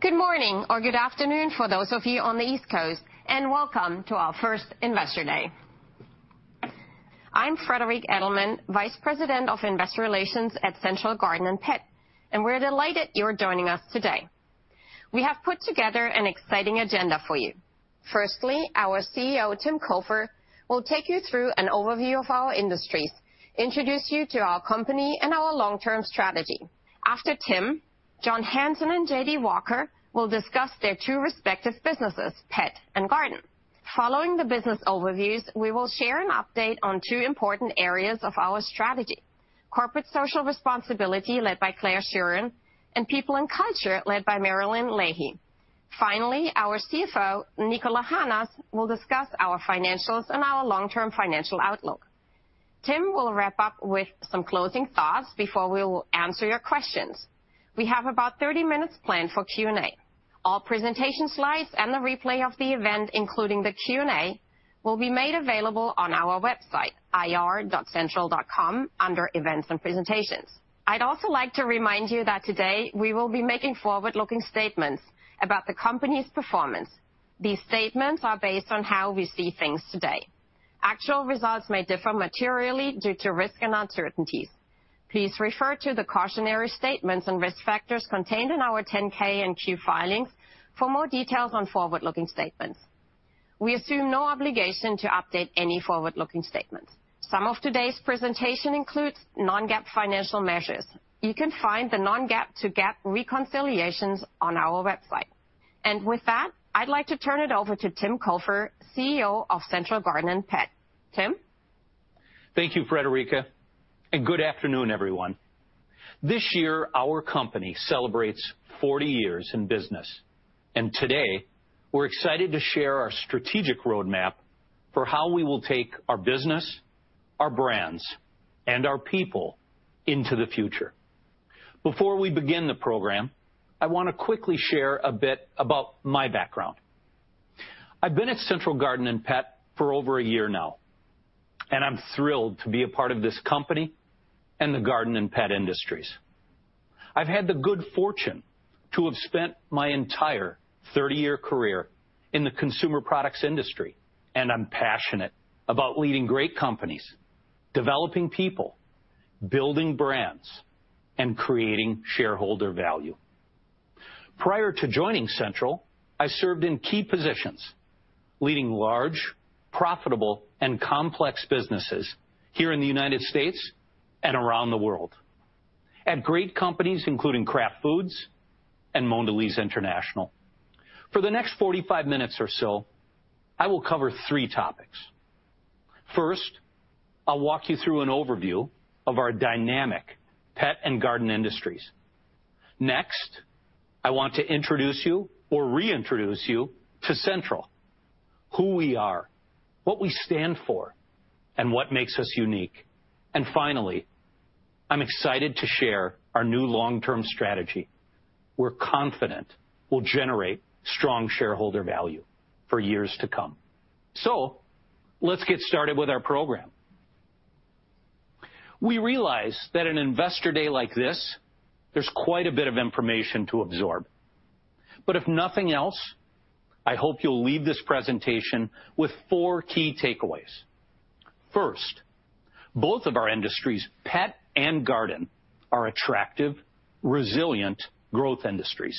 Good morning, or good afternoon for those of you on the East Coast, and welcome to our first Investor Day. I'm Friederike Edelmann, Vice President of Investor Relations at Central Garden & Pet, and we're delighted you're joining us today. We have put together an exciting agenda for you. Firstly, our CEO, Tim Cofer, will take you through an overview of our industries, introduce you to our company, and our long-term strategy. After Tim, John Hanson and J.D. Walker will discuss their two respective businesses, Pet and Garden. Following the business overviews, we will share an update on two important areas of our strategy: corporate social responsibility led by Claire Schueren, and people and culture led by Marilyn Leahy. Finally, our CFO, Niko Lahanas, will discuss our financials and our long-term financial outlook. Tim will wrap up with some closing thoughts before we will answer your questions. We have about 30 minutes planned for Q&A. All presentation slides and the replay of the event, including the Q&A, will be made available on our website, ir.central.com, under Events and Presentations. I'd also like to remind you that today we will be making forward-looking statements about the company's performance. These statements are based on how we see things today. Actual results may differ materially due to risk and uncertainties. Please refer to the cautionary statements and risk factors contained in our 10-K and 10-Q filings for more details on forward-looking statements. We assume no obligation to update any forward-looking statements. Some of today's presentation includes non-GAAP financial measures. You can find the non-GAAP to GAAP reconciliations on our website. With that, I'd like to turn it over to Tim Cofer, CEO of Central Garden & Pet. Tim? Thank you, Friederike, and good afternoon, everyone. This year, our company celebrates 40 years in business, and today we're excited to share our strategic roadmap for how we will take our business, our brands, and our people into the future. Before we begin the program, I want to quickly share a bit about my background. I've been at Central Garden & Pet for over a year now, and I'm thrilled to be a part of this company and the Garden & Pet industries. I've had the good fortune to have spent my entire 30-year career in the consumer products industry, and I'm passionate about leading great companies, developing people, building brands, and creating shareholder value. Prior to joining Central, I served in key positions leading large, profitable, and complex businesses here in the United States and around the world at great companies including Kraft Foods and Mondelez International. For the next 45 minutes or so, I will cover three topics. First, I'll walk you through an overview of our dynamic Pet and Garden industries. Next, I want to introduce you, or reintroduce you, to Central, who we are, what we stand for, and what makes us unique. Finally, I'm excited to share our new long-term strategy. We're confident we'll generate strong shareholder value for years to come. Let's get started with our program. We realize that at an Investor Day like this, there's quite a bit of information to absorb. If nothing else, I hope you'll leave this presentation with four key takeaways. First, both of our industries, pet and garden, are attractive, resilient growth industries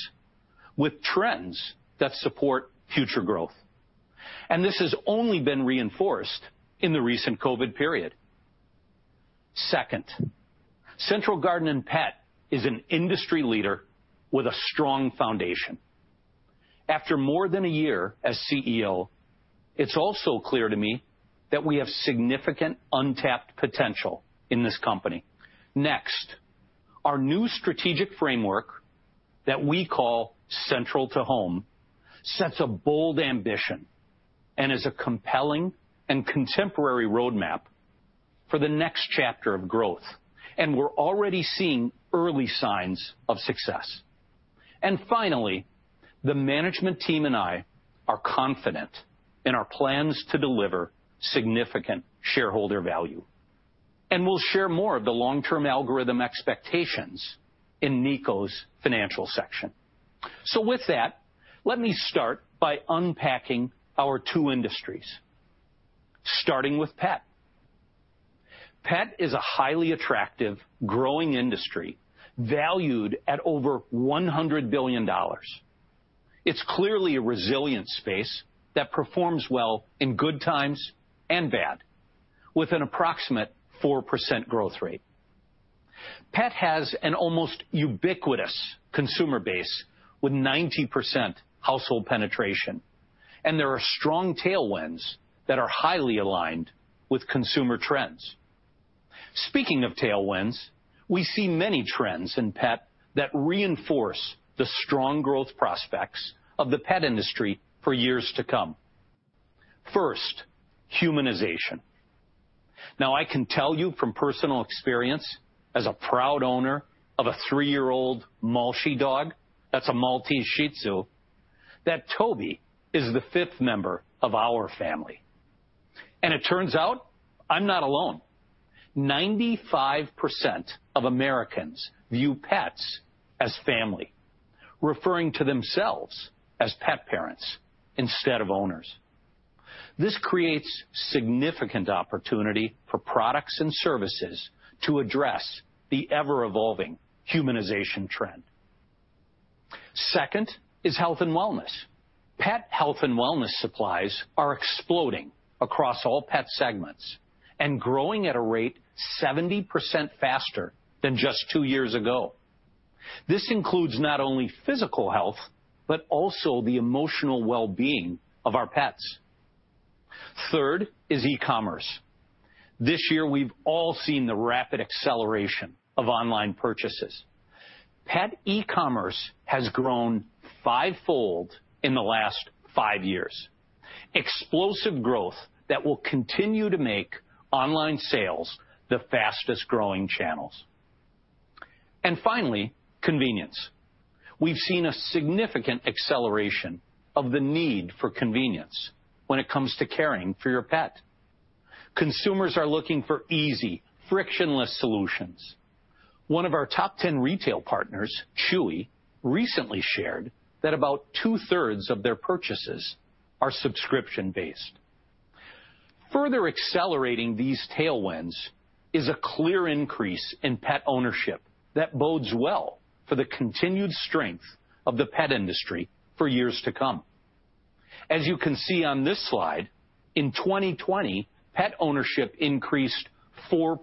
with trends that support future growth, and this has only been reinforced in the recent COVID period. Second, Central Garden & Pet is an industry leader with a strong foundation. After more than a year as CEO, it's also clear to me that we have significant untapped potential in this company. Next, our new strategic framework that we call Central to Home sets a bold ambition and is a compelling and contemporary roadmap for the next chapter of growth, and we're already seeing early signs of success. Finally, the management team and I are confident in our plans to deliver significant shareholder value, and we'll share more of the long-term algorithm expectations in Niko's financial section. Let me start by unpacking our two industries, starting with pet. Pet is a highly attractive, growing industry valued at over $100 billion. It's clearly a resilient space that performs well in good times and bad, with an approximate 4% growth rate. Pet has an almost ubiquitous consumer base with 90% household penetration, and there are strong tailwinds that are highly aligned with consumer trends. Speaking of tailwinds, we see many trends in pet that reinforce the strong growth prospects of the pet industry for years to come. First, humanization. Now, I can tell you from personal experience as a proud owner of a three-year-old Malchi dog, that's a Maltese Shih Tzu, that Toby is the fifth member of our family. It turns out I'm not alone. 95% of Americans view pets as family, referring to themselves as pet parents instead of owners. This creates significant opportunity for products and services to address the ever-evolving humanization trend. Second is health and wellness. Pet health and wellness supplies are exploding across all pet segments and growing at a rate 70% faster than just two years ago. This includes not only physical health, but also the emotional well-being of our pets. Third is e-commerce. This year, we've all seen the rapid acceleration of online purchases. Pet e-commerce has grown fivefold in the last five years, explosive growth that will continue to make online sales the fastest growing channels. Finally, convenience. We've seen a significant acceleration of the need for convenience when it comes to caring for your pet. Consumers are looking for easy, frictionless solutions. One of our top 10 retail partners, Chewy, recently shared that about two-thirds of their purchases are subscription-based. Further accelerating these tailwinds is a clear increase in pet ownership that bodes well for the continued strength of the pet industry for years to come. As you can see on this slide, in 2020, pet ownership increased 4%.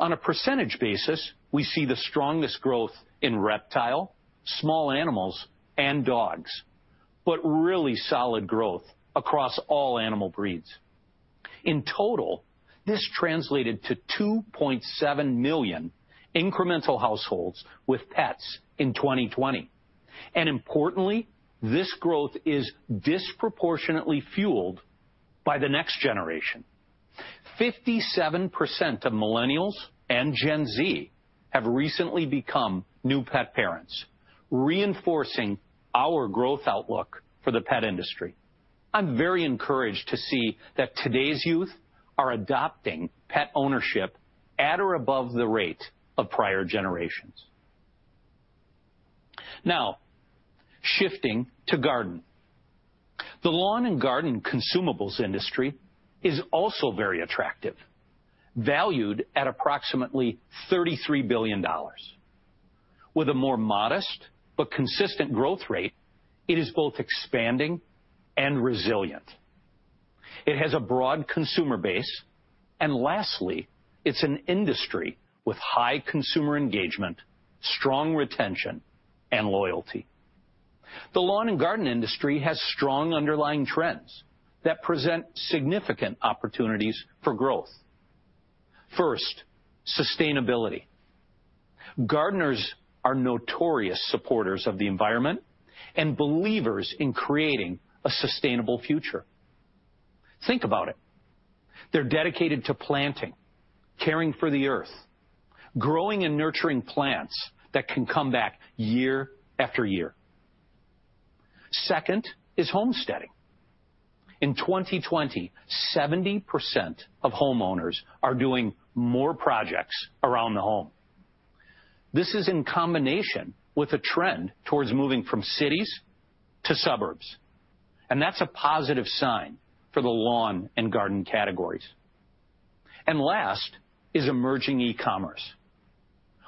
On a percentage basis, we see the strongest growth in reptile, small animals, and dogs, but really solid growth across all animal breeds. In total, this translated to 2.7 million incremental households with pets in 2020. Importantly, this growth is disproportionately fueled by the next generation. 57% of millennials and Gen Z have recently become new pet parents, reinforcing our growth outlook for the pet industry. I'm very encouraged to see that today's youth are adopting pet ownership at or above the rate of prior generations. Now, shifting to Garden. The lawn and garden consumables industry is also very attractive, valued at approximately $33 billion. With a more modest but consistent growth rate, it is both expanding and resilient. It has a broad consumer base, and lastly, it's an industry with high consumer engagement, strong retention, and loyalty. The lawn and garden industry has strong underlying trends that present significant opportunities for growth. First, sustainability. Gardeners are notorious supporters of the environment and believers in creating a sustainable future. Think about it. They're dedicated to planting, caring for the earth, growing and nurturing plants that can come back year after year. Second is homesteading. In 2020, 70% of homeowners are doing more projects around the home. This is in combination with a trend towards moving from cities to suburbs, and that's a positive sign for the lawn and garden categories. Last is emerging e-commerce.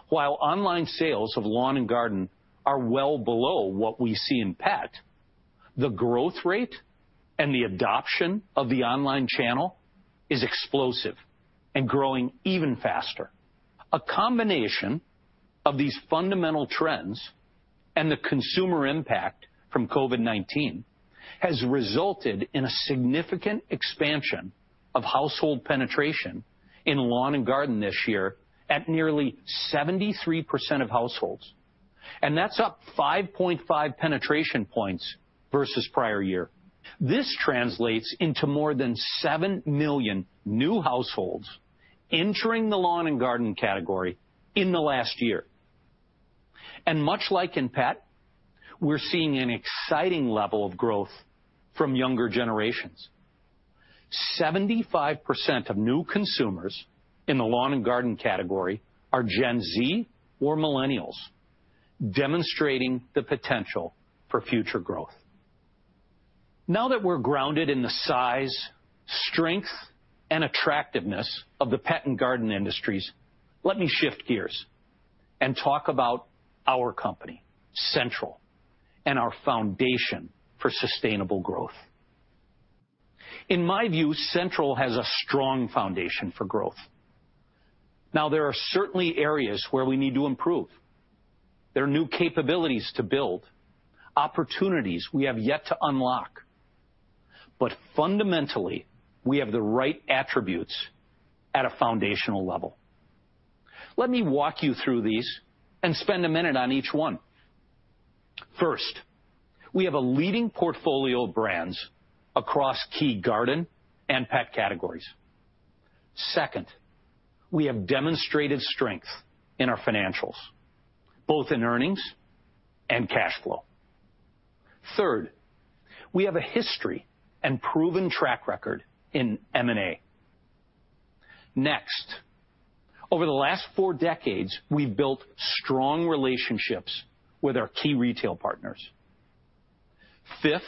While online sales of lawn and garden are well below what we see in pet, the growth rate and the adoption of the online channel is explosive and growing even faster. A combination of these fundamental trends and the consumer impact from COVID-19 has resulted in a significant expansion of household penetration in lawn and garden this year at nearly 73% of households, and that's up 5.5 percentage points versus prior year. This translates into more than 7 million new households entering the lawn and garden category in the last year. Much like in pet, we're seeing an exciting level of growth from younger generations. 75% of new consumers in the lawn and garden category are Gen Z or millennials, demonstrating the potential for future growth. Now that we're grounded in the size, strength, and attractiveness of the pet and garden industries, let me shift gears and talk about our company, Central, and our foundation for sustainable growth. In my view, Central has a strong foundation for growth. Now, there are certainly areas where we need to improve. There are new capabilities to build, opportunities we have yet to unlock, but fundamentally, we have the right attributes at a foundational level. Let me walk you through these and spend a minute on each one. First, we have a leading portfolio of brands across key garden and pet categories. Second, we have demonstrated strength in our financials, both in earnings and cash flow. Third, we have a history and proven track record in M&A. Next, over the last four decades, we've built strong relationships with our key retail partners. Fifth,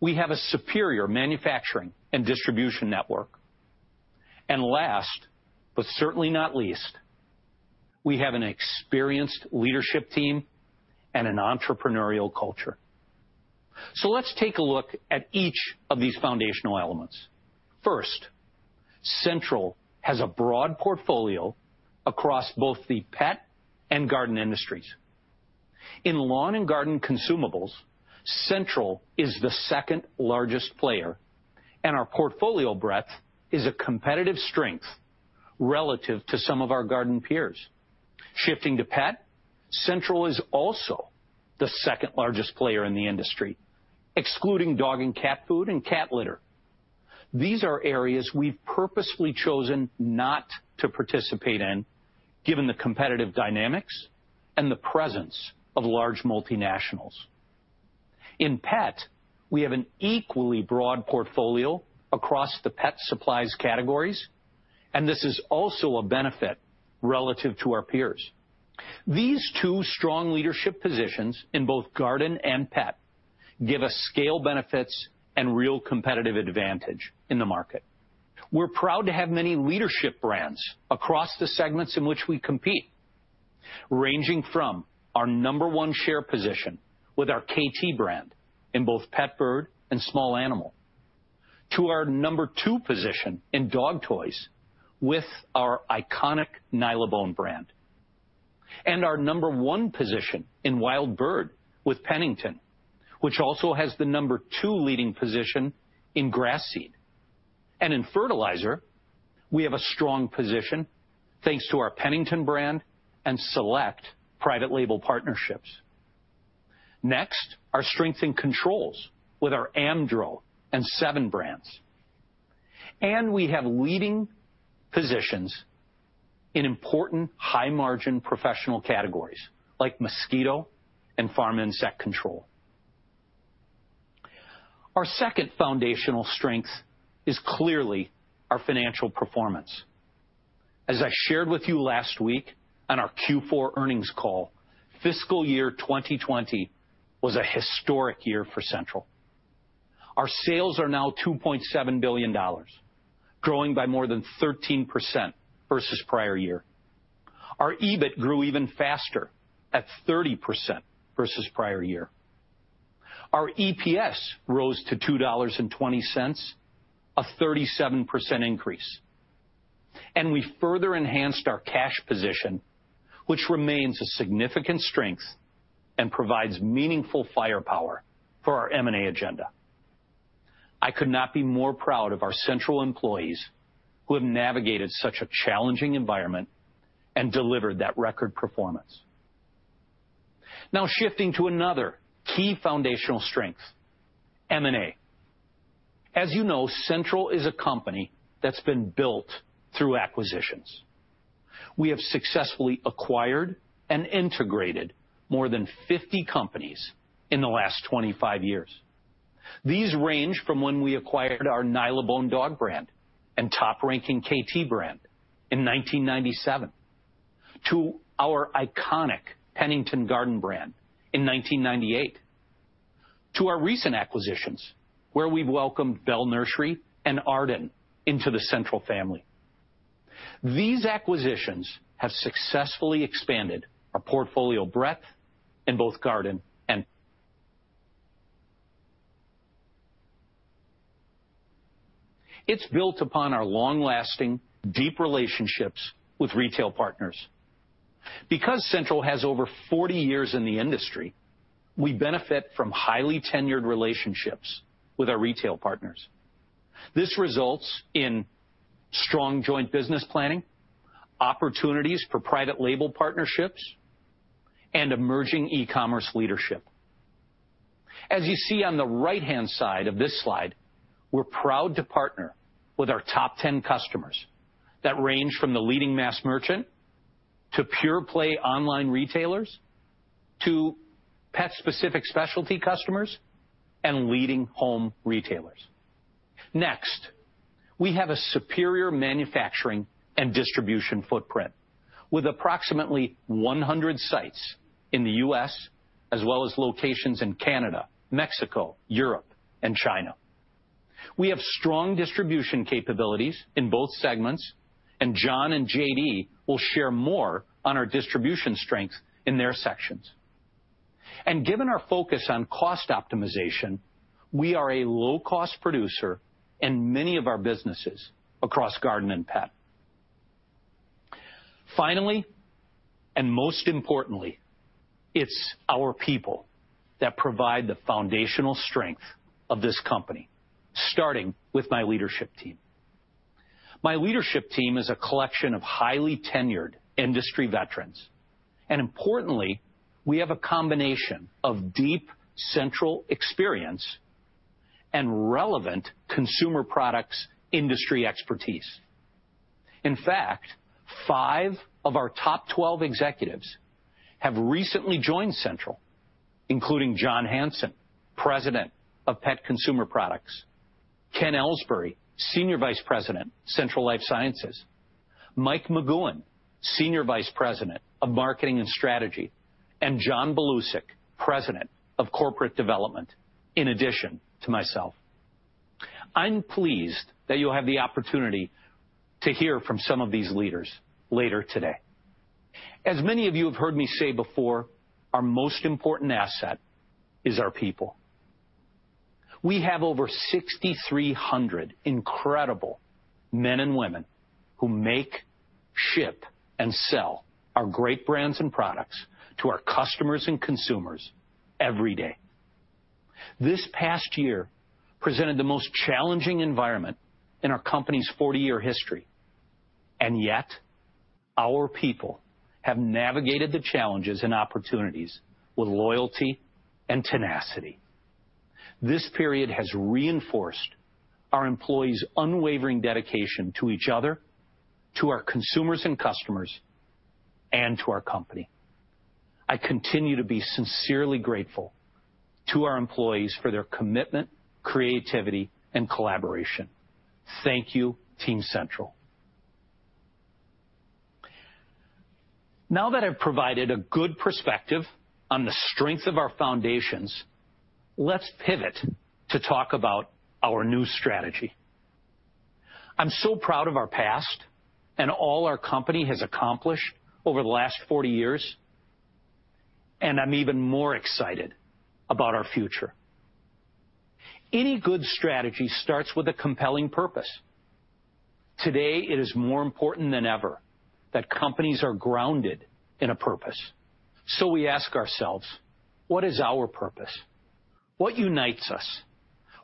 we have a superior manufacturing and distribution network. Last, but certainly not least, we have an experienced leadership team and an entrepreneurial culture. Let's take a look at each of these foundational elements. First, Central has a broad portfolio across both the pet and garden industries. In lawn and garden consumables, Central is the second largest player, and our portfolio breadth is a competitive strength relative to some of our garden peers. Shifting to pet, Central is also the second largest player in the industry, excluding dog and cat food and cat litter. These are areas we've purposely chosen not to participate in given the competitive dynamics and the presence of large multinationals. In pet, we have an equally broad portfolio across the pet supplies categories, and this is also a benefit relative to our peers. These two strong leadership positions in both garden and pet give us scale benefits and real competitive advantage in the market. We're proud to have many leadership brands across the segments in which we compete, ranging from our number one share position with our Kaytee brand in both pet bird and small animal to our number two position in dog toys with our iconic Nylabone brand and our number one position in wild bird with Pennington, which also has the number two leading position in grass seed. In fertilizer, we have a strong position thanks to our Pennington brand and Select private label partnerships. Next, our strength in controls with our Amdro and Sevin brands. We have leading positions in important high-margin professional categories like mosquito and farm insect control. Our second foundational strength is clearly our financial performance. As I shared with you last week on our Q4 earnings call, fiscal year 2020 was a historic year for Central. Our sales are now $2.7 billion, growing by more than 13% versus prior year. Our EBIT grew even faster at 30% versus prior year. Our EPS rose to $2.20, a 37% increase. We further enhanced our cash position, which remains a significant strength and provides meaningful firepower for our M&A agenda. I could not be more proud of our Central employees who have navigated such a challenging environment and delivered that record performance. Now, shifting to another key foundational strength, M&A. As you know, Central is a company that's been built through acquisitions. We have successfully acquired and integrated more than 50 companies in the last 25 years. These range from when we acquired our Nylabone dog brand and top-ranking Kaytee brand in 1997 to our iconic Pennington garden brand in 1998, to our recent acquisitions where we've welcomed Bell Nursery and Arden into the Central family. These acquisitions have successfully expanded our portfolio breadth in both garden and pets. It's built upon our long-lasting, deep relationships with retail partners. Because Central has over 40 years in the industry, we benefit from highly tenured relationships with our retail partners. This results in strong joint business planning, opportunities for private label partnerships, and emerging e-commerce leadership. As you see on the right-hand side of this slide, we're proud to partner with our top 10 customers that range from the leading mass merchant to pure-play online retailers to pet-specific specialty customers and leading home retailers. Next, we have a superior manufacturing and distribution footprint with approximately 100 sites in the U.S., as well as locations in Canada, Mexico, Europe, and China. We have strong distribution capabilities in both segments, and John and J.D. will share more on our distribution strength in their sections. Given our focus on cost optimization, we are a low-cost producer in many of our businesses across garden and pet. Finally, and most importantly, it's our people that provide the foundational strength of this company, starting with my leadership team. My leadership team is a collection of highly tenured industry veterans. Importantly, we have a combination of deep Central experience and relevant consumer products industry expertise. In fact, five of our top 12 executives have recently joined Central, including John Hanson, President of Pet Consumer Products; Ken Ellsbury, Senior Vice President, Central Life Sciences; Mike McGoohan, Senior Vice President of Marketing and Strategy; and John Belushi, President of Corporate Development, in addition to myself. I'm pleased that you'll have the opportunity to hear from some of these leaders later today. As many of you have heard me say before, our most important asset is our people. We have over 6,300 incredible men and women who make, ship, and sell our great brands and products to our customers and consumers every day. This past year presented the most challenging environment in our company's 40-year history, and yet our people have navigated the challenges and opportunities with loyalty and tenacity. This period has reinforced our employees' unwavering dedication to each other, to our consumers and customers, and to our company. I continue to be sincerely grateful to our employees for their commitment, creativity, and collaboration. Thank you, Team Central. Now that I've provided a good perspective on the strength of our foundations, let's pivot to talk about our new strategy. I'm so proud of our past and all our company has accomplished over the last 40 years, and I'm even more excited about our future. Any good strategy starts with a compelling purpose. Today, it is more important than ever that companies are grounded in a purpose. We ask ourselves, what is our purpose? What unites us?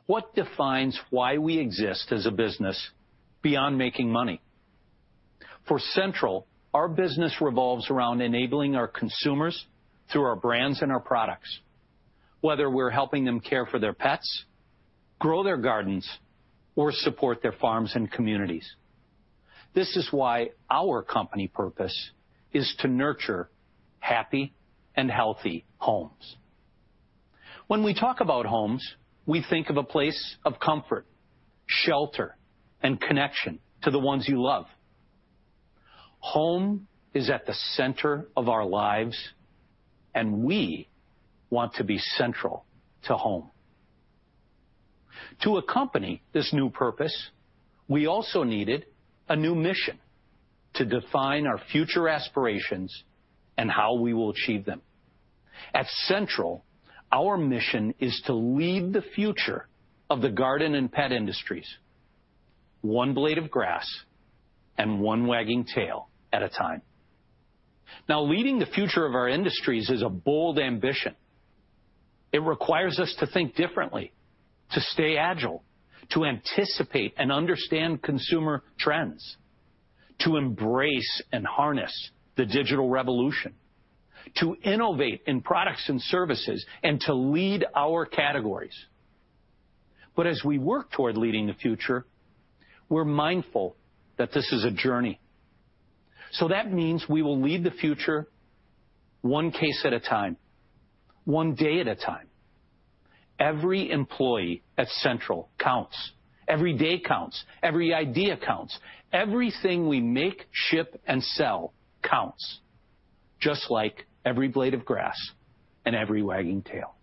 What defines why we exist as a business beyond making money? For Central, our business revolves around enabling our consumers through our brands and our products, whether we're helping them care for their pets, grow their gardens, or support their farms and communities. This is why our company purpose is to nurture happy and healthy homes. When we talk about homes, we think of a place of comfort, shelter, and connection to the ones you love. Home is at the center of our lives, and we want to be central to home. To accompany this new purpose, we also needed a new mission to define our future aspirations and how we will achieve them. At Central, our mission is to lead the future of the garden and pet industries, one blade of grass and one wagging tail at a time. Leading the future of our industries is a bold ambition. It requires us to think differently, to stay agile, to anticipate and understand consumer trends, to embrace and harness the digital revolution, to innovate in products and services, and to lead our categories. As we work toward leading the future, we're mindful that this is a journey. That means we will lead the future one case at a time, one day at a time. Every employee at Central counts. Every day counts. Every idea counts. Everything we make, ship, and sell counts, just like every blade of grass and every wagging tail.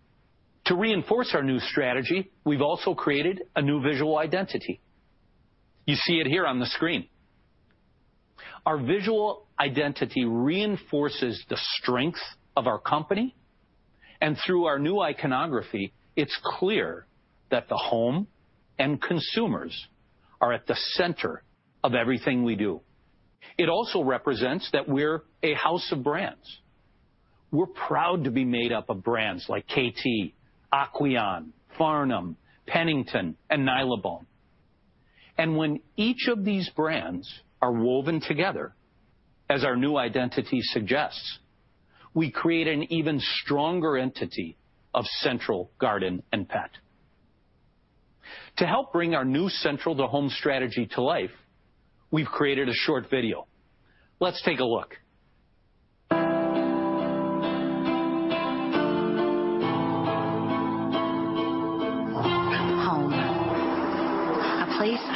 To reinforce our new strategy, we've also created a new visual identity. You see it here on the screen. Our visual identity reinforces the strength of our company, and through our new iconography, it is clear that the home and consumers are at the center of everything we do. It also represents that we are a house of brands. We are proud to be made up of brands like Kaytee, Aquion, Farnam, Pennington, and Nylabone. When each of these brands are woven together, as our new identity suggests, we create an even stronger entity of Central Garden & Pet. To help bring our new Central to Home strategy to life, we have created a short video. Let's take a look.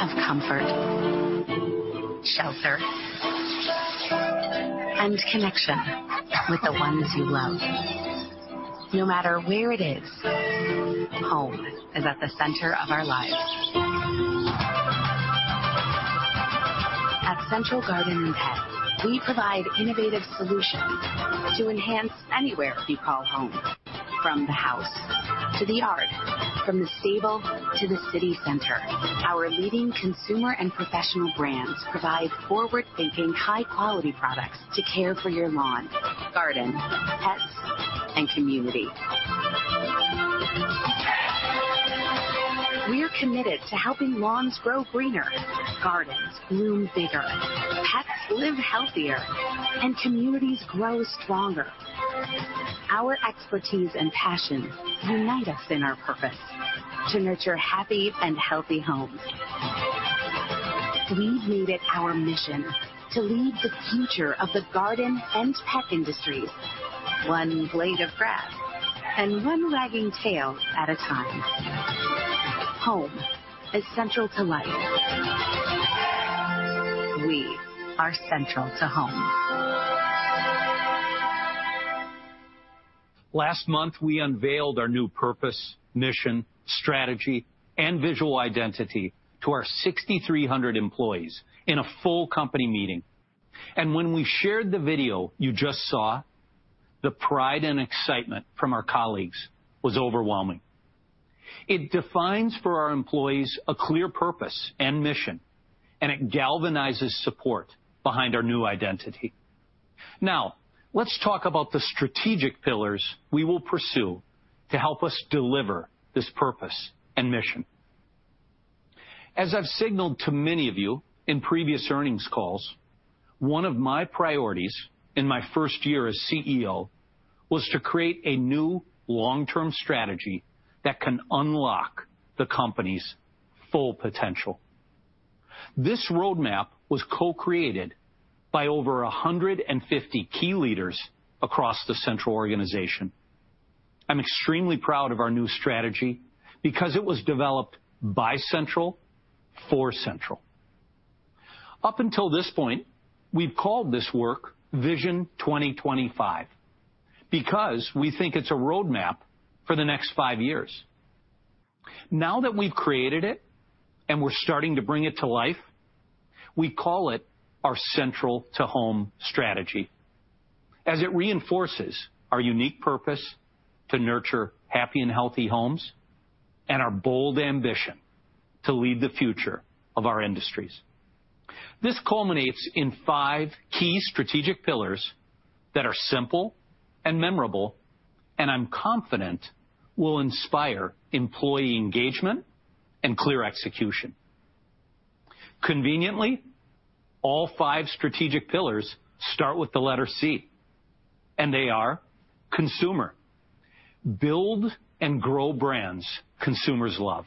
Home, a place of comfort, shelter, and connection with the ones you love. No matter where it is, home is at the center of our lives. At Central Garden & Pet, we provide innovative solutions to enhance anywhere you call home. From the house to the yard, from the stable to the city center, our leading consumer and professional brands provide forward-thinking, high-quality products to care for your lawn, garden, pets, and community. We are committed to helping lawns grow greener, gardens bloom bigger, pets live healthier, and communities grow stronger. Our expertise and passion unite us in our purpose to nurture happy and healthy homes. We've made it our mission to lead the future of the garden and pet industries, one blade of grass and one wagging tail at a time. Home is central to life. We are central to home. Last month, we unveiled our new purpose, mission, strategy, and visual identity to our 6,300 employees in a full company meeting. When we shared the video you just saw, the pride and excitement from our colleagues was overwhelming. It defines for our employees a clear purpose and mission, and it galvanizes support behind our new identity. Now, let's talk about the strategic pillars we will pursue to help us deliver this purpose and mission. As I've signaled to many of you in previous earnings calls, one of my priorities in my first year as CEO was to create a new long-term strategy that can unlock the company's full potential. This roadmap was co-created by over 150 key leaders across the Central organization. I'm extremely proud of our new strategy because it was developed by Central for Central. Up until this point, we've called this work Vision 2025 because we think it's a roadmap for the next five years. Now that we've created it and we're starting to bring it to life, we call it our Central to Home strategy, as it reinforces our unique purpose to nurture happy and healthy homes and our bold ambition to lead the future of our industries. This culminates in five key strategic pillars that are simple and memorable, and I'm confident will inspire employee engagement and clear execution. Conveniently, all five strategic pillars start with the letter C, and they are: Consumer—build and grow brands consumers love;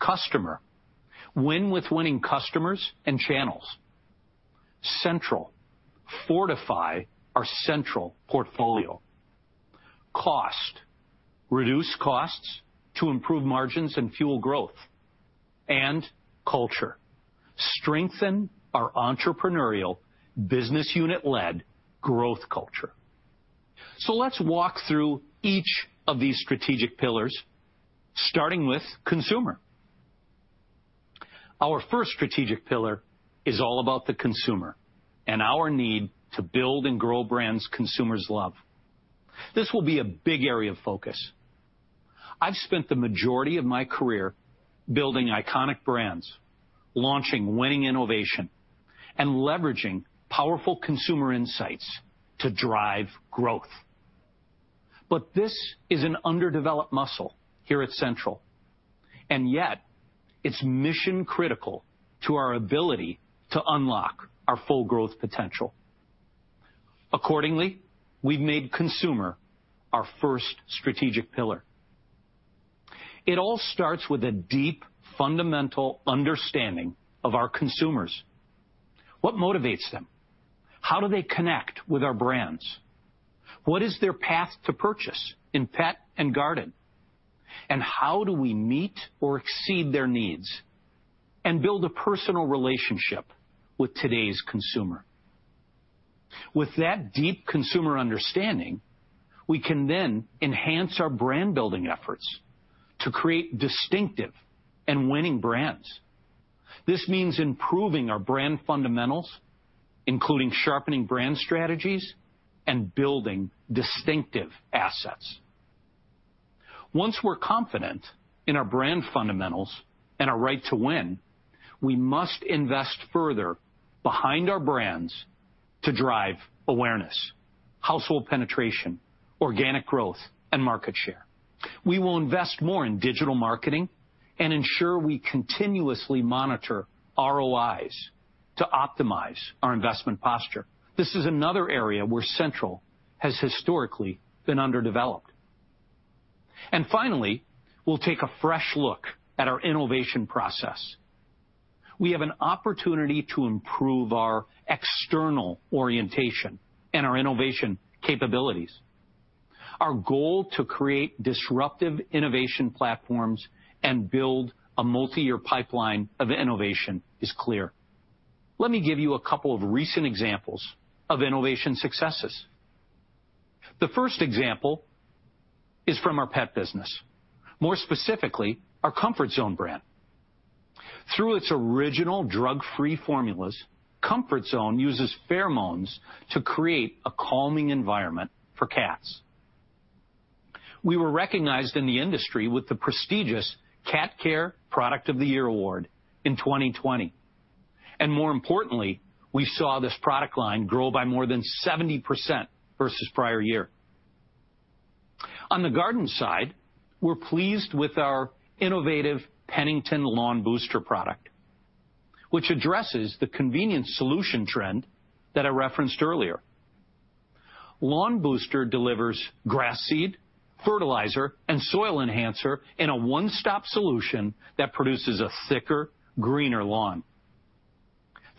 Customer—win with winning customers and channels; Central—fortify our Central portfolio; Cost—reduce costs to improve margins and fuel growth; and Culture—strengthen our entrepreneurial, business-unit-led growth culture. Let's walk through each of these strategic pillars, starting with Consumer. Our first strategic pillar is all about the consumer and our need to build and grow brands consumers love. This will be a big area of focus. I've spent the majority of my career building iconic brands, launching winning innovation, and leveraging powerful consumer insights to drive growth. This is an underdeveloped muscle here at Central, yet it's mission-critical to our ability to unlock our full growth potential. Accordingly, we've made Consumer our first strategic pillar. It all starts with a deep, fundamental understanding of our consumers. What motivates them? How do they connect with our brands? What is their path to purchase in Pet and Garden? How do we meet or exceed their needs and build a personal relationship with today's consumer? With that deep consumer understanding, we can then enhance our brand-building efforts to create distinctive and winning brands. This means improving our brand fundamentals, including sharpening brand strategies and building distinctive assets. Once we're confident in our brand fundamentals and our right to win, we must invest further behind our brands to drive awareness, household penetration, organic growth, and market share. We will invest more in digital marketing and ensure we continuously monitor ROIs to optimize our investment posture. This is another area where Central has historically been underdeveloped. Finally, we'll take a fresh look at our innovation process. We have an opportunity to improve our external orientation and our innovation capabilities. Our goal to create disruptive innovation platforms and build a multi-year pipeline of innovation is clear. Let me give you a couple of recent examples of innovation successes. The first example is from our pet business, more specifically our Comfort Zone brand. Through its original drug-free formulas, Comfort Zone uses pheromones to create a calming environment for cats. We were recognized in the industry with the prestigious Cat Care Product of the Year Award in 2020. More importantly, we saw this product line grow by more than 70% versus prior year. On the garden side, we're pleased with our innovative Pennington Lawn Booster product, which addresses the convenience solution trend that I referenced earlier. Lawn Booster delivers grass seed, fertilizer, and soil enhancer in a one-stop solution that produces a thicker, greener lawn.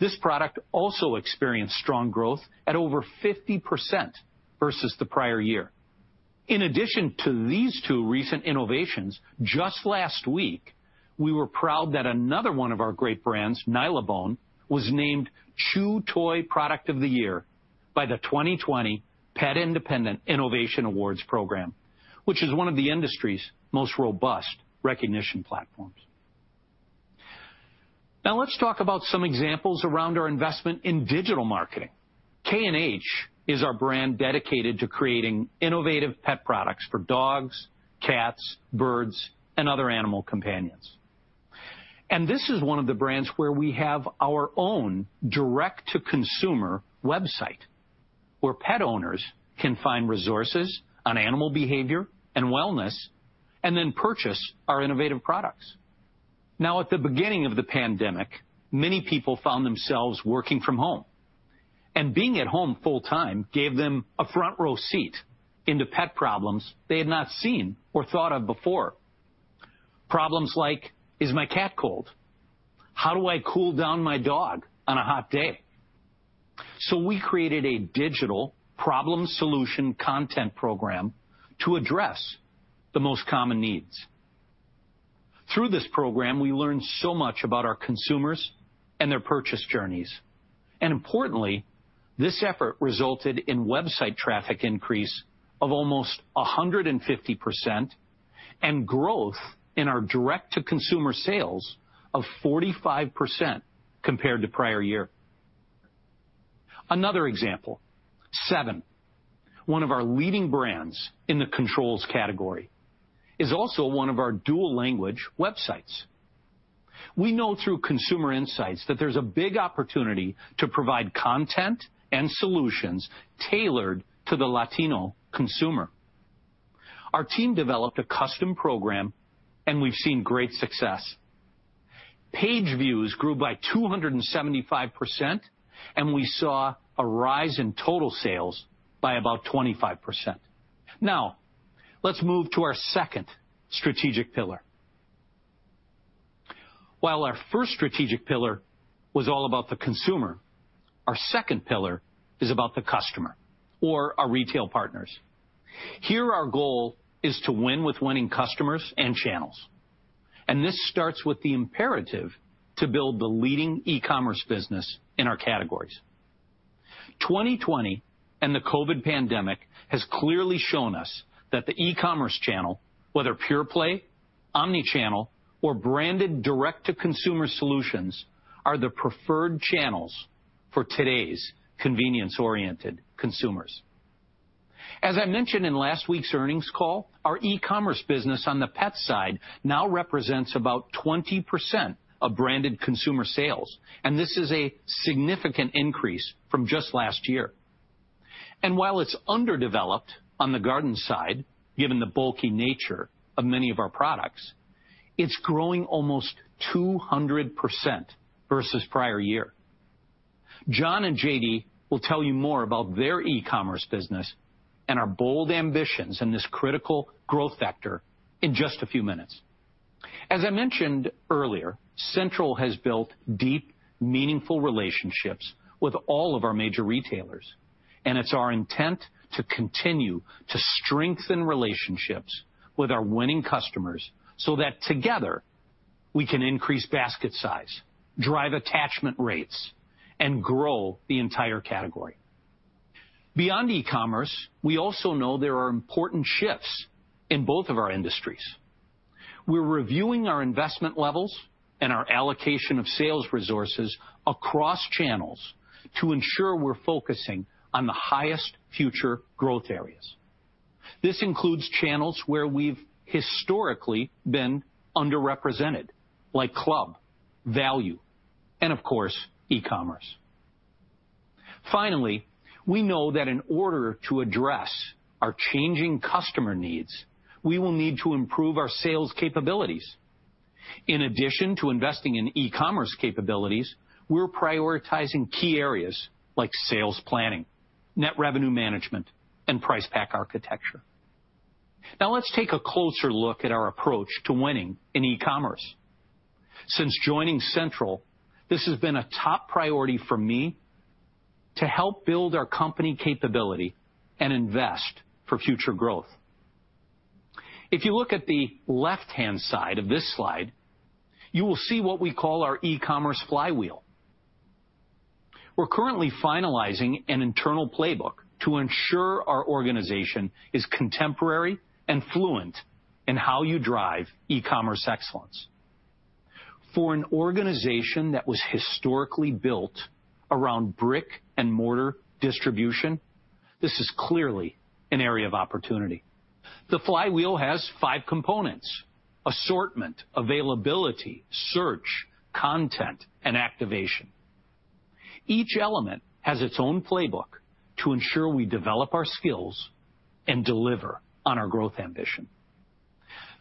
This product also experienced strong growth at over 50% versus the prior year. In addition to these two recent innovations, just last week, we were proud that another one of our great brands, Nylabone, was named Chew Toy Product of the Year by the 2020 Pet Independent Innovation Awards program, which is one of the industry's most robust recognition platforms. Now, let's talk about some examples around our investment in digital marketing. K&H is our brand dedicated to creating innovative pet products for dogs, cats, birds, and other animal companions. This is one of the brands where we have our own direct-to-consumer website where pet owners can find resources on animal behavior and wellness and then purchase our innovative products. At the beginning of the pandemic, many people found themselves working from home. Being at home full-time gave them a front-row seat into pet problems they had not seen or thought of before. Problems like, "Is my cat cold? How do I cool down my dog on a hot day?" We created a digital problem-solution content program to address the most common needs. Through this program, we learned so much about our consumers and their purchase journeys. Importantly, this effort resulted in website traffic increase of almost 150% and growth in our direct-to-consumer sales of 45% compared to prior year. Another example, Sevin, one of our leading brands in the controls category, is also one of our dual-language websites. We know through consumer insights that there is a big opportunity to provide content and solutions tailored to the Latino consumer. Our team developed a custom program, and we have seen great success. Page views grew by 275%, and we saw a rise in total sales by about 25%. Now, let's move to our second strategic pillar. While our first strategic pillar was all about the consumer, our second pillar is about the customer or our retail partners. Here, our goal is to win with winning customers and channels. This starts with the imperative to build the leading e-commerce business in our categories. 2020 and the COVID pandemic has clearly shown us that the e-commerce channel, whether pure play, omnichannel, or branded direct-to-consumer solutions, are the preferred channels for today's convenience-oriented consumers. As I mentioned in last week's earnings call, our e-commerce business on the pet side now represents about 20% of branded consumer sales, and this is a significant increase from just last year. While it is underdeveloped on the garden side, given the bulky nature of many of our products, it is growing almost 200% versus prior year. John and J.D. will tell you more about their e-commerce business and our bold ambitions in this critical growth vector in just a few minutes. As I mentioned earlier, Central has built deep, meaningful relationships with all of our major retailers, and it's our intent to continue to strengthen relationships with our winning customers so that together we can increase basket size, drive attachment rates, and grow the entire category. Beyond e-commerce, we also know there are important shifts in both of our industries. We're reviewing our investment levels and our allocation of sales resources across channels to ensure we're focusing on the highest future growth areas. This includes channels where we've historically been underrepresented, like club, value, and of course, e-commerce. Finally, we know that in order to address our changing customer needs, we will need to improve our sales capabilities. In addition to investing in e-commerce capabilities, we're prioritizing key areas like sales planning, net revenue management, and price pack architecture. Now, let's take a closer look at our approach to winning in e-commerce. Since joining Central, this has been a top priority for me to help build our company capability and invest for future growth. If you look at the left-hand side of this slide, you will see what we call our e-commerce flywheel. We're currently finalizing an internal playbook to ensure our organization is contemporary and fluent in how you drive e-commerce excellence. For an organization that was historically built around brick-and-mortar distribution, this is clearly an area of opportunity. The flywheel has five components: assortment, availability, search, content, and activation. Each element has its own playbook to ensure we develop our skills and deliver on our growth ambition.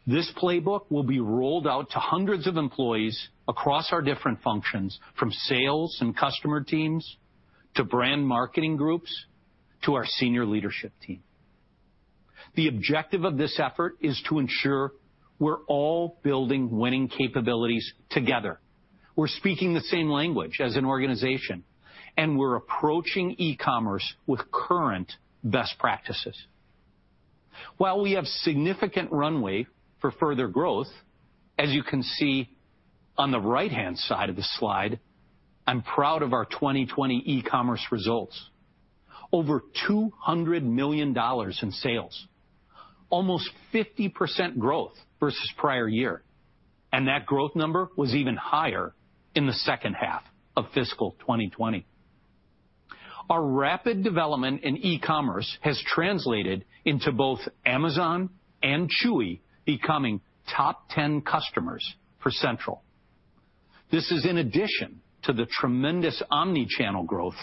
This playbook will be rolled out to hundreds of employees across our different functions, from sales and customer teams to brand marketing groups to our senior leadership team. The objective of this effort is to ensure we're all building winning capabilities together. We're speaking the same language as an organization, and we're approaching e-commerce with current best practices. While we have significant runway for further growth, as you can see on the right-hand side of the slide, I'm proud of our 2020 e-commerce results: over $200 million in sales, almost 50% growth versus prior year. That growth number was even higher in the second half of fiscal 2020. Our rapid development in e-commerce has translated into both Amazon and Chewy becoming top 10 customers for Central. This is in addition to the tremendous omnichannel growth,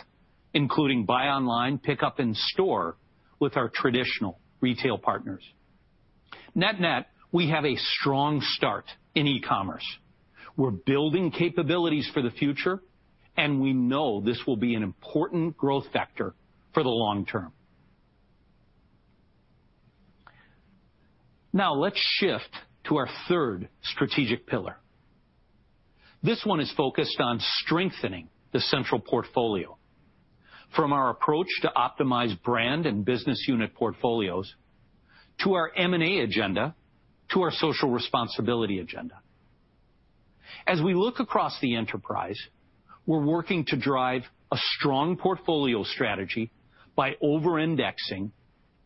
including buy online, pick up in store with our traditional retail partners. Net-net, we have a strong start in e-commerce. We're building capabilities for the future, and we know this will be an important growth factor for the long term. Now, let's shift to our third strategic pillar. This one is focused on strengthening the Central portfolio, from our approach to optimize brand and business unit portfolios to our M&A agenda to our social responsibility agenda. As we look across the enterprise, we're working to drive a strong portfolio strategy by over-indexing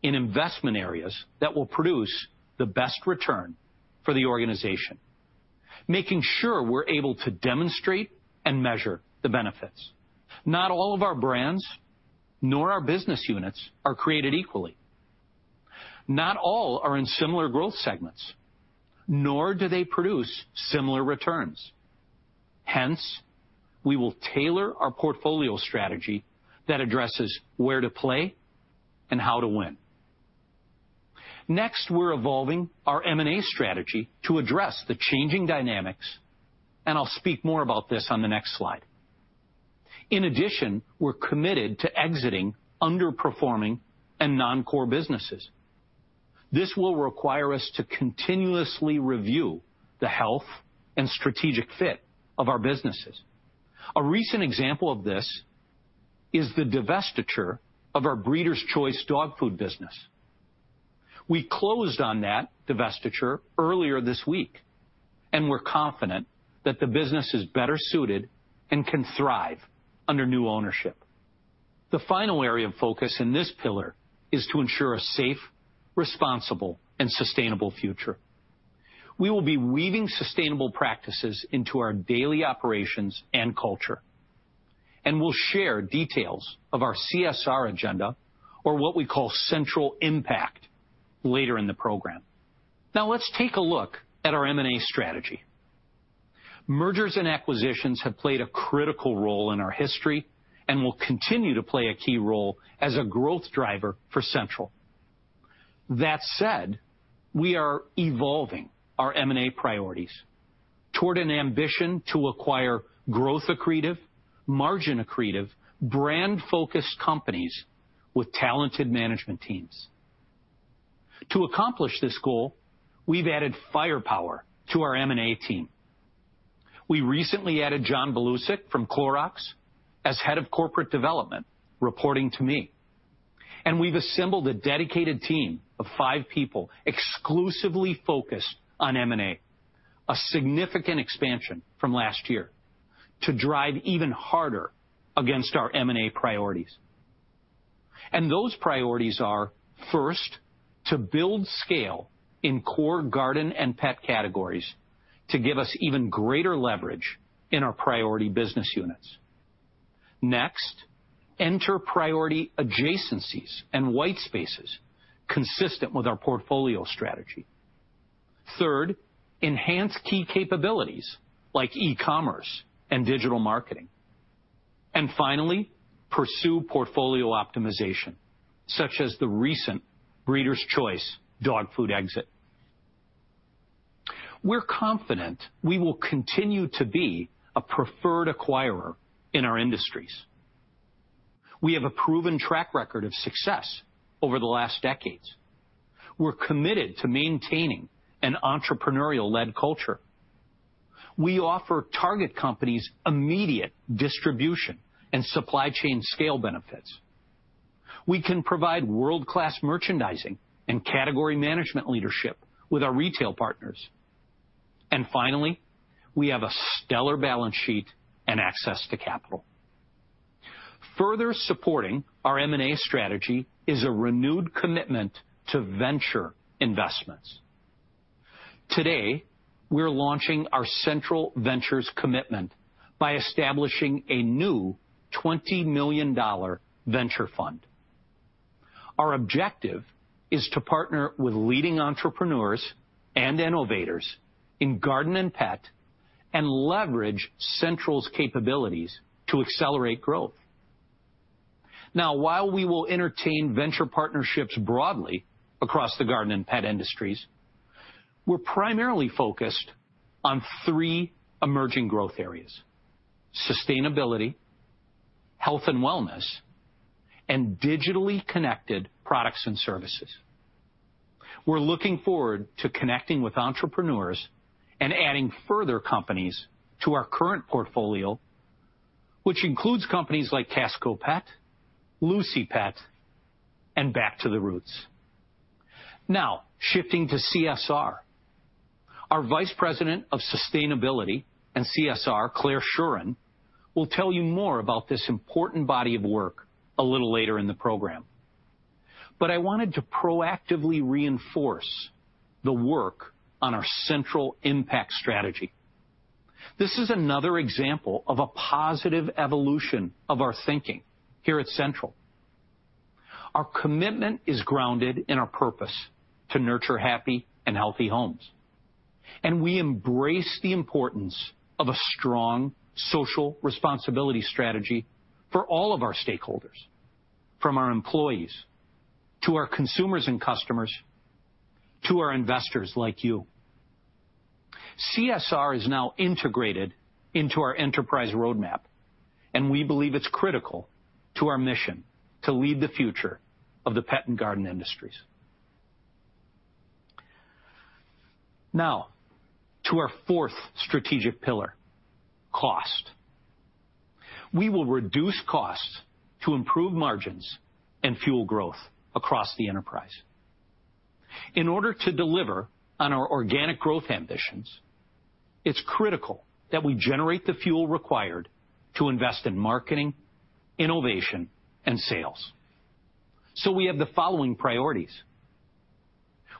in investment areas that will produce the best return for the organization, making sure we're able to demonstrate and measure the benefits. Not all of our brands nor our business units are created equally. Not all are in similar growth segments, nor do they produce similar returns. Hence, we will tailor our portfolio strategy that addresses where to play and how to win. Next, we're evolving our M&A strategy to address the changing dynamics, and I'll speak more about this on the next slide. In addition, we're committed to exiting underperforming and non-core businesses. This will require us to continuously review the health and strategic fit of our businesses. A recent example of this is the divestiture of our Breeders' Choice dog food business. We closed on that divestiture earlier this week, and we're confident that the business is better suited and can thrive under new ownership. The final area of focus in this pillar is to ensure a safe, responsible, and sustainable future. We will be weaving sustainable practices into our daily operations and culture, and we'll share details of our CSR agenda, or what we call Central Impact, later in the program. Now, let's take a look at our M&A strategy. Mergers and acquisitions have played a critical role in our history and will continue to play a key role as a growth driver for Central. That said, we are evolving our M&A priorities toward an ambition to acquire growth-accretive, margin-accretive, brand-focused companies with talented management teams. To accomplish this goal, we have added firepower to our M&A team. We recently added John Belushi from Clorox as head of corporate development reporting to me. We have assembled a dedicated team of five people exclusively focused on M&A, a significant expansion from last year to drive even harder against our M&A priorities. Those priorities are, first, to build scale in core garden and pet categories to give us even greater leverage in our priority business units. Next, enter priority adjacencies and white spaces consistent with our portfolio strategy. Third, enhance key capabilities like e-commerce and digital marketing. Finally, pursue portfolio optimization, such as the recent breeders' choice dog food exit. We are confident we will continue to be a preferred acquirer in our industries. We have a proven track record of success over the last decades. We're committed to maintaining an entrepreneurial-led culture. We offer target companies immediate distribution and supply chain scale benefits. We can provide world-class merchandising and category management leadership with our retail partners. Finally, we have a stellar balance sheet and access to capital. Further supporting our M&A strategy is a renewed commitment to venture investments. Today, we're launching our Central Ventures Commitment by establishing a new $20 million venture fund. Our objective is to partner with leading entrepreneurs and innovators in garden and pet and leverage Central's capabilities to accelerate growth. Now, while we will entertain venture partnerships broadly across the garden and pet industries, we're primarily focused on three emerging growth areas: sustainability, health and wellness, and digitally connected products and services. We're looking forward to connecting with entrepreneurs and adding further companies to our current portfolio, which includes companies like Esco Pet, Lucy Pet, and Back to the Roots. Now, shifting to CSR, our Vice President of Sustainability and CSR, Claire Schueren, will tell you more about this important body of work a little later in the program. I wanted to proactively reinforce the work on our Central Impact strategy. This is another example of a positive evolution of our thinking here at Central. Our commitment is grounded in our purpose to nurture happy and healthy homes. We embrace the importance of a strong social responsibility strategy for all of our stakeholders, from our employees to our consumers and customers to our investors like you. CSR is now integrated into our enterprise roadmap, and we believe it's critical to our mission to lead the future of the pet and garden industries. Now, to our fourth strategic pillar, cost. We will reduce costs to improve margins and fuel growth across the enterprise. In order to deliver on our organic growth ambitions, it's critical that we generate the fuel required to invest in marketing, innovation, and sales. We have the following priorities.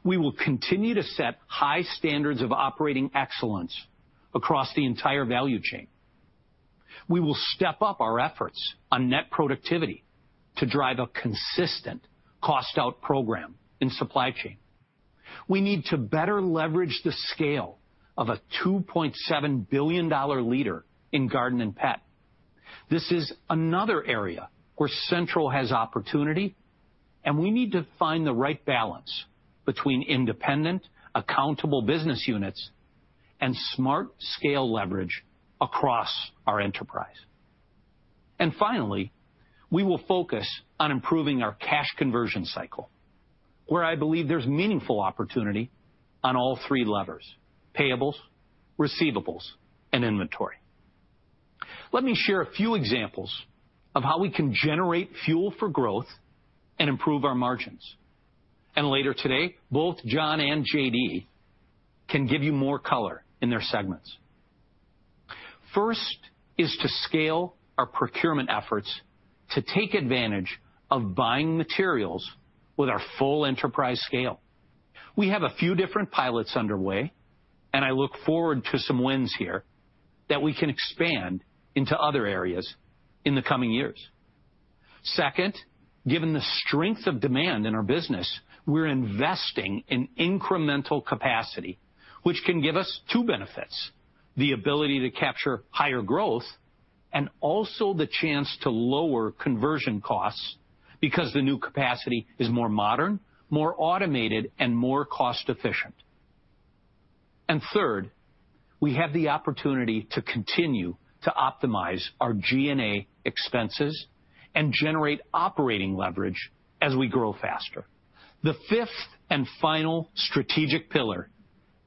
We will continue to set high standards of operating excellence across the entire value chain. We will step up our efforts on net productivity to drive a consistent cost-out program in supply chain. We need to better leverage the scale of a $2.7 billion leader in garden and pet. This is another area where Central has opportunity, and we need to find the right balance between independent, accountable business units and smart scale leverage across our enterprise. Finally, we will focus on improving our cash conversion cycle, where I believe there is meaningful opportunity on all three levers: payables, receivables, and inventory. Let me share a few examples of how we can generate fuel for growth and improve our margins. Later today, both John and J.D. can give you more color in their segments. First is to scale our procurement efforts to take advantage of buying materials with our full enterprise scale. We have a few different pilots underway, and I look forward to some wins here that we can expand into other areas in the coming years. Second, given the strength of demand in our business, we're investing in incremental capacity, which can give us two benefits: the ability to capture higher growth and also the chance to lower conversion costs because the new capacity is more modern, more automated, and more cost-efficient. Third, we have the opportunity to continue to optimize our G&A expenses and generate operating leverage as we grow faster. The fifth and final strategic pillar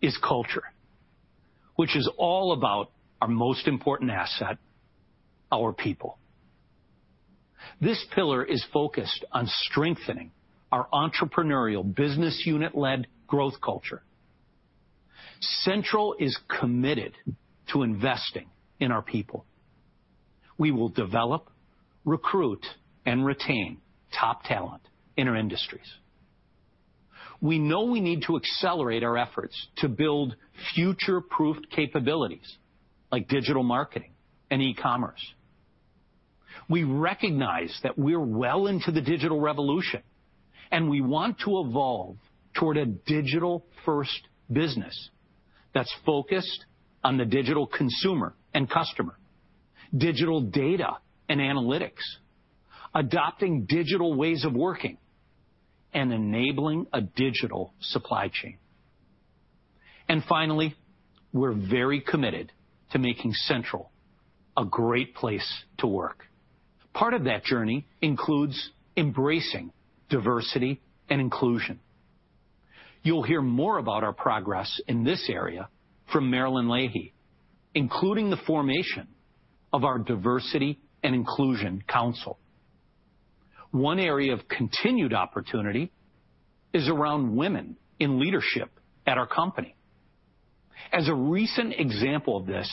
is culture, which is all about our most important asset: our people. This pillar is focused on strengthening our entrepreneurial business unit-led growth culture. Central is committed to investing in our people. We will develop, recruit, and retain top talent in our industries. We know we need to accelerate our efforts to build future-proofed capabilities like digital marketing and e-commerce. We recognize that we're well into the digital revolution, and we want to evolve toward a digital-first business that's focused on the digital consumer and customer, digital data and analytics, adopting digital ways of working, and enabling a digital supply chain. We are very committed to making Central a great place to work. Part of that journey includes embracing diversity and inclusion. You'll hear more about our progress in this area from Marilyn Leahy, including the formation of our Diversity and Inclusion Council. One area of continued opportunity is around women in leadership at our company. As a recent example of this,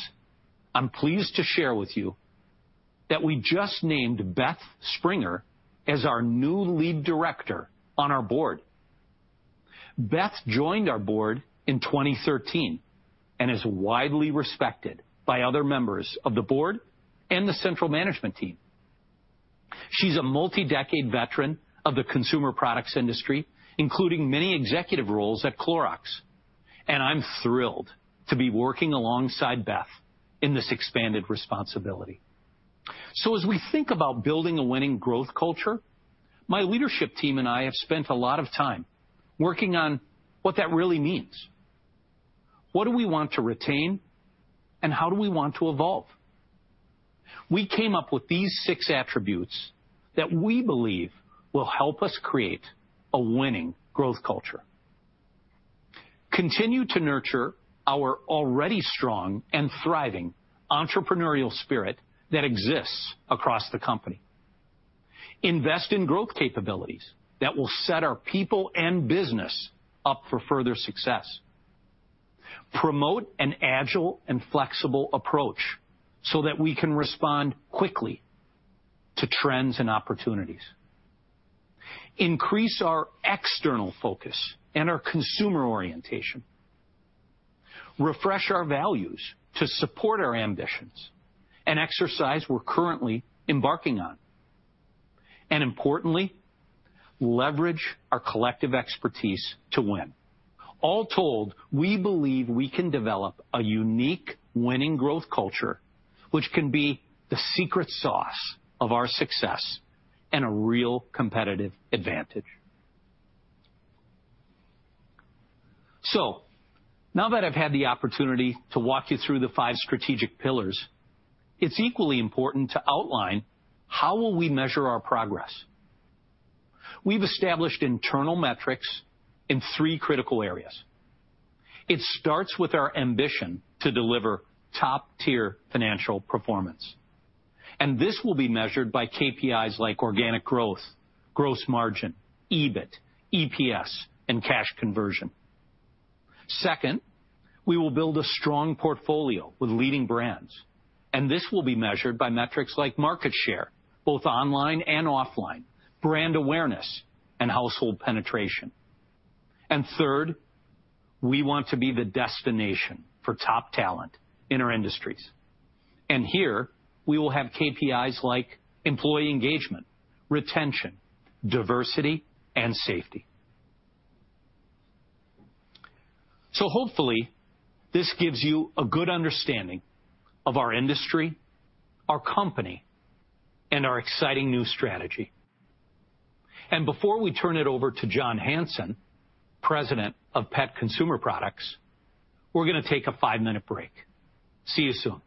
I'm pleased to share with you that we just named Beth Springer as our new lead director on our board. Beth joined our board in 2013 and is widely respected by other members of the board and the Central management team. She is a multi-decade veteran of the consumer products industry, including many executive roles at Clorox. I am thrilled to be working alongside Beth in this expanded responsibility. As we think about building a winning growth culture, my leadership team and I have spent a lot of time working on what that really means. What do we want to retain, and how do we want to evolve? We came up with these six attributes that we believe will help us create a winning growth culture. Continue to nurture our already strong and thriving entrepreneurial spirit that exists across the company. Invest in growth capabilities that will set our people and business up for further success. Promote an agile and flexible approach so that we can respond quickly to trends and opportunities. Increase our external focus and our consumer orientation. Refresh our values to support our ambitions and exercise we're currently embarking on. Importantly, leverage our collective expertise to win. All told, we believe we can develop a unique winning growth culture, which can be the secret sauce of our success and a real competitive advantage. Now that I've had the opportunity to walk you through the five strategic pillars, it's equally important to outline how we will measure our progress. We've established internal metrics in three critical areas. It starts with our ambition to deliver top-tier financial performance. This will be measured by KPIs like organic growth, gross margin, EBIT, EPS, and cash conversion. Second, we will build a strong portfolio with leading brands. This will be measured by metrics like market share, both online and offline, brand awareness, and household penetration. We want to be the destination for top talent in our industries. Here, we will have KPIs like employee engagement, retention, diversity, and safety. Hopefully, this gives you a good understanding of our industry, our company, and our exciting new strategy. Before we turn it over to John Hanson, President of Pet Consumer Products, we are going to take a five-minute break. See you soon.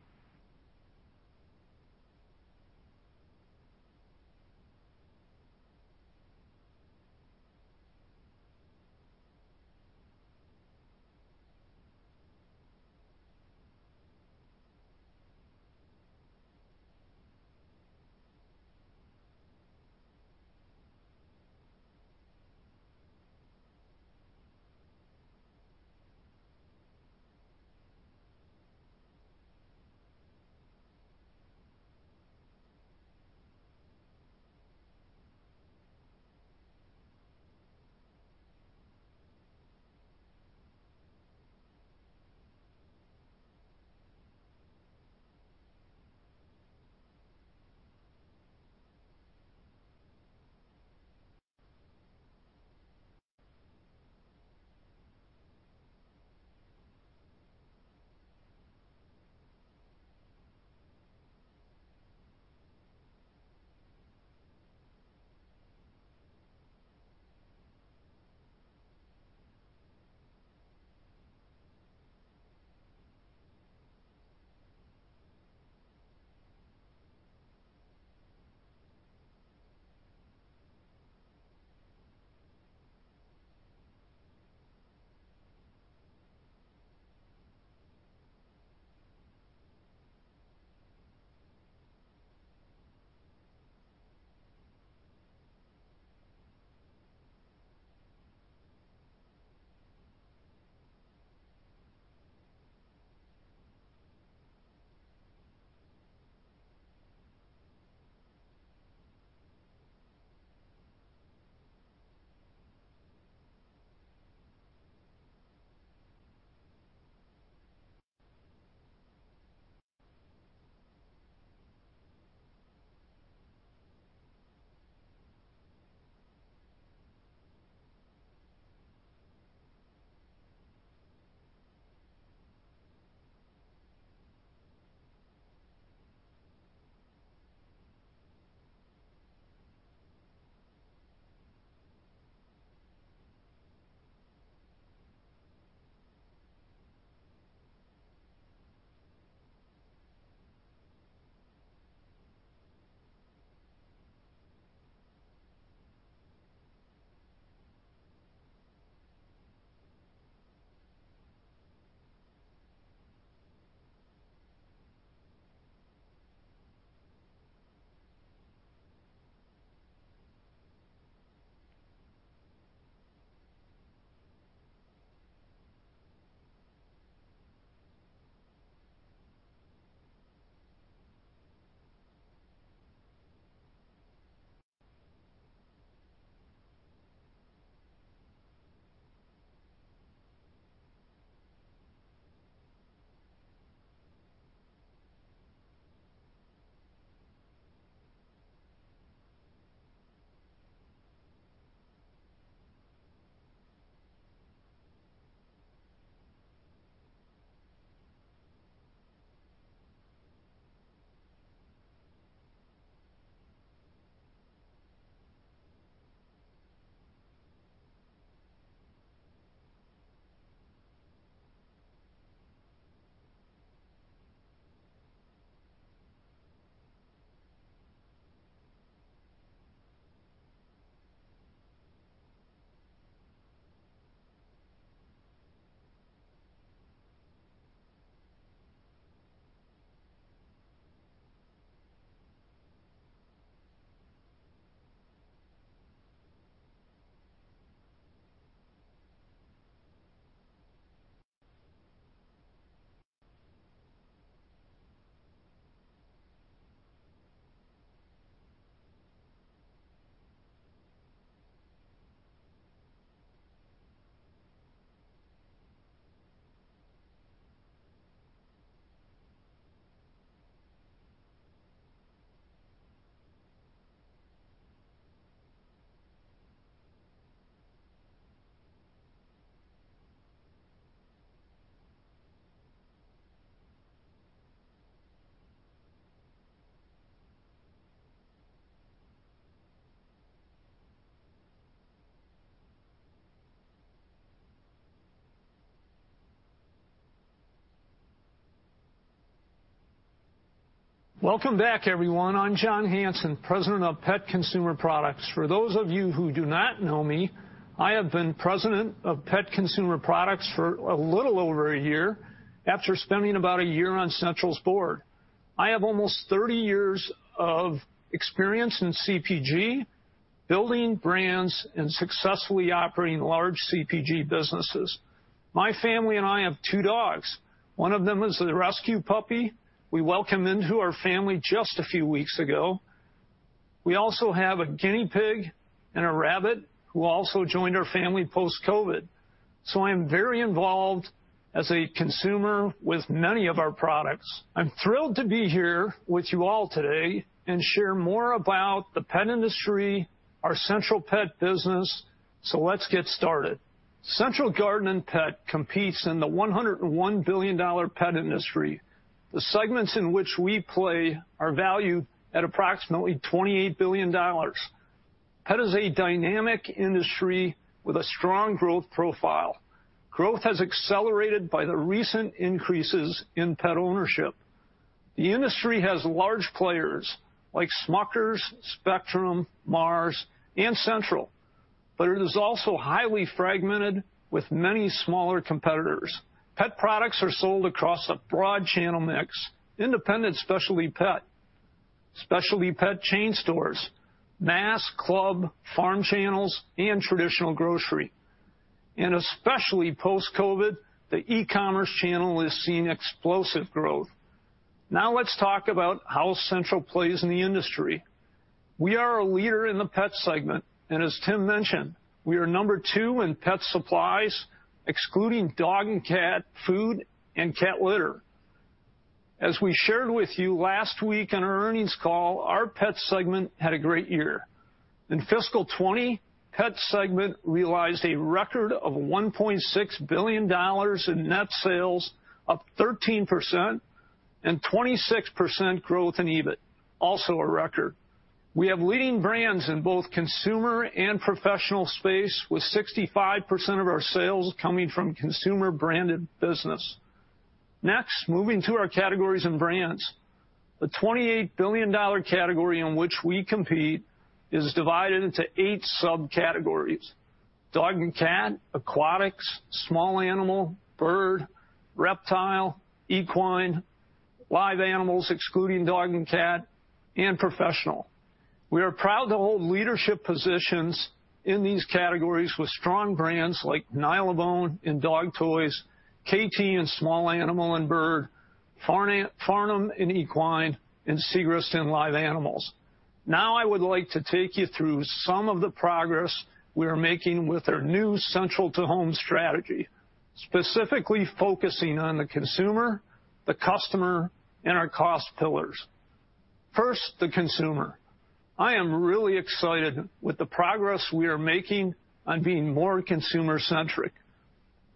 Welcome back, everyone. I am John Hanson, President of Pet Consumer Products. For those of you who do not know me, I have been President of Pet Consumer Products for a little over a year after spending about a year on Central's board. I have almost 30 years of experience in CPG, building brands, and successfully operating large CPG businesses. My family and I have two dogs. One of them is a rescue puppy. We welcomed him into our family just a few weeks ago. We also have a guinea pig and a rabbit who also joined our family post-COVID. I am very involved as a consumer with many of our products. I am thrilled to be here with you all today and share more about the pet industry, our Central pet business. Let's get started. Central Garden & Pet competes in the $101 billion pet industry. The segments in which we play are valued at approximately $28 billion. Pet is a dynamic industry with a strong growth profile. Growth has accelerated by the recent increases in pet ownership. The industry has large players like Smucker, Spectrum Brands, Mars, and Central, but it is also highly fragmented with many smaller competitors. Pet products are sold across a broad channel mix: independent specialty pet, specialty pet chain stores, mass, club, farm channels, and traditional grocery. Especially post-COVID, the e-commerce channel has seen explosive growth. Now let's talk about how Central plays in the industry. We are a leader in the pet segment. As Tim mentioned, we are number two in pet supplies, excluding dog and cat food and cat litter. As we shared with you last week on our earnings call, our pet segment had a great year. In fiscal 2020, the pet segment realized a record of $1.6 billion in net sales, up 13%, and 26% growth in EBIT, also a record. We have leading brands in both consumer and professional space, with 65% of our sales coming from consumer-branded business. Next, moving to our categories and brands, the $28 billion category in which we compete is divided into eight subcategories: dog and cat, aquatics, small animal, bird, reptile, equine, live animals excluding dog and cat, and professional. We are proud to hold leadership positions in these categories with strong brands like Nylabone in dog toys, Kaytee in small animal and bird, Farnam in equine, and Seagrass in live animals. Now I would like to take you through some of the progress we are making with our new Central to Home strategy, specifically focusing on the consumer, the customer, and our cost pillars. First, the consumer. I am really excited with the progress we are making on being more consumer-centric.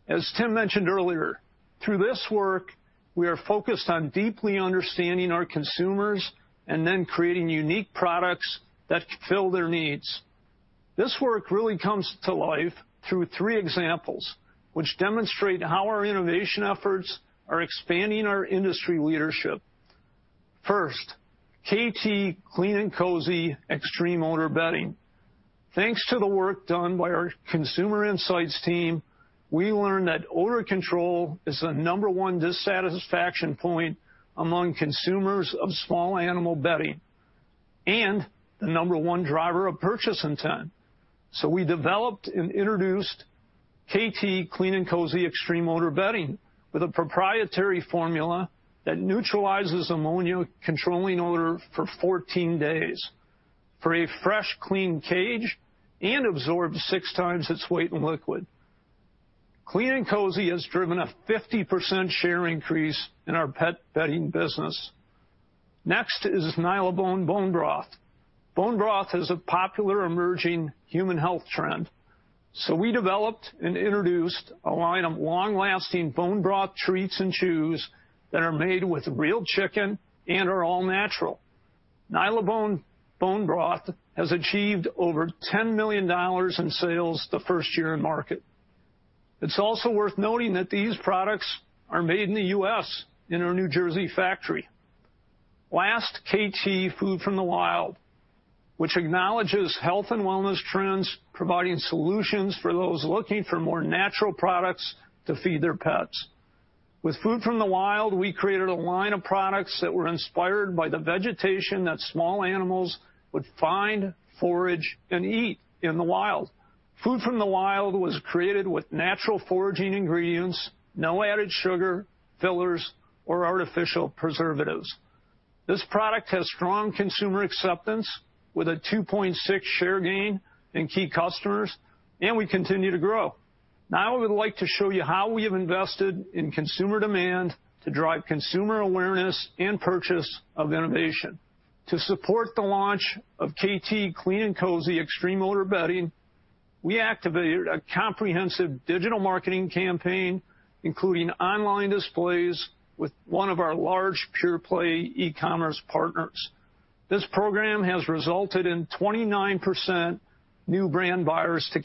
As Tim mentioned earlier, through this work, we are focused on deeply understanding our consumers and then creating unique products that fill their needs. This work really comes to life through three examples, which demonstrate how our innovation efforts are expanding our industry leadership. First, Kaytee Clean & Cozy Extreme Odor Bedding. Thanks to the work done by our Consumer Insights team, we learned that odor control is the number one dissatisfaction point among consumers of small animal bedding and the number one driver of purchase intent. We developed and introduced Kaytee Clean & Cozy Extreme Odor Bedding with a proprietary formula that neutralizes ammonia, controlling odor for 14 days for a fresh, clean cage and absorbs 6x its weight in liquid. Clean & Cozy has driven a 50% share increase in our pet bedding business. Next is Nylabone Bone Broth. Bone Broth is a popular emerging human health trend. We developed and introduced a line of long-lasting Bone Broth treats and chews that are made with real chicken and are all-natural. Nylabone Bone Broth has achieved over $10 million in sales the first year in market. It's also worth noting that these products are made in the U.S. in our New Jersey factory. Last, Kaytee Food from the Wild, which acknowledges health and wellness trends, providing solutions for those looking for more natural products to feed their pets. With Food from the Wild, we created a line of products that were inspired by the vegetation that small animals would find, forage, and eat in the wild. Food from the Wild was created with natural foraging ingredients, no added sugar, fillers, or artificial preservatives. This product has strong consumer acceptance with a 2.6% share gain in key customers, and we continue to grow. Now I would like to show you how we have invested in consumer demand to drive consumer awareness and purchase of innovation. To support the launch of Kaytee Clean & Cozy Extreme Odor Bedding, we activated a comprehensive digital marketing campaign, including online displays with one of our large PurePlay e-commerce partners. This program has resulted in 29% new brand buyers to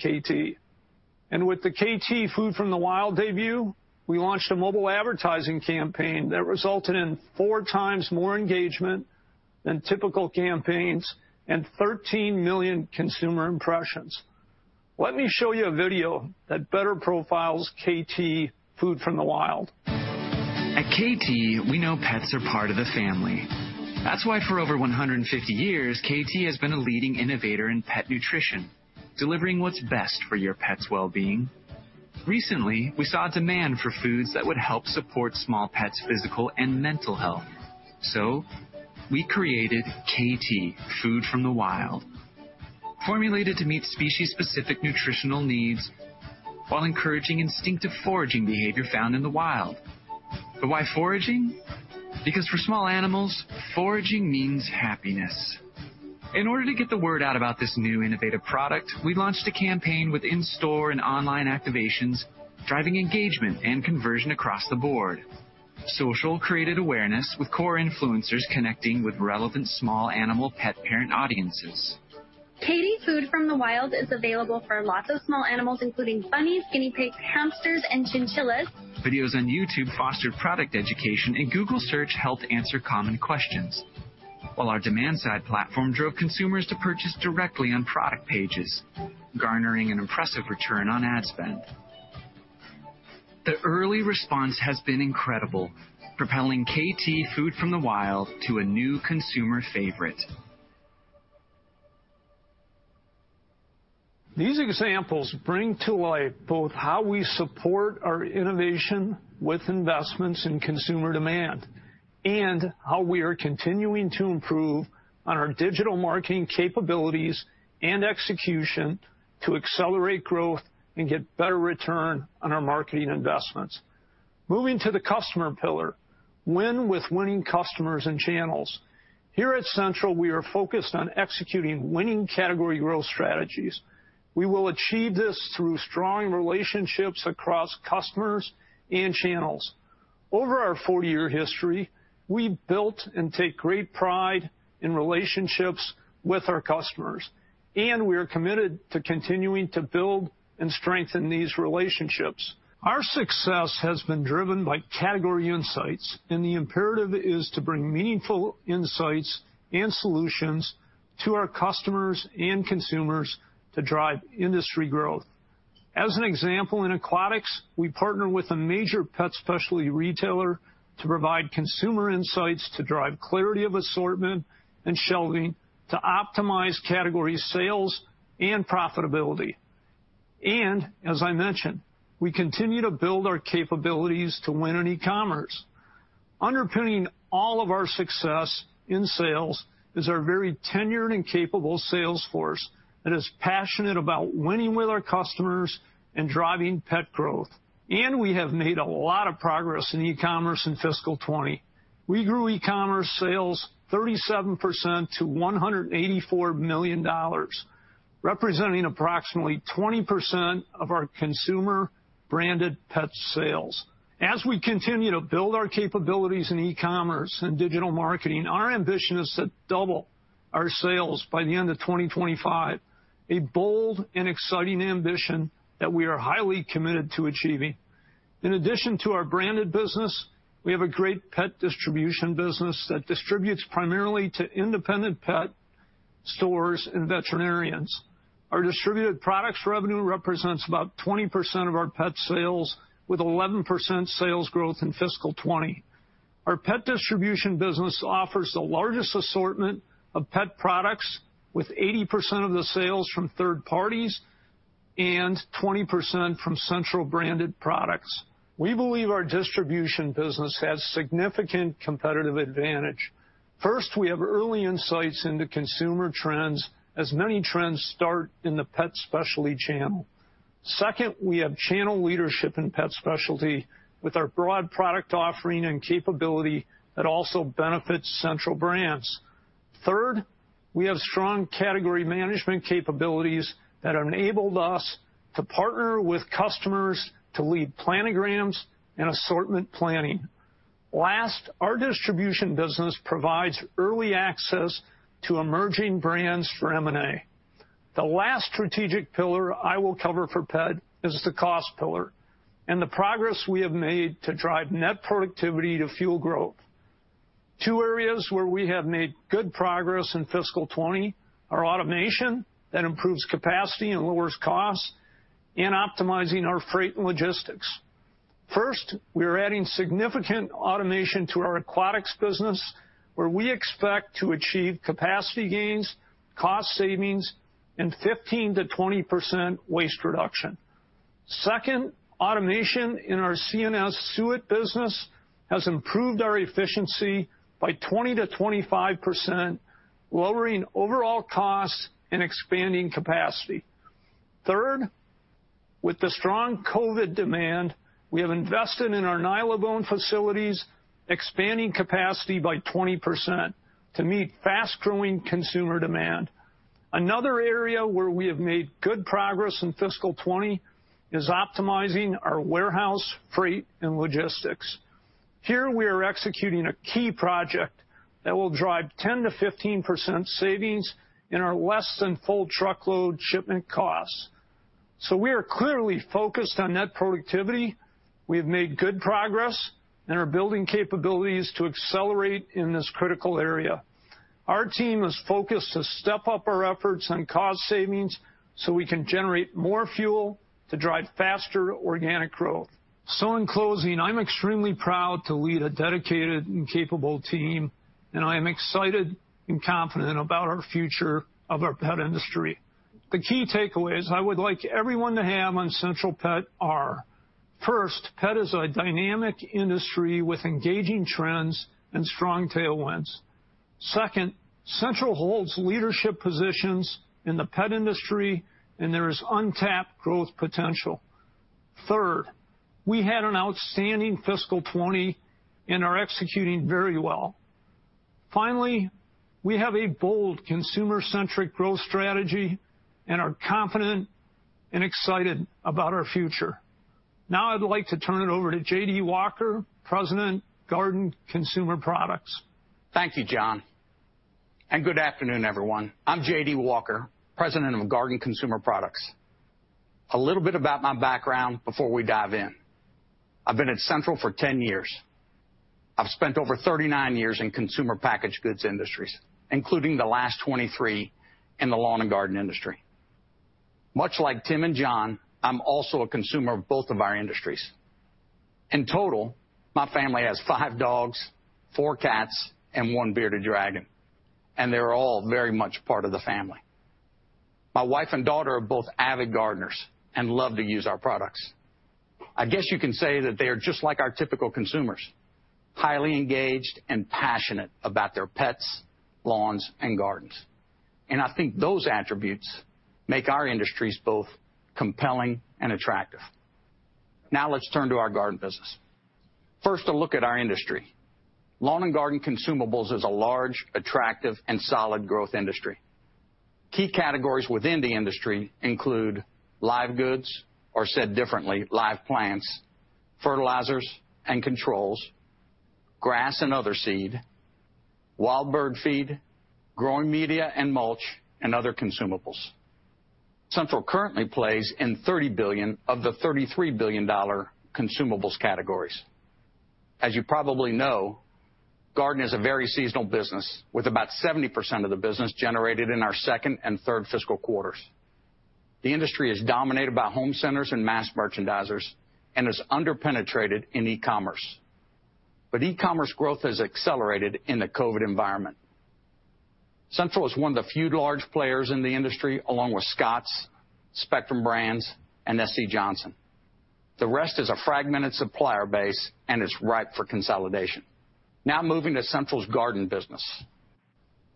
Kaytee. With the Kaytee Food from the Wild debut, we launched a mobile advertising campaign that resulted in 4x more engagement than typical campaigns and 13 million consumer impressions. Let me show you a video that better profiles Kaytee Food from the Wild. At Kaytee, we know pets are part of the family. That is why for over 150 years, Kaytee has been a leading innovator in pet nutrition, delivering what is best for your pet's well-being. Recently, we saw a demand for foods that would help support small pets' physical and mental health. We created Kaytee Food from the Wild, formulated to meet species-specific nutritional needs while encouraging instinctive foraging behavior found in the wild. Why foraging? For small animals, foraging means happiness. In order to get the word out about this new innovative product, we launched a campaign with in-store and online activations, driving engagement and conversion across the board. Social created awareness with core influencers connecting with relevant small animal pet parent audiences. Kaytee Food from the Wild is available for lots of small animals, including bunnies, guinea pigs, hamsters, and chinchillas. Videos on YouTube fostered product education, and Google search helped answer common questions, while our demand-side platform drove consumers to purchase directly on product pages, garnering an impressive return on ad spend. The early response has been incredible, propelling Kaytee Food from the Wild to a new consumer favorite. These examples bring to light both how we support our innovation with investments in consumer demand and how we are continuing to improve on our digital marketing capabilities and execution to accelerate growth and get better return on our marketing investments. Moving to the customer pillar, win with winning customers and channels. Here at Central, we are focused on executing winning category growth strategies. We will achieve this through strong relationships across customers and channels. Over our 40-year history, we've built and take great pride in relationships with our customers, and we are committed to continuing to build and strengthen these relationships. Our success has been driven by category insights, and the imperative is to bring meaningful insights and solutions to our customers and consumers to drive industry growth. As an example, in aquatics, we partner with a major pet specialty retailer to provide consumer insights to drive clarity of assortment and shelving to optimize category sales and profitability. As I mentioned, we continue to build our capabilities to win in e-commerce. Underpinning all of our success in sales is our very tenured and capable sales force that is passionate about winning with our customers and driving pet growth. We have made a lot of progress in e-commerce in fiscal 2020. We grew e-commerce sales 37% to $184 million, representing approximately 20% of our consumer-branded pet sales. As we continue to build our capabilities in e-commerce and digital marketing, our ambition is to double our sales by the end of 2025, a bold and exciting ambition that we are highly committed to achieving. In addition to our branded business, we have a great pet distribution business that distributes primarily to independent pet stores and veterinarians. Our distributed products revenue represents about 20% of our pet sales, with 11% sales growth in fiscal 2020. Our pet distribution business offers the largest assortment of pet products, with 80% of the sales from third parties and 20% from Central branded products. We believe our distribution business has significant competitive advantage. First, we have early insights into consumer trends, as many trends start in the pet specialty channel. Second, we have channel leadership in pet specialty with our broad product offering and capability that also benefits Central brands. Third, we have strong category management capabilities that enabled us to partner with customers to lead planograms and assortment planning. Last, our distribution business provides early access to emerging brands for M&A. The last strategic pillar I will cover for pet is the cost pillar and the progress we have made to drive net productivity to fuel growth. Two areas where we have made good progress in fiscal 2020 are automation that improves capacity and lowers costs and optimizing our freight and logistics. First, we are adding significant automation to our aquatics business, where we expect to achieve capacity gains, cost savings, and 15%-20% waste reduction. Second, automation in our C&S Suet business has improved our efficiency by 20%-25%, lowering overall costs and expanding capacity. Third, with the strong COVID demand, we have invested in our Nylabone facilities, expanding capacity by 20% to meet fast-growing consumer demand. Another area where we have made good progress in fiscal 2020 is optimizing our warehouse, freight, and logistics. Here, we are executing a key project that will drive 10%-15% savings in our less-than-full truckload shipment costs. We are clearly focused on net productivity. We have made good progress and are building capabilities to accelerate in this critical area. Our team is focused to step up our efforts on cost savings so we can generate more fuel to drive faster organic growth. In closing, I'm extremely proud to lead a dedicated and capable team, and I am excited and confident about our future of our pet industry. The key takeaways I would like everyone to have on Central Garden & Pet are: first, pet is a dynamic industry with engaging trends and strong tailwinds. Second, Central holds leadership positions in the pet industry, and there is untapped growth potential. Third, we had an outstanding fiscal 2020 and are executing very well. Finally, we have a bold consumer-centric growth strategy and are confident and excited about our future. Now I'd like to turn it over to J.D. Walker, President, Garden Consumer Products. Thank you, John. Good afternoon, everyone. I'm J.D. Walker, President of Garden Consumer Products. A little bit about my background before we dive in. I've been at Central for 10 years. I've spent over 39 years in consumer packaged goods industries, including the last 23 in the lawn and garden industry. Much like Tim and John, I'm also a consumer of both of our industries. In total, my family has five dogs, four cats, and one bearded dragon, and they're all very much part of the family. My wife and daughter are both avid gardeners and love to use our products. I guess you can say that they are just like our typical consumers, highly engaged and passionate about their pets, lawns, and gardens. I think those attributes make our industries both compelling and attractive. Now let's turn to our garden business. First, a look at our industry. Lawn and garden consumables is a large, attractive, and solid growth industry. Key categories within the industry include live goods, or said differently, live plants, fertilizers and controls, grass and other seed, wild bird feed, growing media and mulch, and other consumables. Central currently plays in $30 billion of the $33 billion consumables categories. As you probably know, garden is a very seasonal business, with about 70% of the business generated in our second and third fiscal quarters. The industry is dominated by home centers and mass merchandisers and is underpenetrated in e-commerce. E-commerce growth has accelerated in the COVID environment. Central is one of the few large players in the industry, along with Scotts, Spectrum Brands, and S.C. Johnson. The rest is a fragmented supplier base, and it is ripe for consolidation. Now moving to Central's garden business.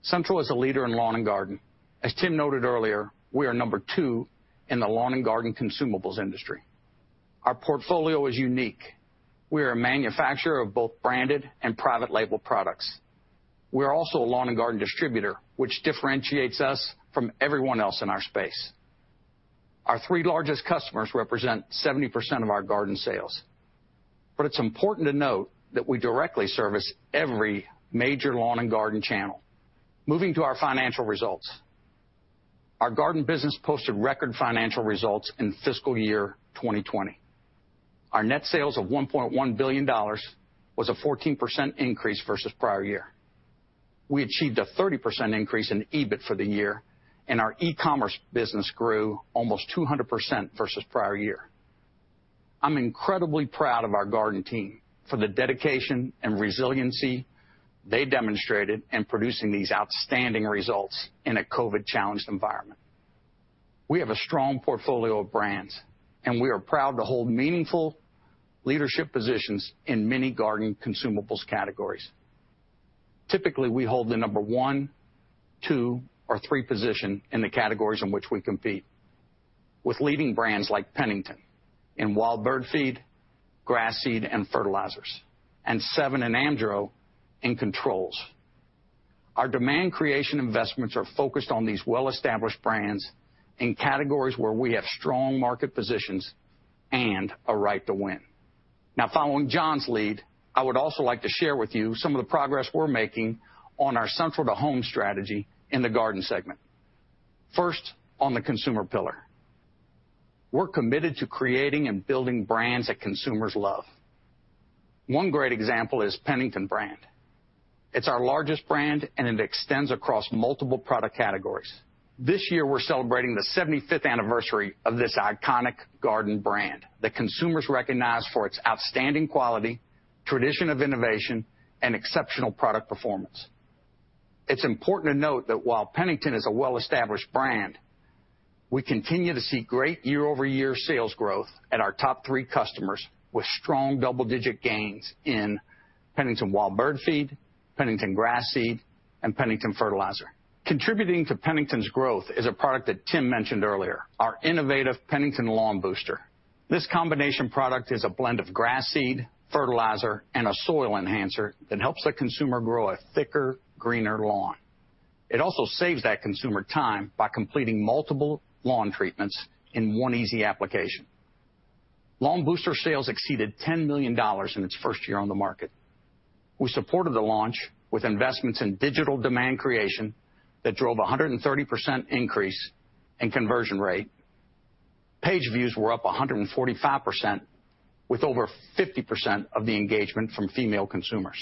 Central is a leader in lawn and garden. As Tim noted earlier, we are number two in the lawn and garden consumables industry. Our portfolio is unique. We are a manufacturer of both branded and private label products. We are also a lawn and garden distributor, which differentiates us from everyone else in our space. Our three largest customers represent 70% of our garden sales. It is important to note that we directly service every major lawn and garden channel. Moving to our financial results. Our garden business posted record financial results in fiscal year 2020. Our net sales of $1.1 billion was a 14% increase versus prior year. We achieved a 30% increase in EBIT for the year, and our e-commerce business grew almost 200% versus prior year. I'm incredibly proud of our garden team for the dedication and resiliency they demonstrated in producing these outstanding results in a COVID-challenged environment. We have a strong portfolio of brands, and we are proud to hold meaningful leadership positions in many garden consumables categories. Typically, we hold the number one, two, or three position in the categories in which we compete, with leading brands like Pennington in wild bird feed, grass seed, and fertilizers, and Sevin and Amdro in controls. Our demand creation investments are focused on these well-established brands in categories where we have strong market positions and a right to win. Now, following John's lead, I would also like to share with you some of the progress we're making on our Central to Home strategy in the garden segment. First, on the consumer pillar, we're committed to creating and building brands that consumers love. One great example is Pennington Brand. It's our largest brand, and it extends across multiple product categories. This year, we're celebrating the 75th anniversary of this iconic garden brand that consumers recognize for its outstanding quality, tradition of innovation, and exceptional product performance. It's important to note that while Pennington is a well-established brand, we continue to see great year-over-year sales growth at our top three customers with strong double-digit gains in Pennington wild bird feed, Pennington grass seed, and Pennington fertilizer. Contributing to Pennington's growth is a product that Tim mentioned earlier, our innovative Pennington Lawn Booster. This combination product is a blend of grass seed, fertilizer, and a soil enhancer that helps the consumer grow a thicker, greener lawn. It also saves that consumer time by completing multiple lawn treatments in one easy application. Lawn Booster sales exceeded $10 million in its first year on the market. We supported the launch with investments in digital demand creation that drove a 130% increase in conversion rate. Page views were up 145%, with over 50% of the engagement from female consumers.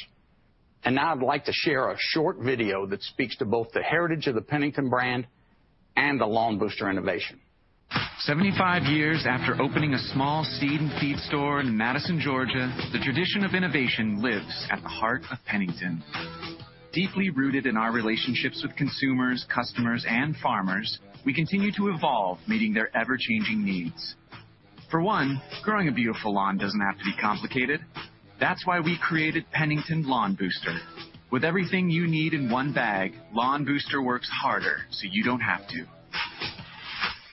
I would like to share a short video that speaks to both the heritage of the Pennington brand and the Lawn Booster innovation. 75 years after opening a small seed and feed store in Madison, Georgia, the tradition of innovation lives at the heart of Pennington. Deeply rooted in our relationships with consumers, customers, and farmers, we continue to evolve, meeting their ever-changing needs. For one, growing a beautiful lawn doesn't have to be complicated. That's why we created Pennington Lawn Booster. With everything you need in one bag, Lawn Booster works harder so you don't have to.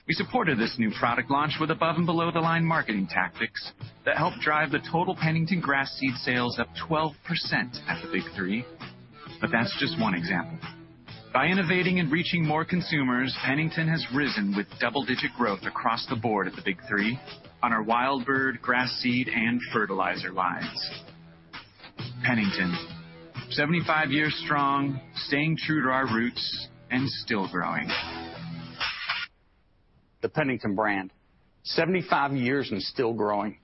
We supported this new product launch with above-and-below-the-line marketing tactics that helped drive the total Pennington grass seed sales up 12% at the Big Three. That is just one example. By innovating and reaching more consumers, Pennington has risen with double-digit growth across the board at the Big Three on our wild bird, grass seed, and fertilizer lines. Pennington, 75 years strong, staying true to our roots, and still growing. The Pennington brand, 75 years and still growing,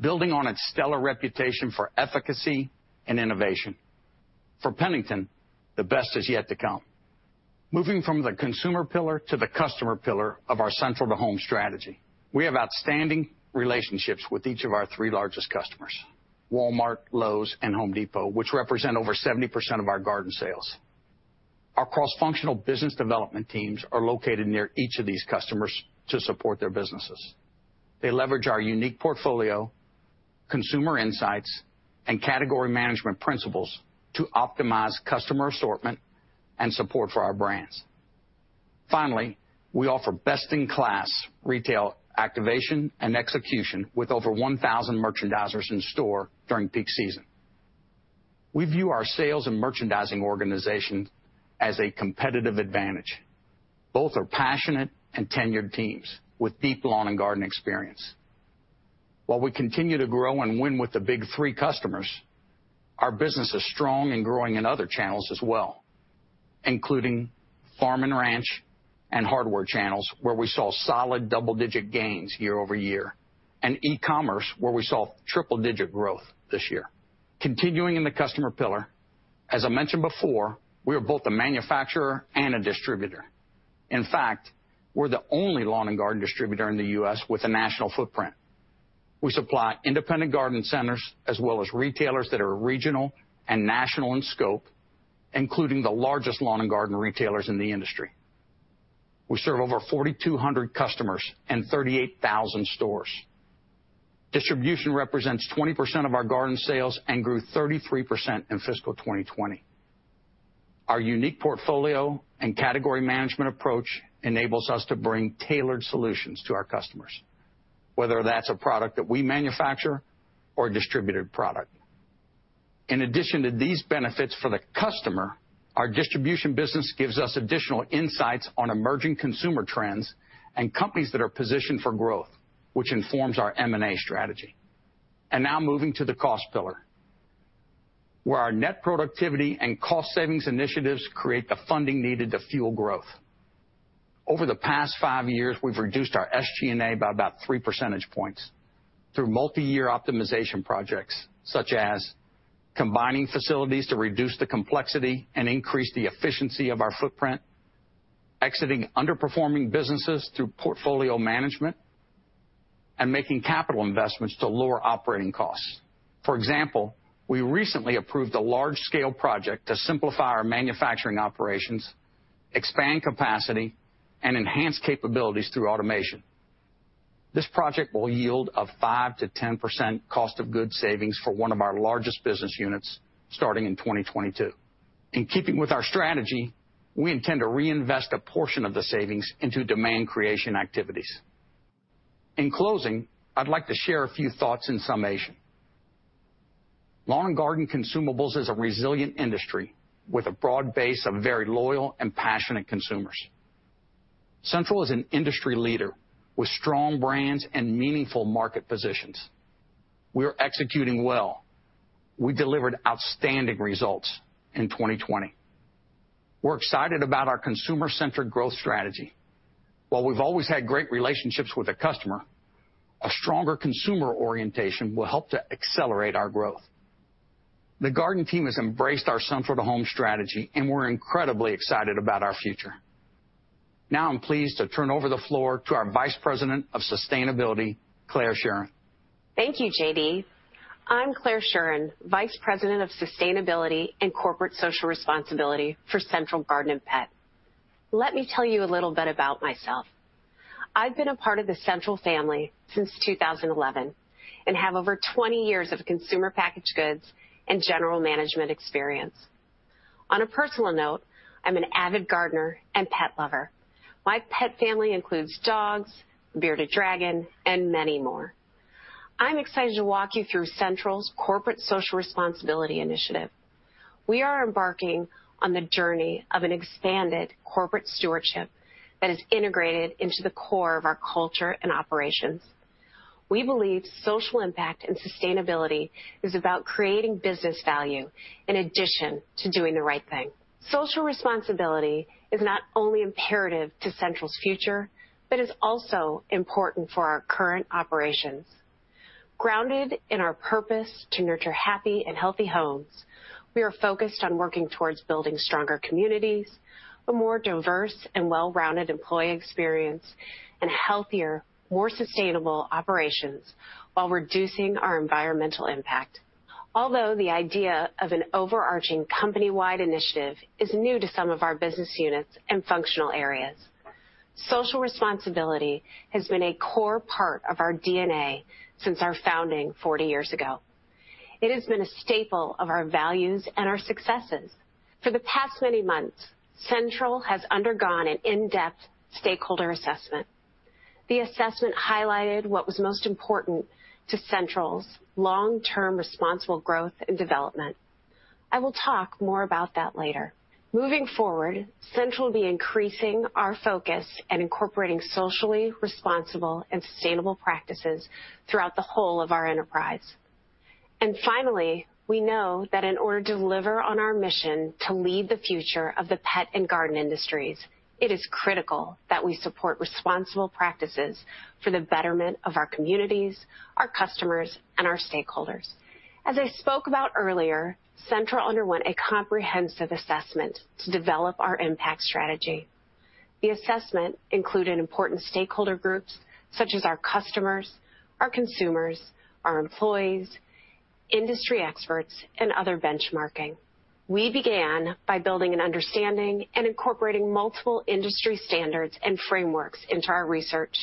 building on its stellar reputation for efficacy and innovation. For Pennington, the best is yet to come. Moving from the consumer pillar to the customer pillar of our Central to Home strategy, we have outstanding relationships with each of our three largest customers, Walmart, Lowe's, and Home Depot, which represent over 70% of our garden sales. Our cross-functional business development teams are located near each of these customers to support their businesses. They leverage our unique portfolio, consumer insights, and category management principles to optimize customer assortment and support for our brands. Finally, we offer best-in-class retail activation and execution with over 1,000 merchandisers in store during peak season. We view our sales and merchandising organization as a competitive advantage. Both are passionate and tenured teams with deep lawn and garden experience. While we continue to grow and win with the Big Three customers, our business is strong and growing in other channels as well, including farm and ranch and hardware channels, where we saw solid double-digit gains year over year, and e-commerce, where we saw triple-digit growth this year. Continuing in the customer pillar, as I mentioned before, we are both a manufacturer and a distributor. In fact, we're the only lawn and garden distributor in the U.S. with a national footprint. We supply independent garden centers as well as retailers that are regional and national in scope, including the largest lawn and garden retailers in the industry. We serve over 4,200 customers and 38,000 stores. Distribution represents 20% of our garden sales and grew 33% in fiscal 2020. Our unique portfolio and category management approach enables us to bring tailored solutions to our customers, whether that's a product that we manufacture or a distributed product. In addition to these benefits for the customer, our distribution business gives us additional insights on emerging consumer trends and companies that are positioned for growth, which informs our M&A strategy. Moving to the cost pillar, where our net productivity and cost savings initiatives create the funding needed to fuel growth. Over the past five years, we've reduced our SG&A by about three percentage points through multi-year optimization projects, such as combining facilities to reduce the complexity and increase the efficiency of our footprint, exiting underperforming businesses through portfolio management, and making capital investments to lower operating costs. For example, we recently approved a large-scale project to simplify our manufacturing operations, expand capacity, and enhance capabilities through automation. This project will yield a 5%-10% cost of goods savings for one of our largest business units starting in 2022. In keeping with our strategy, we intend to reinvest a portion of the savings into demand creation activities. In closing, I'd like to share a few thoughts in summation. Lawn and garden consumables is a resilient industry with a broad base of very loyal and passionate consumers. Central is an industry leader with strong brands and meaningful market positions. We are executing well. We delivered outstanding results in 2020. We're excited about our consumer-centric growth strategy. While we've always had great relationships with the customer, a stronger consumer orientation will help to accelerate our growth. The garden team has embraced our Central to Home strategy, and we're incredibly excited about our future. Now I'm pleased to turn over the floor to our Vice President of Sustainability, Claire Schueren. Thank you, J.D. I'm Claire Schueren, Vice President of Sustainability and Corporate Social Responsibility for Central Garden & Pet. Let me tell you a little bit about myself. I've been a part of the Central family since 2011 and have over 20 years of consumer packaged goods and general management experience. On a personal note, I'm an avid gardener and pet lover. My pet family includes dogs, bearded dragon, and many more. I'm excited to walk you through Central's Corporate Social Responsibility initiative. We are embarking on the journey of an expanded corporate stewardship that is integrated into the core of our culture and operations. We believe social impact and sustainability is about creating business value in addition to doing the right thing. Social responsibility is not only imperative to Central's future, but is also important for our current operations. Grounded in our purpose to nurture happy and healthy homes, we are focused on working towards building stronger communities, a more diverse and well-rounded employee experience, and healthier, more sustainable operations while reducing our environmental impact. Although the idea of an overarching company-wide initiative is new to some of our business units and functional areas, social responsibility has been a core part of our DNA since our founding 40 years ago. It has been a staple of our values and our successes. For the past many months, Central has undergone an in-depth stakeholder assessment. The assessment highlighted what was most important to Central's long-term responsible growth and development. I will talk more about that later. Moving forward, Central will be increasing our focus and incorporating socially responsible and sustainable practices throughout the whole of our enterprise. Finally, we know that in order to deliver on our mission to lead the future of the pet and garden industries, it is critical that we support responsible practices for the betterment of our communities, our customers, and our stakeholders. As I spoke about earlier, Central underwent a comprehensive assessment to develop our impact strategy. The assessment included important stakeholder groups such as our customers, our consumers, our employees, industry experts, and other benchmarking. We began by building an understanding and incorporating multiple industry standards and frameworks into our research.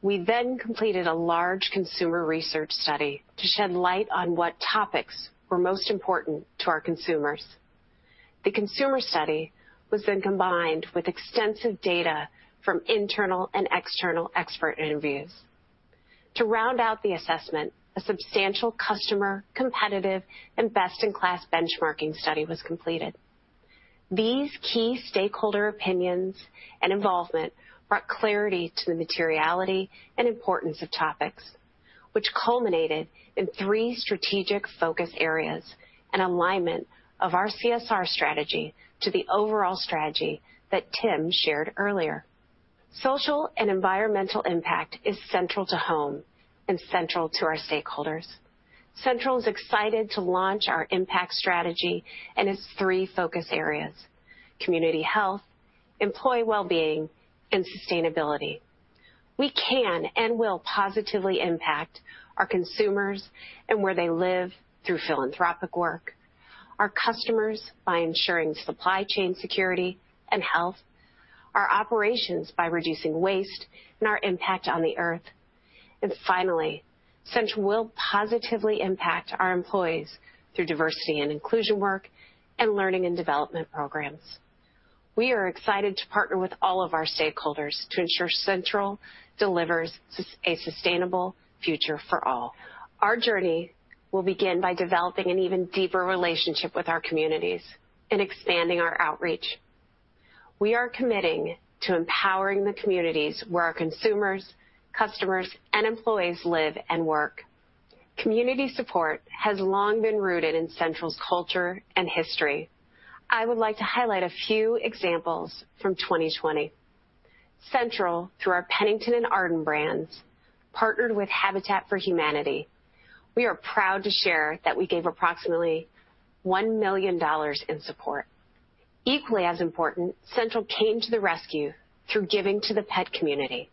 We then completed a large consumer research study to shed light on what topics were most important to our consumers. The consumer study was then combined with extensive data from internal and external expert interviews. To round out the assessment, a substantial customer, competitive, and best-in-class benchmarking study was completed. These key stakeholder opinions and involvement brought clarity to the materiality and importance of topics, which culminated in three strategic focus areas and alignment of our CSR strategy to the overall strategy that Tim shared earlier. Social and environmental impact is central to home and central to our stakeholders. Central is excited to launch our impact strategy and its three focus areas: community health, employee well-being, and sustainability. We can and will positively impact our consumers and where they live through philanthropic work, our customers by ensuring supply chain security and health, our operations by reducing waste and our impact on the earth. Central will positively impact our employees through diversity and inclusion work and learning and development programs. We are excited to partner with all of our stakeholders to ensure Central delivers a sustainable future for all. Our journey will begin by developing an even deeper relationship with our communities and expanding our outreach. We are committing to empowering the communities where our consumers, customers, and employees live and work. Community support has long been rooted in Central's culture and history. I would like to highlight a few examples from 2020. Central, through our Pennington and Arden brands, partnered with Habitat for Humanity. We are proud to share that we gave approximately $1 million in support. Equally as important, Central came to the rescue through giving to the pet community.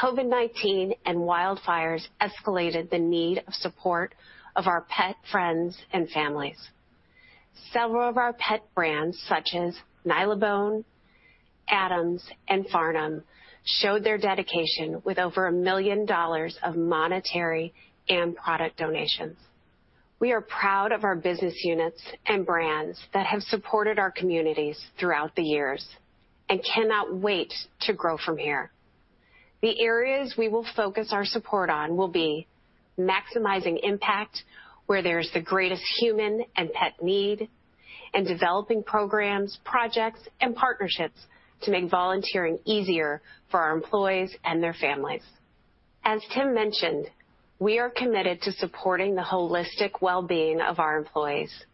COVID-19 and wildfires escalated the need for support of our pet friends and families. Several of our pet brands, such as Nylabone, Adams, and Farnam, showed their dedication with over $1 million of monetary and product donations. We are proud of our business units and brands that have supported our communities throughout the years and cannot wait to grow from here. The areas we will focus our support on will be maximizing impact where there is the greatest human and pet need and developing programs, projects, and partnerships to make volunteering easier for our employees and their families. As Tim mentioned, we are committed to supporting the holistic well-being of our employees.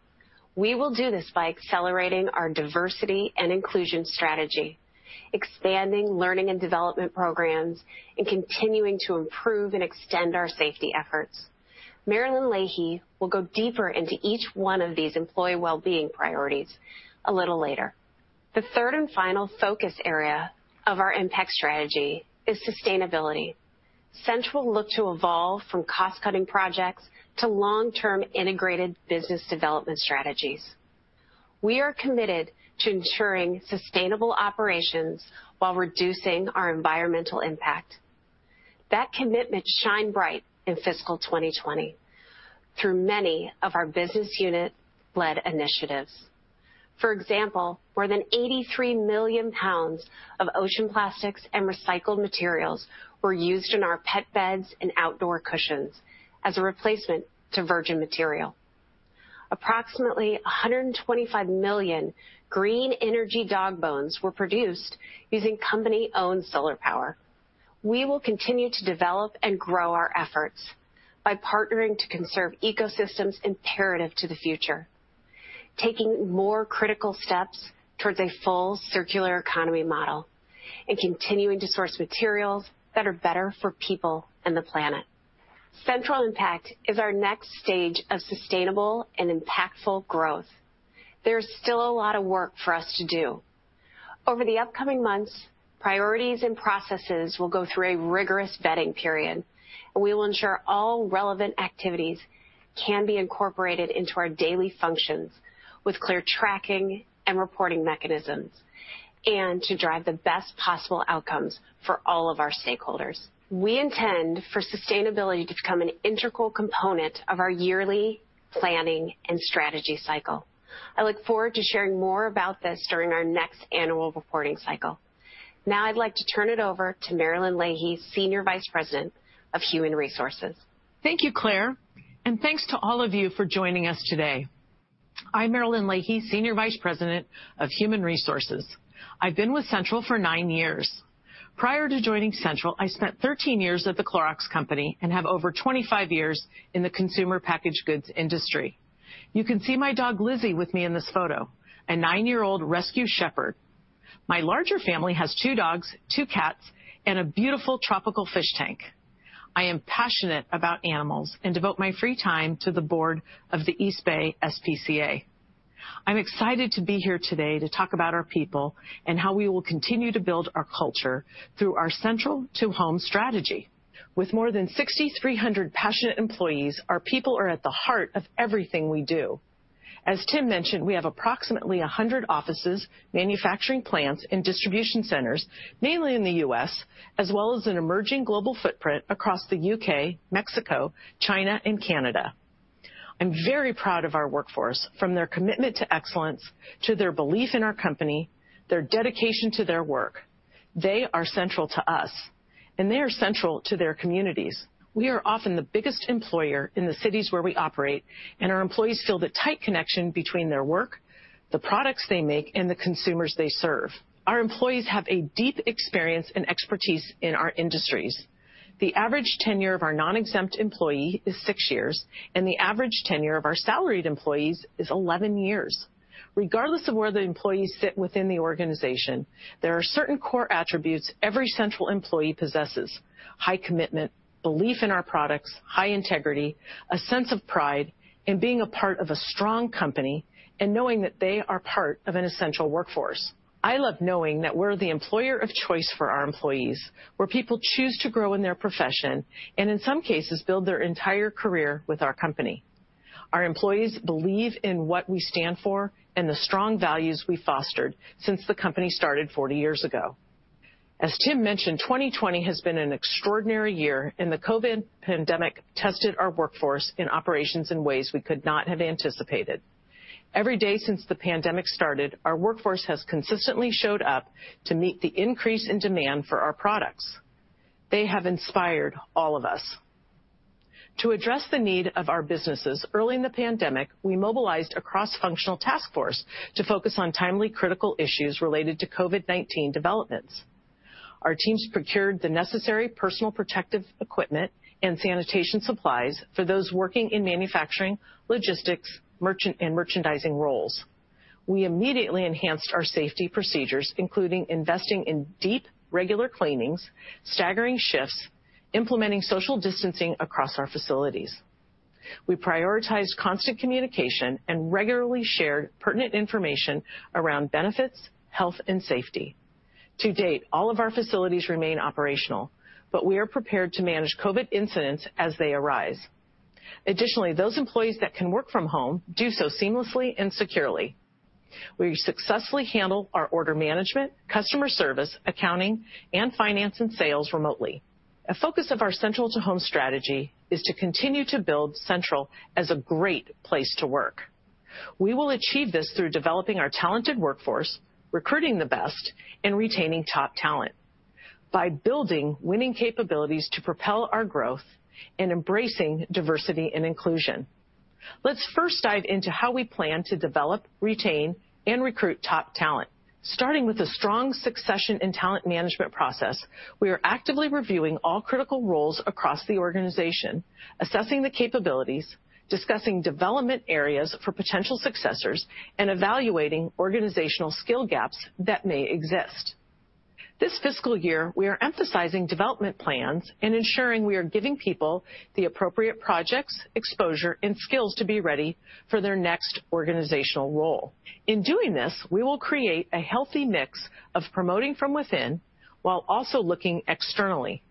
We will do this by accelerating our diversity and inclusion strategy, expanding learning and development programs, and continuing to improve and extend our safety efforts. Marilyn Leahy will go deeper into each one of these employee well-being priorities a little later. The third and final focus area of our impact strategy is sustainability. Central looked to evolve from cost-cutting projects to long-term integrated business development strategies. We are committed to ensuring sustainable operations while reducing our environmental impact. That commitment shone bright in fiscal 2020 through many of our business unit-led initiatives. For example, more than 83 million lbs of ocean plastics and recycled materials were used in our pet beds and outdoor cushions as a replacement to virgin material. Approximately 125 million green energy dog bones were produced using company-owned solar power. We will continue to develop and grow our efforts by partnering to conserve ecosystems imperative to the future, taking more critical steps towards a full circular economy model, and continuing to source materials that are better for people and the planet. Central Impact is our next stage of sustainable and impactful growth. There is still a lot of work for us to do. Over the upcoming months, priorities and processes will go through a rigorous vetting period, and we will ensure all relevant activities can be incorporated into our daily functions with clear tracking and reporting mechanisms to drive the best possible outcomes for all of our stakeholders. We intend for sustainability to become an integral component of our yearly planning and strategy cycle. I look forward to sharing more about this during our next annual reporting cycle. Now I'd like to turn it over to Marilyn Leahy, Senior Vice President of Human Resources. Thank you, Claire, and thanks to all of you for joining us today. I'm Marilyn Leahy, Senior Vice President of Human Resources. I've been with Central for nine years. Prior to joining Central, I spent 13 years at the Clorox Company and have over 25 years in the consumer packaged goods industry. You can see my dog, Lizzie, with me in this photo, a nine-year-old rescue shepherd. My larger family has two dogs, two cats, and a beautiful tropical fish tank. I am passionate about animals and devote my free time to the board of the East Bay SPCA. I'm excited to be here today to talk about our people and how we will continue to build our culture through our Central to Home strategy. With more than 6,300 passionate employees, our people are at the heart of everything we do. As Tim mentioned, we have approximately 100 offices, manufacturing plants, and distribution centers, mainly in the U.S., as well as an emerging global footprint across the U.K., Mexico, China, and Canada. I'm very proud of our workforce from their commitment to excellence to their belief in our company, their dedication to their work. They are central to us, and they are central to their communities. We are often the biggest employer in the cities where we operate, and our employees feel the tight connection between their work, the products they make, and the consumers they serve. Our employees have a deep experience and expertise in our industries. The average tenure of our non-exempt employee is six years, and the average tenure of our salaried employees is 11 years. Regardless of where the employees sit within the organization, there are certain core attributes every Central employee possesses: high commitment, belief in our products, high integrity, a sense of pride, and being a part of a strong company and knowing that they are part of an essential workforce. I love knowing that we're the employer of choice for our employees, where people choose to grow in their profession and, in some cases, build their entire career with our company. Our employees believe in what we stand for and the strong values we've fostered since the company started 40 years ago. As Tim mentioned, 2020 has been an extraordinary year, and the COVID pandemic tested our workforce and operations in ways we could not have anticipated. Every day since the pandemic started, our workforce has consistently showed up to meet the increase in demand for our products. They have inspired all of us. To address the need of our businesses early in the pandemic, we mobilized a cross-functional task force to focus on timely critical issues related to COVID-19 developments. Our teams procured the necessary personal protective equipment and sanitation supplies for those working in manufacturing, logistics, and merchandising roles. We immediately enhanced our safety procedures, including investing in deep regular cleanings, staggering shifts, and implementing social distancing across our facilities. We prioritized constant communication and regularly shared pertinent information around benefits, health, and safety. To date, all of our facilities remain operational, but we are prepared to manage COVID incidents as they arise. Additionally, those employees that can work from home do so seamlessly and securely. We successfully handle our order management, customer service, accounting, and finance and sales remotely. A focus of our Central to Home strategy is to continue to build Central as a great place to work. We will achieve this through developing our talented workforce, recruiting the best, and retaining top talent by building winning capabilities to propel our growth and embracing diversity and inclusion. Let's first dive into how we plan to develop, retain, and recruit top talent. Starting with a strong succession and talent management process, we are actively reviewing all critical roles across the organization, assessing the capabilities, discussing development areas for potential successors, and evaluating organizational skill gaps that may exist. This fiscal year, we are emphasizing development plans and ensuring we are giving people the appropriate projects, exposure, and skills to be ready for their next organizational role. In doing this, we will create a healthy mix of promoting from within while also looking externally.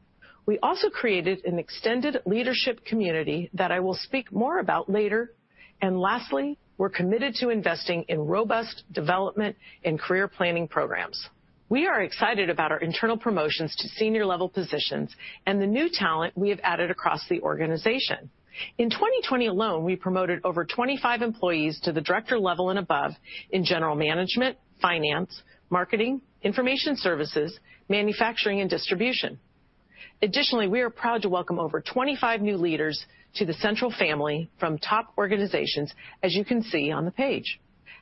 We also created an extended leadership community that I will speak more about later. Lastly, we're committed to investing in robust development and career planning programs. We are excited about our internal promotions to senior-level positions and the new talent we have added across the organization. In 2020 alone, we promoted over 25 employees to the director level and above in general management, finance, marketing, information services, manufacturing, and distribution. Additionally, we are proud to welcome over 25 new leaders to the Central family from top organizations, as you can see on the page.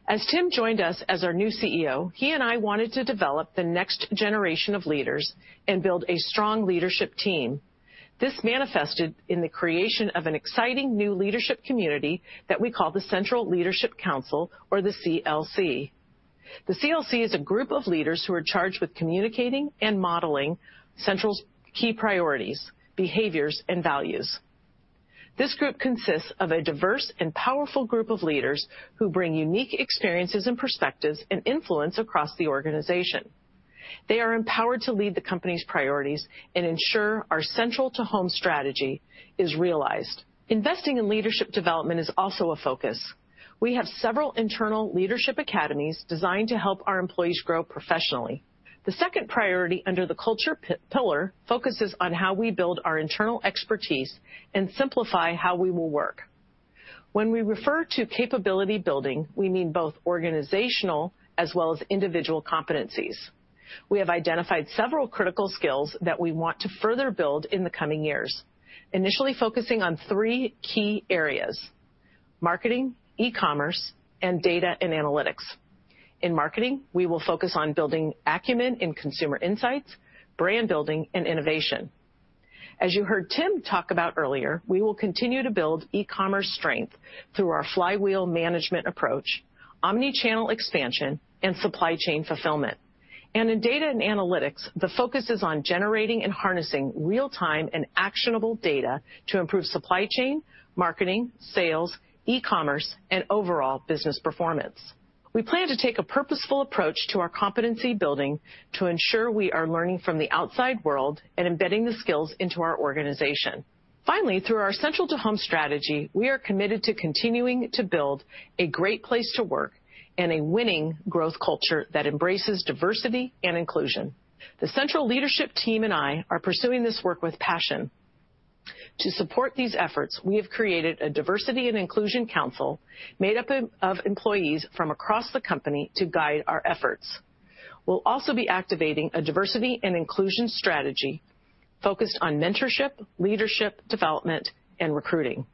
As Tim joined us as our new CEO, he and I wanted to develop the next generation of leaders and build a strong leadership team. This manifested in the creation of an exciting new leadership community that we call the Central Leadership Council or the CLC. The CLC is a group of leaders who are charged with communicating and modeling Central's key priorities, behaviors, and values. This group consists of a diverse and powerful group of leaders who bring unique experiences and perspectives and influence across the organization. They are empowered to lead the company's priorities and ensure our Central to Home strategy is realized. Investing in leadership development is also a focus. We have several internal leadership academies designed to help our employees grow professionally. The second priority under the culture pillar focuses on how we build our internal expertise and simplify how we will work. When we refer to capability building, we mean both organizational as well as individual competencies. We have identified several critical skills that we want to further build in the coming years, initially focusing on three key areas: marketing, e-commerce, and data and analytics. In marketing, we will focus on building acumen and consumer insights, brand building, and innovation. As you heard Tim talk about earlier, we will continue to build e-commerce strength through our flywheel management approach, omnichannel expansion, and supply chain fulfillment. In data and analytics, the focus is on generating and harnessing real-time and actionable data to improve supply chain, marketing, sales, e-commerce, and overall business performance. We plan to take a purposeful approach to our competency building to ensure we are learning from the outside world and embedding the skills into our organization. Finally, through our Central to Home strategy, we are committed to continuing to build a great place to work and a winning growth culture that embraces diversity and inclusion. The Central leadership team and I are pursuing this work with passion. To support these efforts, we have created a Diversity and Inclusion Council made up of employees from across the company to guide our efforts. We'll also be activating a diversity and inclusion strategy focused on mentorship, leadership development, and recruiting.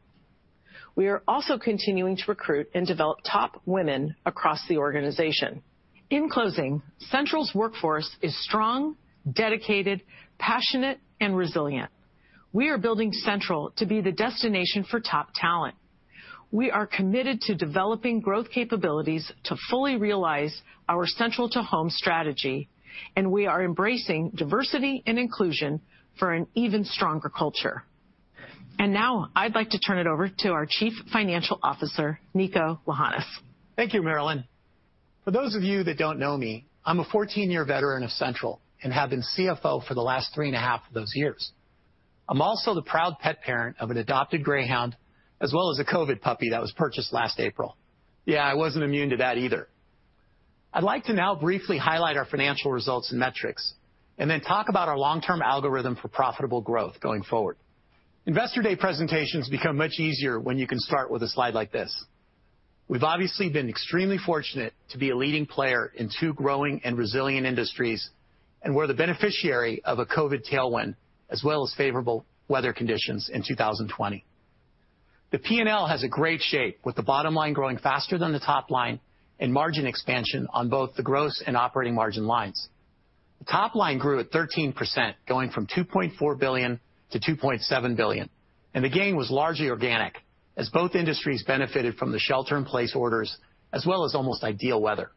We are also continuing to recruit and develop top women across the organization. In closing, Central's workforce is strong, dedicated, passionate, and resilient. We are building Central to be the destination for top talent. We are committed to developing growth capabilities to fully realize our Central to Home strategy, and we are embracing diversity and inclusion for an even stronger culture. I would like to turn it over to our Chief Financial Officer, Niko Lahanas. Thank you, Marilyn. For those of you that do not know me, I am a 14-year veteran of Central and have been CFO for the last three and a half of those years. I am also the proud pet parent of an adopted greyhound as well as a COVID puppy that was purchased last April. Yeah, I was not immune to that either. I would like to now briefly highlight our financial results and metrics and then talk about our long-term algorithm for profitable growth going forward. Investor Day presentations become much easier when you can start with a slide like this. We've obviously been extremely fortunate to be a leading player in two growing and resilient industries and were the beneficiary of a COVID tailwind as well as favorable weather conditions in 2020. The P&L has a great shape with the bottom line growing faster than the top line and margin expansion on both the gross and operating margin lines. The top line grew at 13%, going from $2.4 billion to $2.7 billion, and the gain was largely organic as both industries benefited from the shelter-in-place orders as well as almost ideal weather.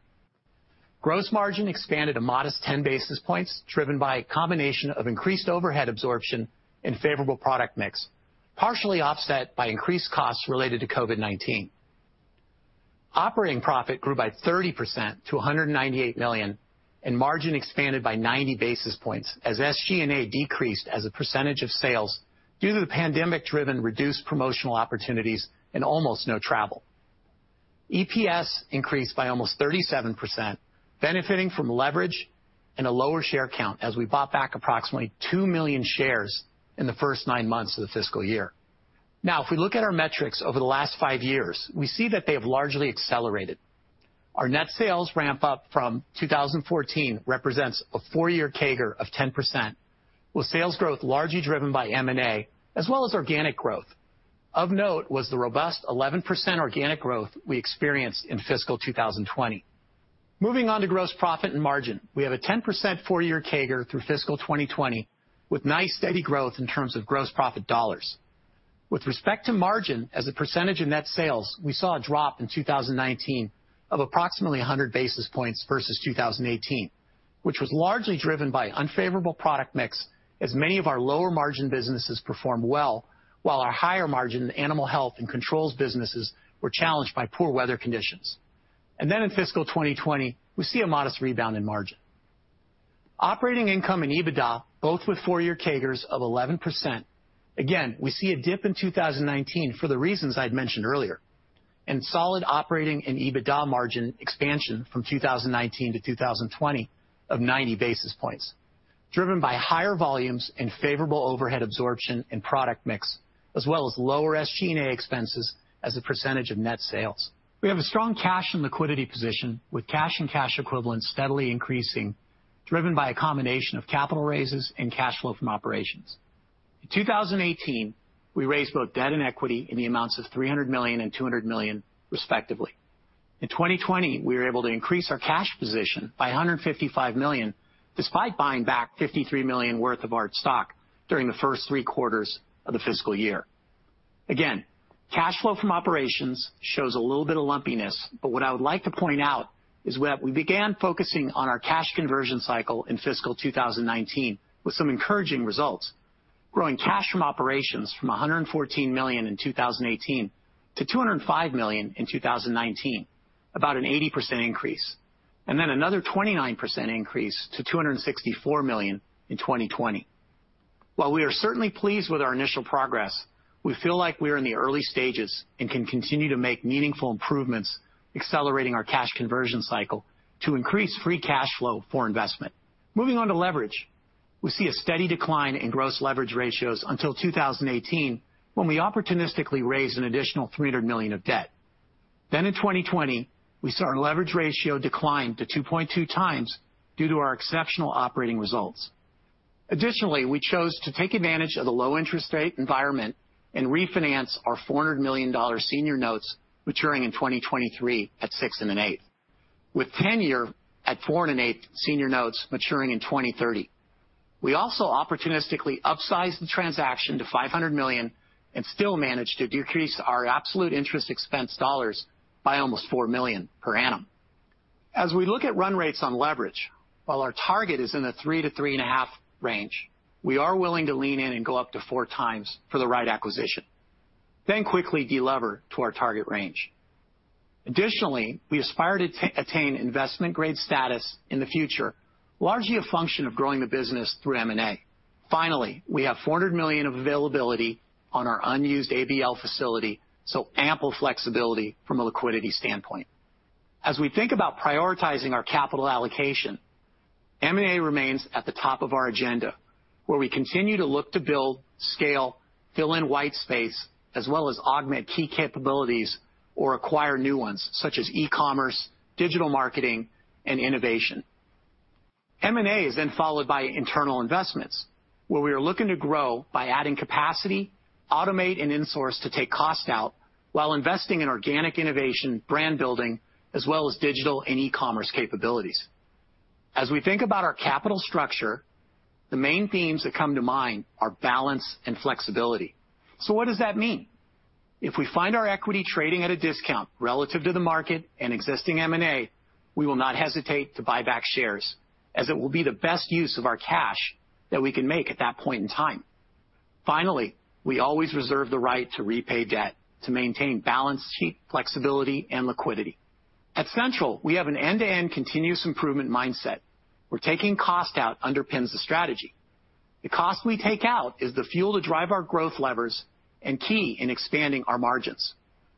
Gross margin expanded a modest 10 basis points driven by a combination of increased overhead absorption and favorable product mix, partially offset by increased costs related to COVID-19. Operating profit grew by 30% to $198 million, and margin expanded by 90 basis points as SG&A decreased as a percentage of sales due to the pandemic-driven reduced promotional opportunities and almost no travel. EPS increased by almost 37%, benefiting from leverage and a lower share count as we bought back approximately 2 million shares in the first nine months of the fiscal year. Now, if we look at our metrics over the last five years, we see that they have largely accelerated. Our net sales ramp-up from 2014 represents a four-year CAGR of 10%, with sales growth largely driven by M&A as well as organic growth. Of note was the robust 11% organic growth we experienced in fiscal 2020. Moving on to gross profit and margin, we have a 10% four-year CAGR through fiscal 2020 with nice steady growth in terms of gross profit dollars. With respect to margin as a percentage of net sales, we saw a drop in 2019 of approximately 100 basis points versus 2018, which was largely driven by an unfavorable product mix as many of our lower-margin businesses performed well while our higher-margin animal health and controls businesses were challenged by poor weather conditions. In fiscal 2020, we see a modest rebound in margin. Operating income and EBITDA, both with four-year CAGRs of 11%, again, we see a dip in 2019 for the reasons I mentioned earlier, and solid operating and EBITDA margin expansion from 2019 to 2020 of 90 basis points, driven by higher volumes and favorable overhead absorption and product mix, as well as lower SG&A expenses as a percentage of net sales. We have a strong cash and liquidity position with cash and cash equivalents steadily increasing, driven by a combination of capital raises and cash flow from operations. In 2018, we raised both debt and equity in the amounts of $300 million and $200 million, respectively. In 2020, we were able to increase our cash position by $155 million despite buying back $53 million worth of our stock during the first three quarters of the fiscal year. Again, cash flow from operations shows a little bit of lumpiness, but what I would like to point out is that we began focusing on our cash conversion cycle in fiscal 2019 with some encouraging results, growing cash from operations from $114 million in 2018 to $205 million in 2019, about an 80% increase, and then another 29% increase to $264 million in 2020. While we are certainly pleased with our initial progress, we feel like we are in the early stages and can continue to make meaningful improvements, accelerating our cash conversion cycle to increase free cash flow for investment. Moving on to leverage, we see a steady decline in gross leverage ratios until 2018 when we opportunistically raised an additional $300 million of debt. In 2020, we saw our leverage ratio decline to 2.2x due to our exceptional operating results. Additionally, we chose to take advantage of the low-interest rate environment and refinance our $400 million senior notes maturing in 2023 at six and an eighth, with 10-year at four and an eighth senior notes maturing in 2030. We also opportunistically upsized the transaction to $500 million and still managed to decrease our absolute interest expense dollars by almost $4 million per annum. As we look at run rates on leverage, while our target is in the 3-3.5 range, we are willing to lean in and go up to 4x for the right acquisition, then quickly delever to our target range. Additionally, we aspire to attain investment-grade status in the future, largely a function of growing the business through M&A. Finally, we have $400 million of availability on our unused ABL facility, so ample flexibility from a liquidity standpoint. As we think about prioritizing our capital allocation, M&A remains at the top of our agenda, where we continue to look to build, scale, fill in white space, as well as augment key capabilities or acquire new ones such as e-commerce, digital marketing, and innovation. M&A is then followed by internal investments, where we are looking to grow by adding capacity, automate and insource to take cost out while investing in organic innovation, brand building, as well as digital and e-commerce capabilities. As we think about our capital structure, the main themes that come to mind are balance and flexibility. What does that mean? If we find our equity trading at a discount relative to the market and existing M&A, we will not hesitate to buy back shares as it will be the best use of our cash that we can make at that point in time. Finally, we always reserve the right to repay debt to maintain balance sheet flexibility and liquidity. At Central, we have an end-to-end continuous improvement mindset. Where taking cost out underpins the strategy. The cost we take out is the fuel to drive our growth levers and key in expanding our margins.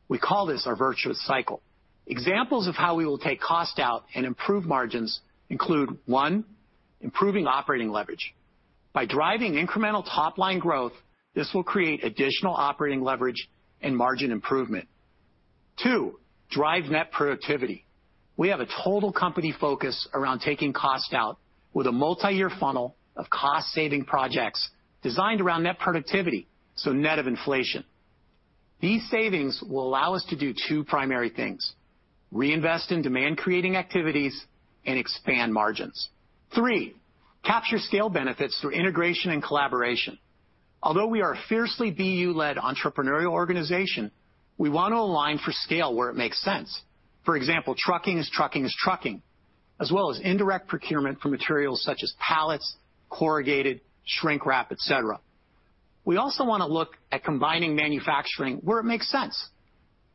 We call this our virtuous cycle. Examples of how we will take cost out and improve margins include: one, improving operating leverage. By driving incremental top-line growth, this will create additional operating leverage and margin improvement. Two, drive net productivity. We have a total company focus around taking cost out with a multi-year funnel of cost-saving projects designed around net productivity, so net of inflation. These savings will allow us to do two primary things: reinvest in demand-creating activities and expand margins. Three, capture scale benefits through integration and collaboration. Although we are a fiercely BU-led entrepreneurial organization, we want to align for scale where it makes sense. For example, trucking is trucking is trucking, as well as indirect procurement for materials such as pallets, corrugated, shrink wrap, etc. We also want to look at combining manufacturing where it makes sense.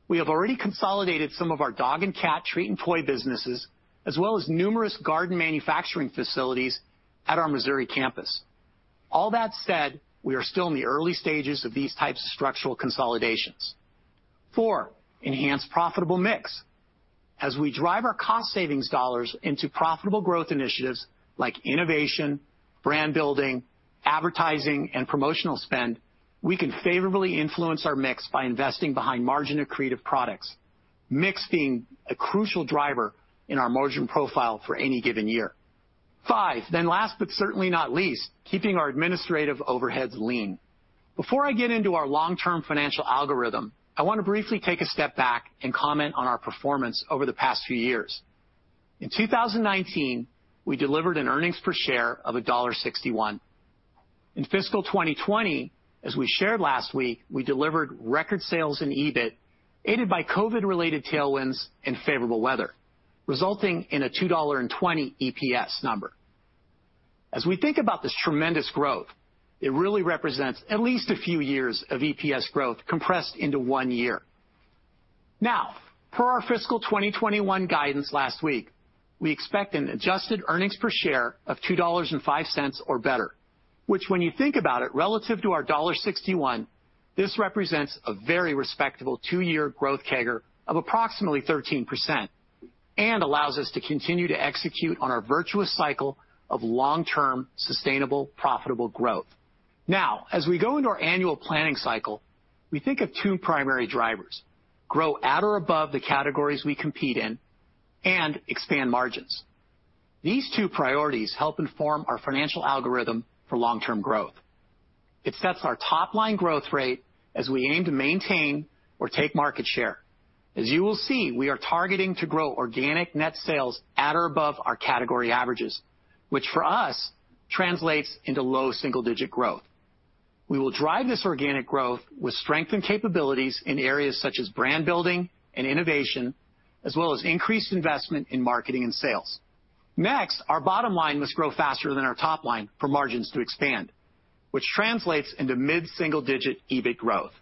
We have already consolidated some of our dog and cat, treat, and toy businesses, as well as numerous garden manufacturing facilities at our Missouri campus. All that said, we are still in the early stages of these types of structural consolidations. Four, enhance profitable mix. As we drive our cost-savings dollars into profitable growth initiatives like innovation, brand building, advertising, and promotional spend, we can favorably influence our mix by investing behind margin-accretive products, mix being a crucial driver in our margin profile for any given year. Five, then last but certainly not least, keeping our administrative overheads lean. Before I get into our long-term financial algorithm, I want to briefly take a step back and comment on our performance over the past few years. In 2019, we delivered an earnings per share of $1.61. In fiscal 2020, as we shared last week, we delivered record sales in EBIT, aided by COVID-related tailwinds and favorable weather, resulting in a $2.20 EPS number. As we think about this tremendous growth, it really represents at least a few years of EPS growth compressed into one year. Now, per our fiscal 2021 guidance last week, we expect an adjusted earnings per share of $2.05 or better, which when you think about it relative to our $1.61, this represents a very respectable two-year growth CAGR of approximately 13% and allows us to continue to execute on our virtuous cycle of long-term sustainable profitable growth. Now, as we go into our annual planning cycle, we think of two primary drivers: grow at or above the categories we compete in and expand margins. These two priorities help inform our financial algorithm for long-term growth. It sets our top-line growth rate as we aim to maintain or take market share. As you will see, we are targeting to grow organic net sales at or above our category averages, which for us translates into low single-digit growth. We will drive this organic growth with strengthened capabilities in areas such as brand building and innovation, as well as increased investment in marketing and sales. Next, our bottom line must grow faster than our top line for margins to expand, which translates into mid-single-digit EBIT growth.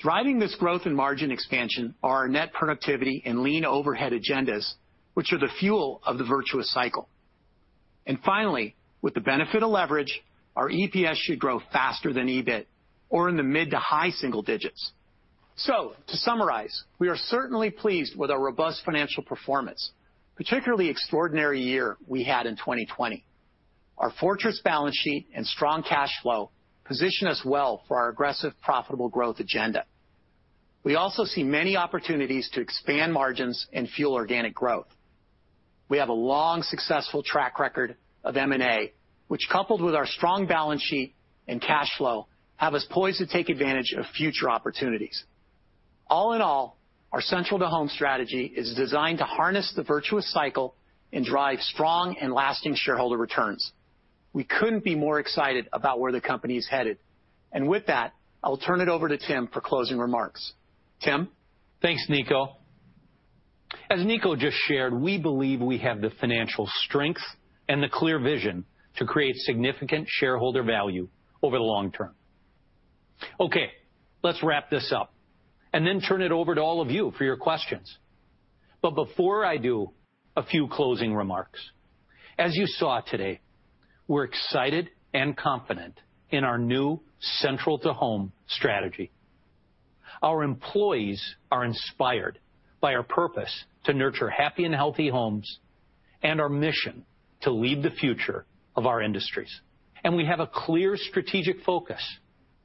Driving this growth and margin expansion are our net productivity and lean overhead agendas, which are the fuel of the virtuous cycle. Finally, with the benefit of leverage, our EPS should grow faster than EBIT or in the mid to high single digits. To summarize, we are certainly pleased with our robust financial performance, particularly the extraordinary year we had in 2020. Our fortress balance sheet and strong cash flow position us well for our aggressive profitable growth agenda. We also see many opportunities to expand margins and fuel organic growth. We have a long successful track record of M&A, which, coupled with our strong balance sheet and cash flow, have us poised to take advantage of future opportunities. All in all, our Central to Home strategy is designed to harness the virtuous cycle and drive strong and lasting shareholder returns. We couldn't be more excited about where the company is headed. With that, I'll turn it over to Tim for closing remarks. Tim. Thanks, Niko. As Niko just shared, we believe we have the financial strength and the clear vision to create significant shareholder value over the long term. Okay, let's wrap this up and then turn it over to all of you for your questions. Before I do, a few closing remarks. As you saw today, we're excited and confident in our new Central to Home strategy. Our employees are inspired by our purpose to nurture happy and healthy homes and our mission to lead the future of our industries. We have a clear strategic focus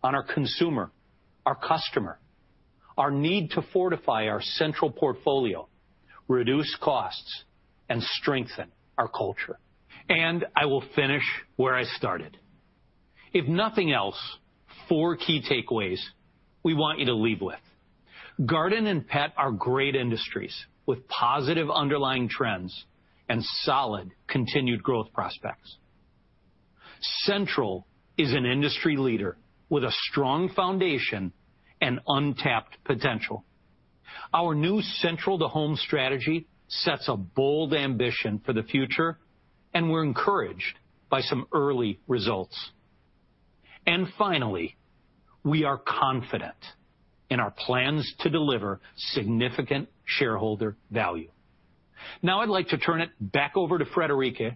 on our consumer, our customer, our need to fortify our central portfolio, reduce costs, and strengthen our culture. I will finish where I started. If nothing else, four key takeaways we want you to leave with: Garden and Pet are great industries with positive underlying trends and solid continued growth prospects. Central is an industry leader with a strong foundation and untapped potential. Our new Central to Home strategy sets a bold ambition for the future, and we are encouraged by some early results. Finally, we are confident in our plans to deliver significant shareholder value. Now, I would like to turn it back over to Friederike,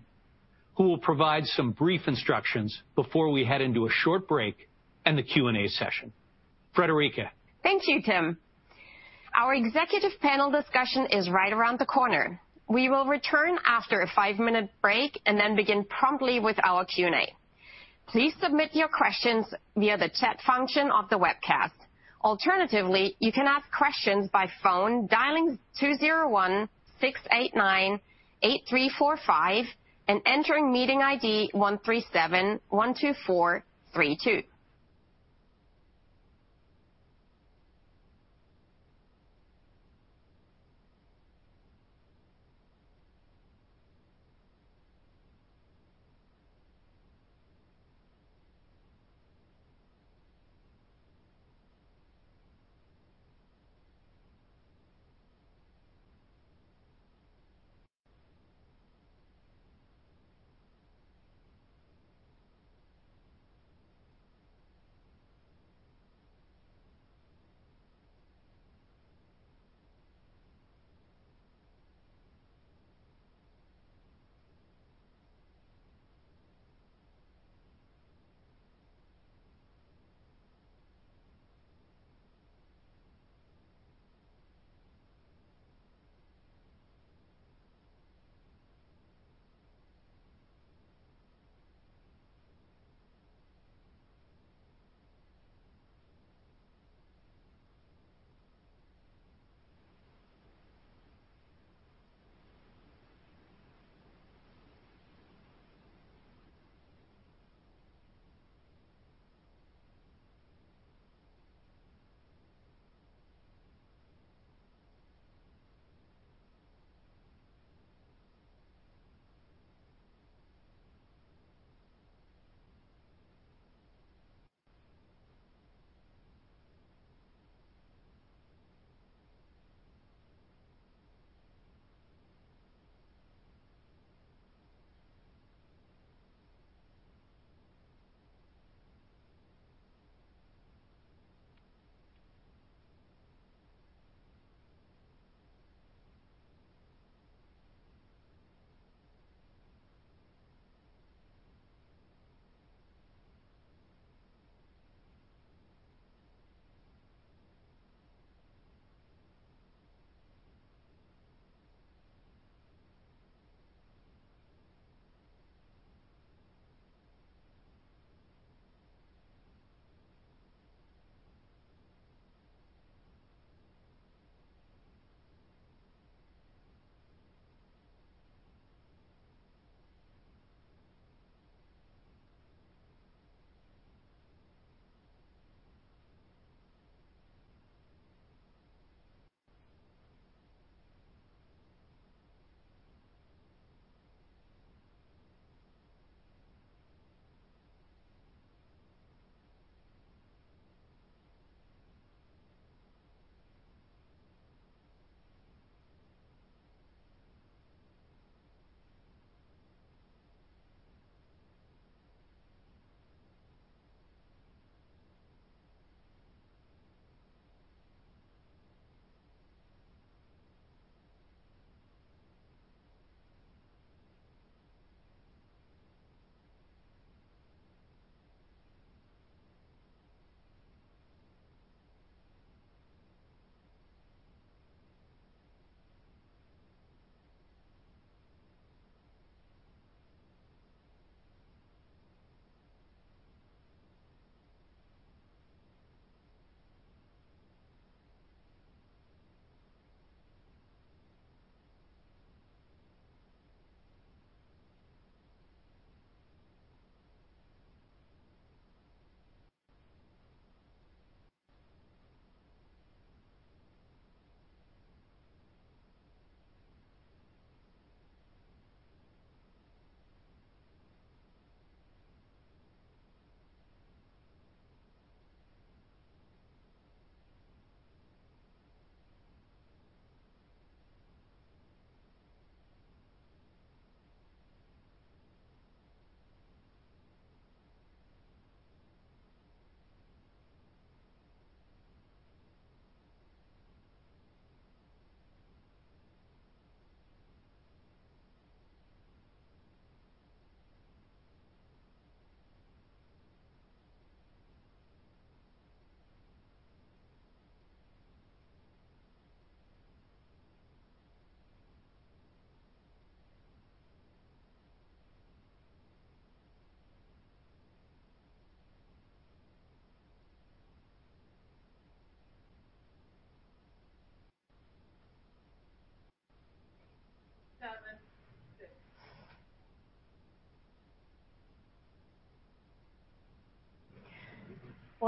who will provide some brief instructions before we head into a short break and the Q&A session. Friederike. Thank you, Tim. Our executive panel discussion is right around the corner. We will return after a five-minute break and then begin promptly with our Q&A. Please submit your questions via the chat function of the webcast. Alternatively, you can ask questions by phone, dialing 201-689-8345 and entering meeting ID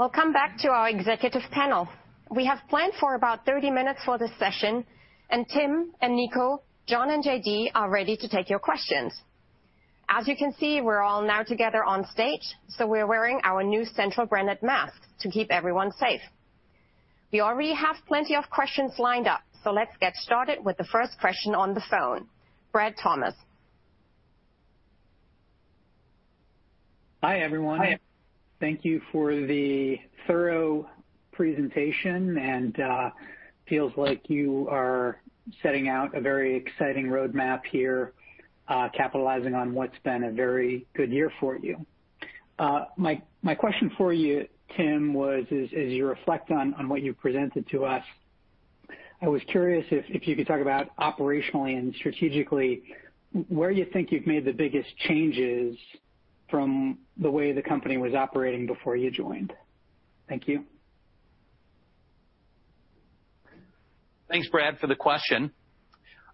13712432. We will come back to our executive panel. We have planned for about 30 minutes for this session, and Tim and Niko, John and J.D. are ready to take your questions. As you can see, we're all now together on stage, so we're wearing our new Central branded masks to keep everyone safe. We already have plenty of questions lined up, so let's get started with the first question on the phone, Brad Thomas. Hi everyone. Thank you for the thorough presentation, and it feels like you are setting out a very exciting roadmap here, capitalizing on what's been a very good year for you. My question for you, Tim, was, as you reflect on what you presented to us, I was curious if you could talk about operationally and strategically where you think you've made the biggest changes from the way the company was operating before you joined. Thank you. Thanks, Brad, for the question.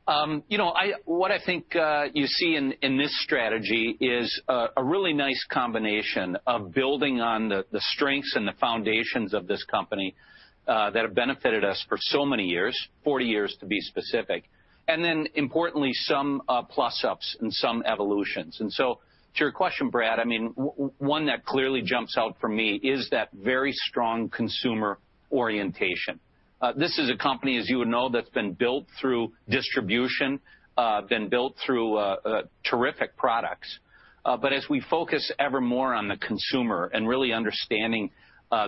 You know, what I think you see in this strategy is a really nice combination of building on the strengths and the foundations of this company that have benefited us for so many years, 40 years to be specific, and then importantly, some plus-ups and some evolutions. To your question, Brad, I mean, one that clearly jumps out for me is that very strong consumer orientation. This is a company, as you would know, that's been built through distribution, been built through terrific products. As we focus ever more on the consumer and really understanding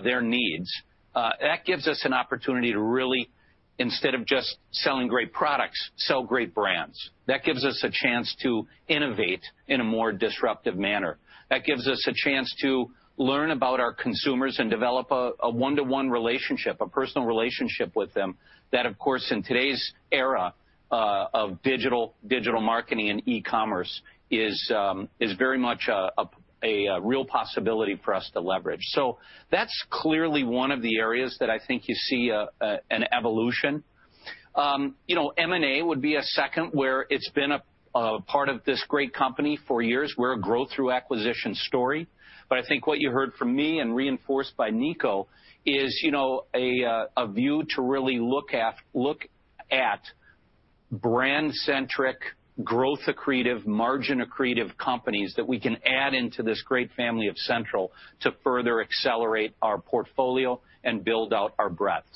their needs, that gives us an opportunity to really, instead of just selling great products, sell great brands. That gives us a chance to innovate in a more disruptive manner. That gives us a chance to learn about our consumers and develop a one-to-one relationship, a personal relationship with them that, of course, in today's era of digital marketing and e-commerce is very much a real possibility for us to leverage. That is clearly one of the areas that I think you see an evolution. You know, M&A would be a second where it's been a part of this great company for years. We're a growth-through-acquisition story. I think what you heard from me and reinforced by Niko is, you know, a view to really look at brand-centric, growth-accretive, margin-accretive companies that we can add into this great family of Central to further accelerate our portfolio and build out our breadth.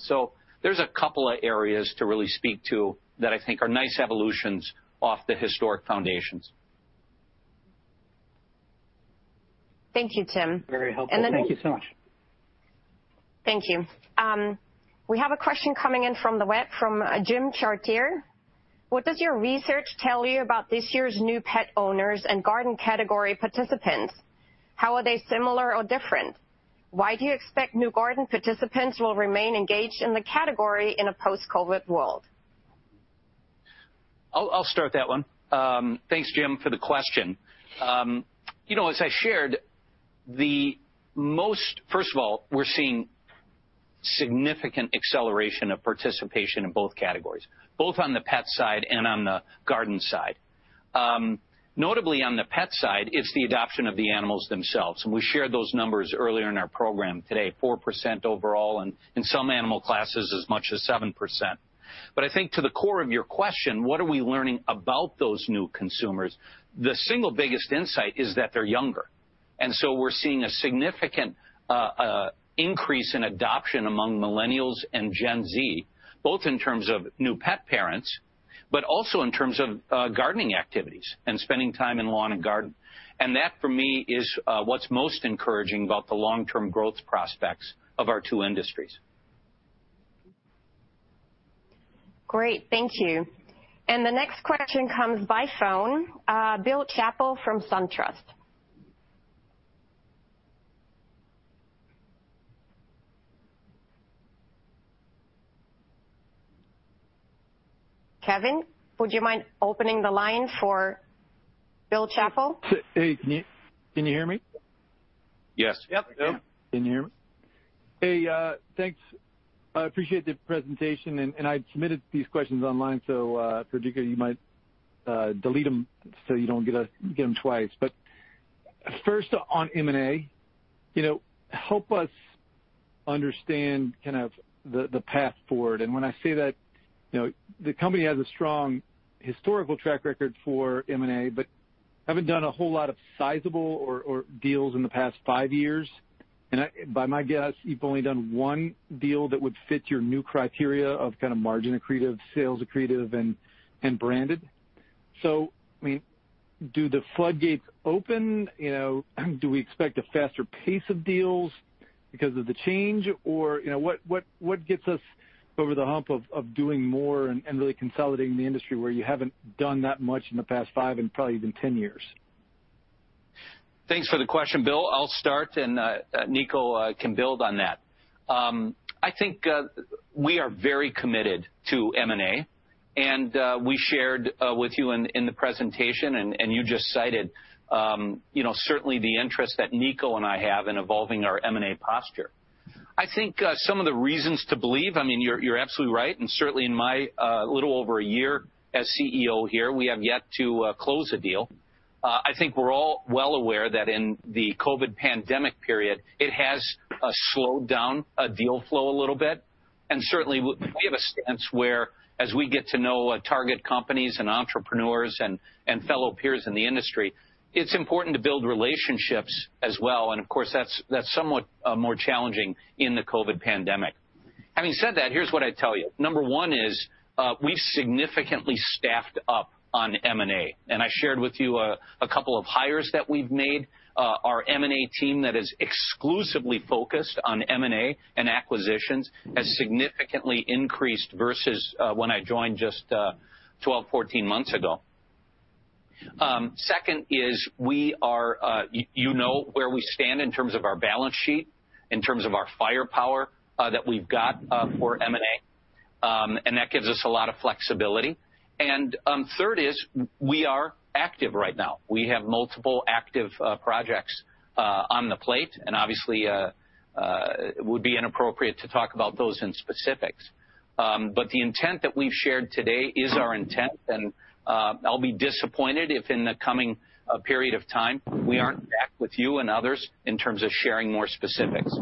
There are a couple of areas to really speak to that I think are nice evolutions off the historic foundations. Thank you, Tim. Very helpful. Thank you so much. Thank you. We have a question coming in from the web from Jim Chartier. What does your research tell you about this year's new pet owners and garden category participants? How are they similar or different? Why do you expect new garden participants will remain engaged in the category in a post-COVID world? I'll start that one. Thanks, Jim, for the question. You know, as I shared, the most, first of all, we're seeing significant acceleration of participation in both categories, both on the pet side and on the garden side. Notably, on the pet side, it's the adoption of the animals themselves. And we shared those numbers earlier in our program today, 4% overall, and in some animal classes, as much as 7%. I think to the core of your question, what are we learning about those new consumers? The single biggest insight is that they're younger. We are seeing a significant increase in adoption among millennials and Gen Z, both in terms of new pet parents, but also in terms of gardening activities and spending time in lawn and garden. That, for me, is what's most encouraging about the long-term growth prospects of our two industries. Great. Thank you. The next question comes by phone, Bill Chappell from SunTrust. Kevin, would you mind opening the line for Bill Chappell? Can you hear me? Yes. Yep. Can you hear me? Hey, thanks. I appreciate the presentation. I submitted these questions online, so you might delete them so you do not get them twice. First, on M&A, you know, help us understand kind of the path forward. When I say that, you know, the company has a strong historical track record for M&A, but have not done a whole lot of sizable deals in the past five years. By my guess, you have only done one deal that would fit your new criteria of kind of margin-accretive, sales-accretive, and branded. I mean, do the floodgates open? You know, do we expect a faster pace of deals because of the change? You know, what gets us over the hump of doing more and really consolidating the industry where you have not done that much in the past five and probably even 10 years? Thanks for the question, Bill. I will start, and Niko can build on that. I think we are very committed to M&A. We shared with you in the presentation, and you just cited, you know, certainly the interest that Niko and I have in evolving our M&A posture. I think some of the reasons to believe, I mean, you're absolutely right. Certainly in my little over a year as CEO here, we have yet to close a deal. I think we're all well aware that in the COVID pandemic period, it has slowed down deal flow a little bit. Certainly, we have a stance where, as we get to know target companies and entrepreneurs and fellow peers in the industry, it's important to build relationships as well. Of course, that's somewhat more challenging in the COVID pandemic. Having said that, here's what I tell you. Number one is we've significantly staffed up on M&A. I shared with you a couple of hires that we've made. Our M&A team that is exclusively focused on M&A and acquisitions has significantly increased versus when I joined just 12, 14 months ago. Second is we are, you know, where we stand in terms of our balance sheet, in terms of our firepower that we've got for M&A. That gives us a lot of flexibility. Third is we are active right now. We have multiple active projects on the plate. Obviously, it would be inappropriate to talk about those in specifics. The intent that we've shared today is our intent. I'll be disappointed if in the coming period of time we aren't back with you and others in terms of sharing more specifics.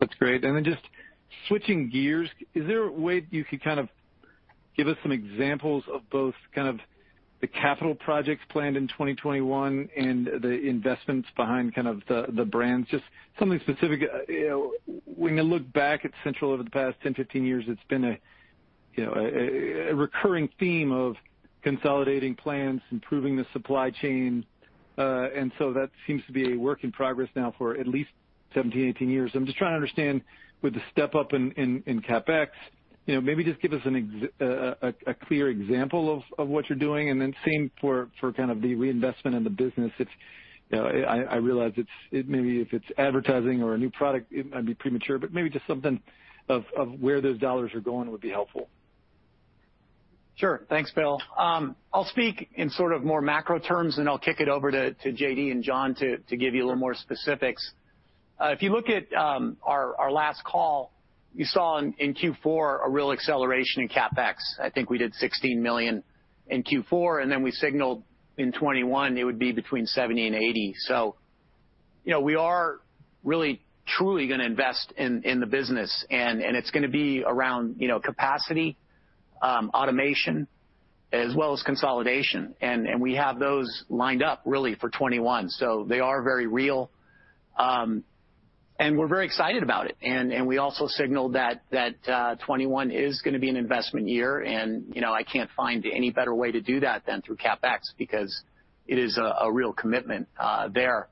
That's great. Just switching gears, is there a way you could kind of give us some examples of both kind of the capital projects planned in 2021 and the investments behind kind of the brands? Just something specific. When you look back at Central over the past 10, 15 years, it's been a recurring theme of consolidating plans, improving the supply chain. That seems to be a work in progress now for at least 17, 18 years. I'm just trying to understand with the step up in CapEx, you know, maybe just give us a clear example of what you're doing. Same for kind of the reinvestment in the business. I realize it's maybe if it's advertising or a new product, it might be premature. Maybe just something of where those dollars are going would be helpful. Sure. Thanks, Bill. I'll speak in sort of more macro terms, and I'll kick it over to J.D. and John to give you a little more specifics. If you look at our last call, you saw in Q4 a real acceleration in CapEx. I think we did $16 million in Q4. We signaled in 2021 it would be between $70 million and $80 million. You know, we are really, truly going to invest in the business. It's going to be around, you know, capacity, automation, as well as consolidation. We have those lined up really for 2021. They are very real. We're very excited about it. We also signaled that 2021 is going to be an investment year. You know, I can't find any better way to do that than through CapEx because it is a real commitment there.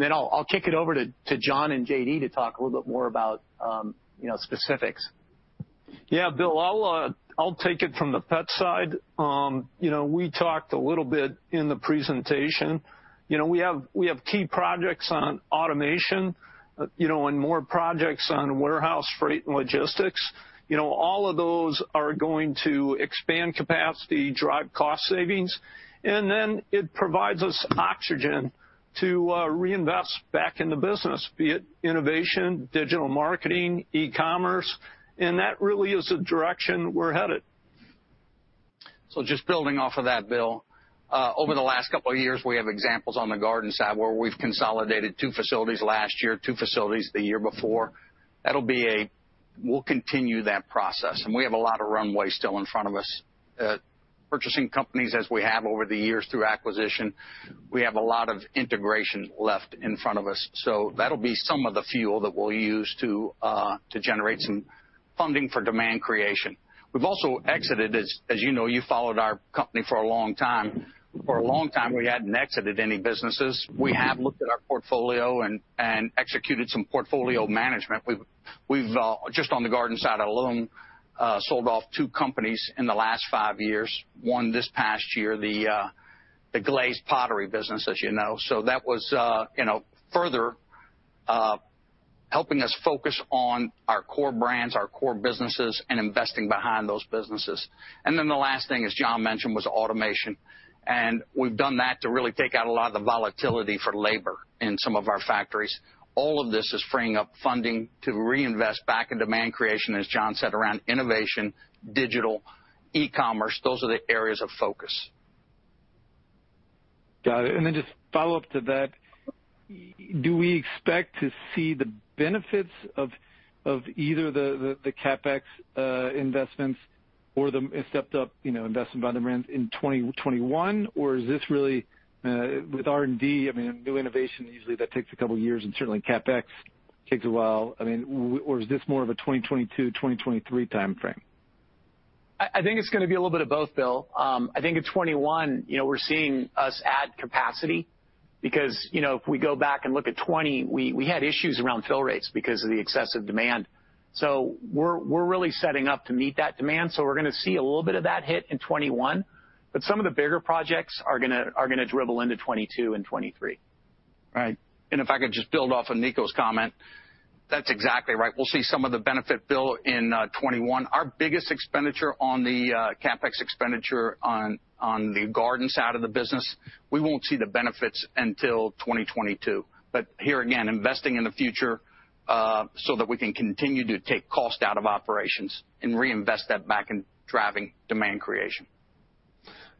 I'll kick it over to John and J.D. to talk a little bit more about, you know, specifics. Yeah, Bill, I'll take it from the pet side. You know, we talked a little bit in the presentation. You know, we have key projects on automation, you know, and more projects on warehouse, freight, and logistics. You know, all of those are going to expand capacity, drive cost savings. It provides us oxygen to reinvest back in the business, be it innovation, digital marketing, e-commerce. That really is the direction we're headed. Just building off of that, Bill, over the last couple of years, we have examples on the garden side where we've consolidated two facilities last year, two facilities the year before. That'll be a, we'll continue that process. We have a lot of runway still in front of us. Purchasing companies, as we have over the years through acquisition, we have a lot of integration left in front of us. That will be some of the fuel that we'll use to generate some funding for demand creation. We've also exited, as you know, you followed our company for a long time. For a long time, we hadn't exited any businesses. We have looked at our portfolio and executed some portfolio management. Just on the Garden side alone, we have sold off two companies in the last five years, one this past year, the Glaze Pottery business, as you know. That was further helping us focus on our core brands, our core businesses, and investing behind those businesses. The last thing, as John mentioned, was automation. We've done that to really take out a lot of the volatility for labor in some of our factories. All of this is freeing up funding to reinvest back in demand creation, as John said, around innovation, digital, e-commerce. Those are the areas of focus. Got it. Just follow up to that. Do we expect to see the benefits of either the CapEx investments or the stepped-up, you know, investment by the brands in 2021? Is this really with R&D, I mean, new innovation, usually that takes a couple of years, and certainly CapEx takes a while. I mean, is this more of a 2022, 2023 timeframe? I think it's going to be a little bit of both, Bill. I think in 2021, you know, we're seeing us add capacity because, you know, if we go back and look at 2020, we had issues around fill rates because of the excessive demand. We are really setting up to meet that demand. We're going to see a little bit of that hit in 2021. Some of the bigger projects are going to dribble into 2022 and 2023. Right. If I could just build off of Niko's comment, that's exactly right. We'll see some of the benefit, Bill, in 2021. Our biggest expenditure on the CapEx expenditure on the garden side of the business, we won't see the benefits until 2022. Here again, investing in the future so that we can continue to take cost out of operations and reinvest that back in driving demand creation.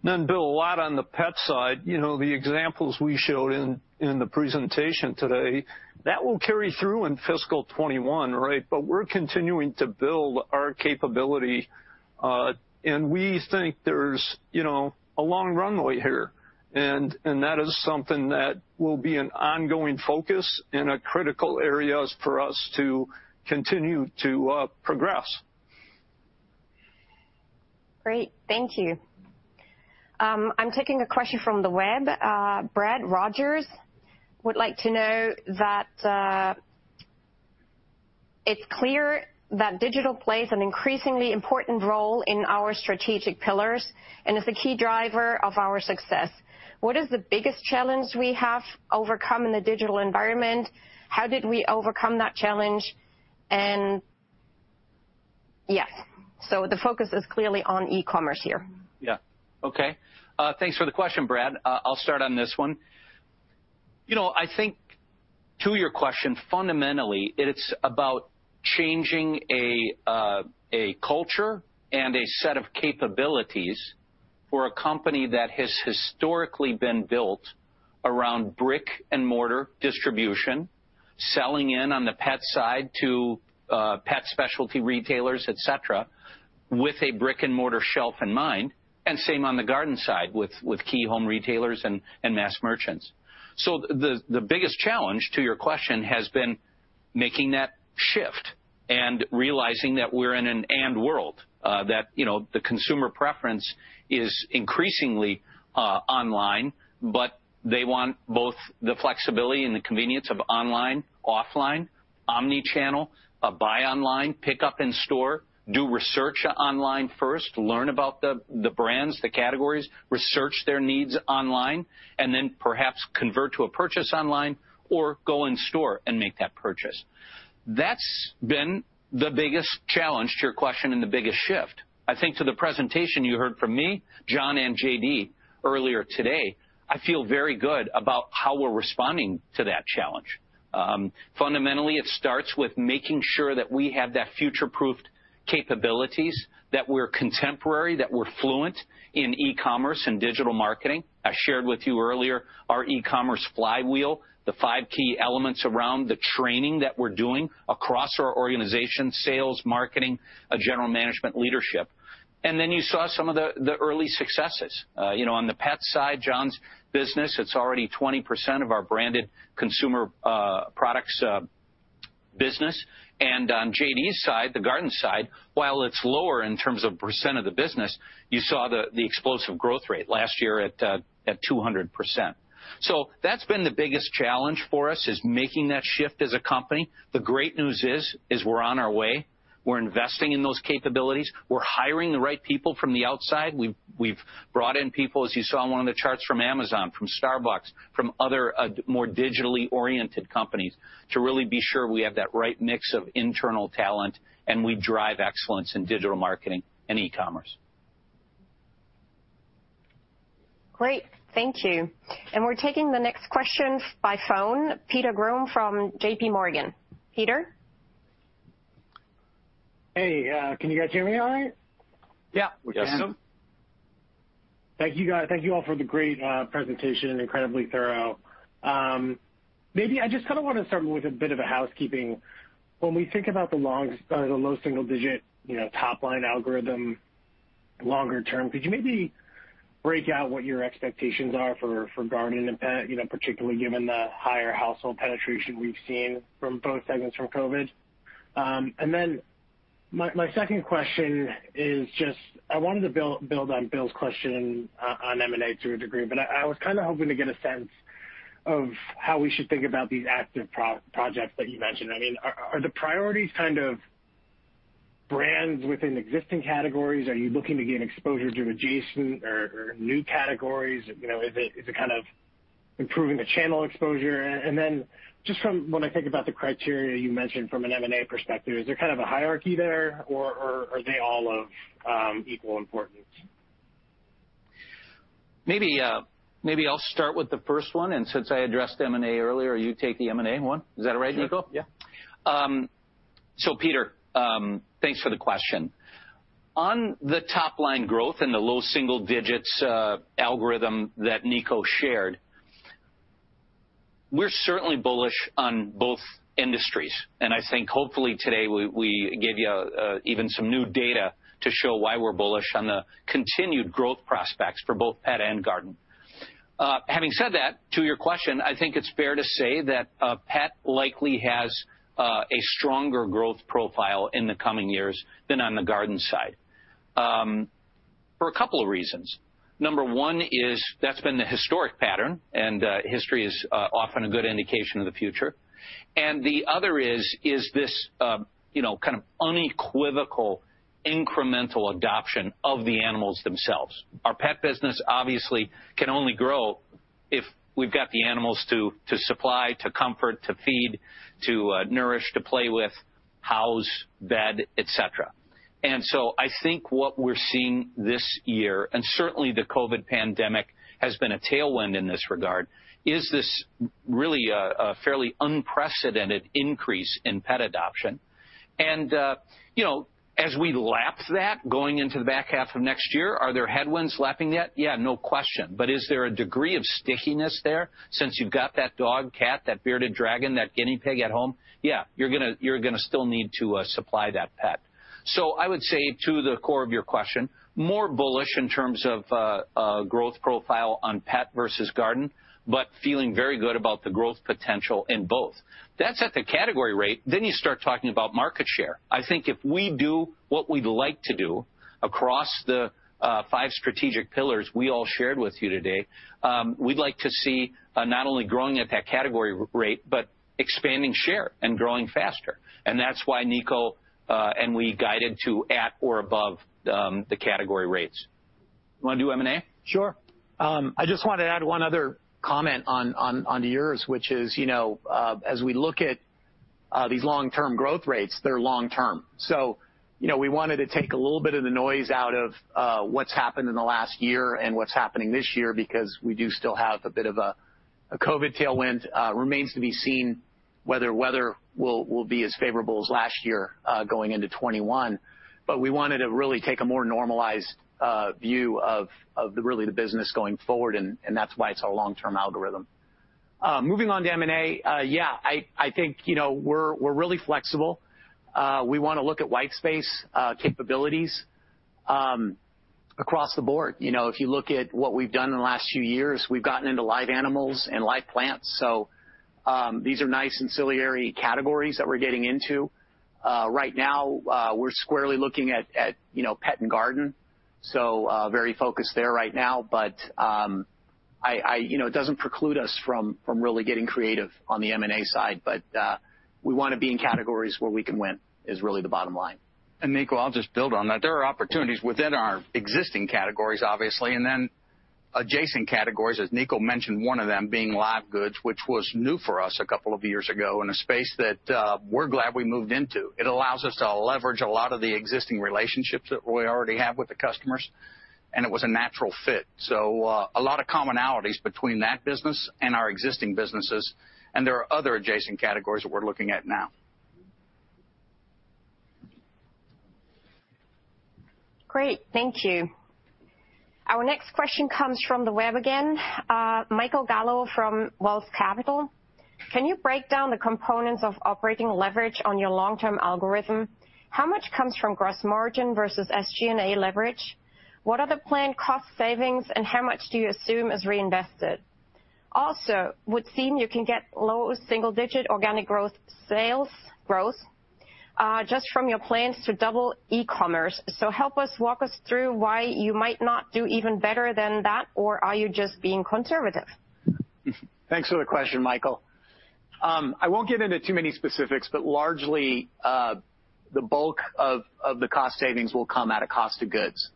Then, Bill, a lot on the pet side. You know, the examples we showed in the presentation today, that will carry through in fiscal 2021, right? We're continuing to build our capability. We think there's, you know, a long runway here. That is something that will be an ongoing focus and a critical area for us to continue to progress. Great. Thank you. I'm taking a question from the web. Brad Rogers would like to know that it's clear that digital plays an increasingly important role in our strategic pillars and is a key driver of our success. What is the biggest challenge we have overcome in the digital environment? How did we overcome that challenge? Yes, the focus is clearly on e-commerce here. Yeah. Okay. Thanks for the question, Brad. I'll start on this one. You know, I think to your question, fundamentally, it's about changing a culture and a set of capabilities for a company that has historically been built around brick and mortar distribution, selling in on the pet side to pet specialty retailers, et cetera, with a brick and mortar shelf in mind. On the garden side with key home retailers and mass merchants, the biggest challenge to your question has been making that shift and realizing that we're in an end world, that, you know, the consumer preference is increasingly online, but they want both the flexibility and the convenience of online, offline, omnichannel, buy online, pick up in store, do research online first, learn about the brands, the categories, research their needs online, and then perhaps convert to a purchase online or go in store and make that purchase. That's been the biggest challenge to your question and the biggest shift. I think to the presentation you heard from me, John, and J.D. earlier today, I feel very good about how we're responding to that challenge. Fundamentally, it starts with making sure that we have that future-proofed capabilities, that we're contemporary, that we're fluent in e-commerce and digital marketing. I shared with you earlier our e-commerce flywheel, the five key elements around the training that we're doing across our organization, sales, marketing, general management, leadership. You saw some of the early successes. You know, on the pet side, John's business, it's already 20% of our branded consumer products business. On J.D.'s side, the garden side, while it's lower in terms of percent of the business, you saw the explosive growth rate last year at 200%. That has been the biggest challenge for us is making that shift as a company. The great news is, we're on our way. We're investing in those capabilities. We're hiring the right people from the outside. We've brought in people, as you saw in one of the charts, from Amazon, from Starbucks, from other more digitally oriented companies to really be sure we have that right mix of internal talent and we drive excellence in digital marketing and e-commerce. Great. Thank you. We are taking the next question by phone, Peter Grom from JPMorgan. Peter? Hey, can you guys hear me all right? Yeah. We can. Yes. Thank you all for the great presentation, incredibly thorough. Maybe I just kind of want to start with a bit of a housekeeping. When we think about the low single-digit top-line algorithm longer term, could you maybe break out what your expectations are for garden and pet, you know, particularly given the higher household penetration we've seen from both segments from COVID? My second question is just, I wanted to build on Bill's question on M&A to a degree, but I was kind of hoping to get a sense of how we should think about these active projects that you mentioned. I mean, are the priorities kind of brands within existing categories? Are you looking to gain exposure to adjacent or new categories? You know, is it kind of improving the channel exposure? Just from when I think about the criteria you mentioned from an M&A perspective, is there kind of a hierarchy there or are they all of equal importance? Maybe I'll start with the first one. Since I addressed M&A earlier, you take the M&A one. Is that all right, Niko? Yeah. Peter, thanks for the question. On the top-line growth and the low single-digits algorithm that Niko shared, we're certainly bullish on both industries. I think hopefully today we gave you even some new data to show why we're bullish on the continued growth prospects for both pet and garden. Having said that, to your question, I think it's fair to say that pet likely has a stronger growth profile in the coming years than on the garden side for a couple of reasons. Number one is that's been the historic pattern, and history is often a good indication of the future. The other is, you know, kind of unequivocal incremental adoption of the animals themselves. Our pet business obviously can only grow if we've got the animals to supply, to comfort, to feed, to nourish, to play with, house, bed, et cetera. I think what we're seeing this year, and certainly the COVID pandemic has been a tailwind in this regard, is this really a fairly unprecedented increase in pet adoption. You know, as we lap that going into the back half of next year, are there headwinds lapping that? Yeah, no question. Is there a degree of stickiness there since you've got that dog, cat, that bearded dragon, that guinea pig at home? Yeah, you're going to still need to supply that pet. I would say to the core of your question, more bullish in terms of growth profile on pet versus garden, but feeling very good about the growth potential in both. That's at the category rate. You start talking about market share. I think if we do what we'd like to do across the five strategic pillars we all shared with you today, we'd like to see not only growing at that category rate, but expanding share and growing faster. That's why Niko and we guided to at or above the category rates. You want to do M&A? Sure. I just wanted to add one other comment on yours, which is, you know, as we look at these long-term growth rates, they're long-term. You know, we wanted to take a little bit of the noise out of what's happened in the last year and what's happening this year because we do still have a bit of a COVID tailwind. Remains to be seen whether weather will be as favorable as last year going into 2021. We wanted to really take a more normalized view of really the business going forward, and that's why it's our long-term algorithm. Moving on to M&A, yeah, I think, you know, we're really flexible. We want to look at white space capabilities across the board. You know, if you look at what we've done in the last few years, we've gotten into live animals and live plants. These are nice ancillary categories that we're getting into. Right now, we're squarely looking at, you know, pet and garden. Very focused there right now. I, you know, it doesn't preclude us from really getting creative on the M&A side. We want to be in categories where we can win is really the bottom line. Niko, I'll just build on that. There are opportunities within our existing categories, obviously, and then adjacent categories, as Niko mentioned, one of them being live goods, which was new for us a couple of years ago in a space that we are glad we moved into. It allows us to leverage a lot of the existing relationships that we already have with the customers. It was a natural fit. A lot of commonalities between that business and our existing businesses. There are other adjacent categories that we are looking at now. Great. Thank you. Our next question comes from the web again. Michael Gallo from Wealth Capital. Can you break down the components of operating leverage on your long-term algorithm? How much comes from gross margin versus SG&A leverage? What are the planned cost savings and how much do you assume is reinvested? Also, would seem you can get low single-digit organic sales growth just from your plans to double e-commerce. Help us walk us through why you might not do even better than that, or are you just being conservative? Thanks for the question, Michael. I will not get into too many specifics, but largely the bulk of the cost savings will come out of cost of goods.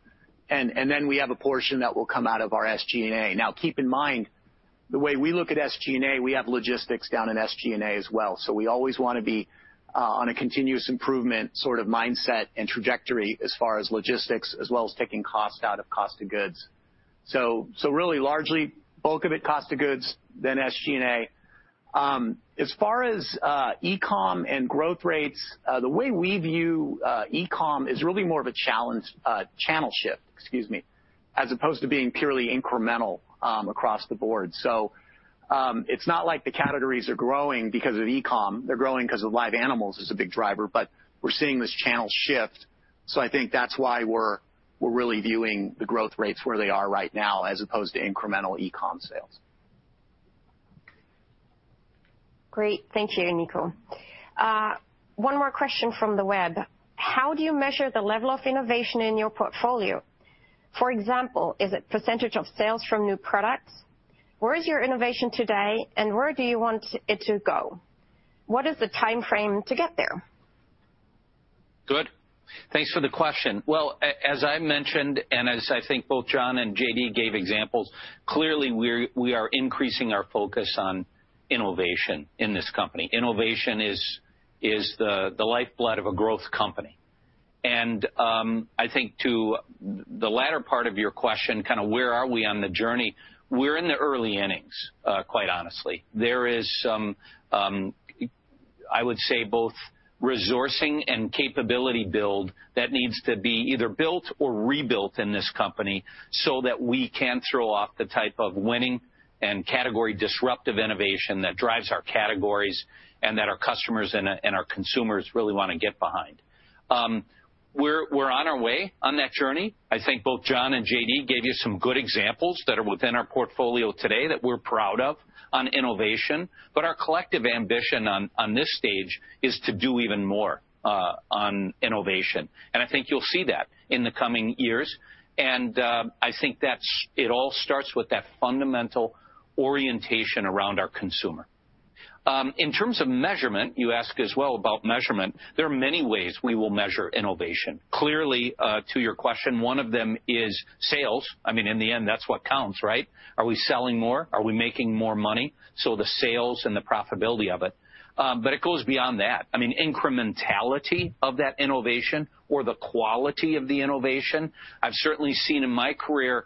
We have a portion that will come out of our SG&A. Keep in mind the way we look at SG&A, we have logistics down in SG&A as well. We always want to be on a continuous improvement sort of mindset and trajectory as far as logistics, as well as taking cost out of cost of goods. Really, largely bulk of it cost of goods, then SG&A. As far as e-com and growth rates, the way we view e-com is really more of a channel shift, excuse me, as opposed to being purely incremental across the board. It is not like the categories are growing because of e-com. They are growing because live animals is a big driver, but we are seeing this channel shift. I think that is why we are really viewing the growth rates where they are right now as opposed to incremental e-com sales. Great. Thank you, Niko. One more question from the web. How do you measure the level of innovation in your portfolio? For example, is it percentage of sales from new products? Where is your innovation today and where do you want it to go? What is the time frame to get there? Good. Thanks for the question. As I mentioned, and as I think both John and J.D. gave examples, clearly we are increasing our focus on innovation in this company. Innovation is the lifeblood of a growth company. I think to the latter part of your question, kind of where are we on the journey, we're in the early innings, quite honestly. There is some, I would say, both resourcing and capability build that needs to be either built or rebuilt in this company so that we can throw off the type of winning and category disruptive innovation that drives our categories and that our customers and our consumers really want to get behind. We're on our way on that journey. I think both John and J.D. gave you some good examples that are within our portfolio today that we're proud of on innovation. Our collective ambition on this stage is to do even more on innovation. I think you'll see that in the coming years. I think that it all starts with that fundamental orientation around our consumer. In terms of measurement, you ask as well about measurement, there are many ways we will measure innovation. Clearly, to your question, one of them is sales. I mean, in the end, that's what counts, right? Are we selling more? Are we making more money? The sales and the profitability of it. It goes beyond that. I mean, incrementality of that innovation or the quality of the innovation. I've certainly seen in my career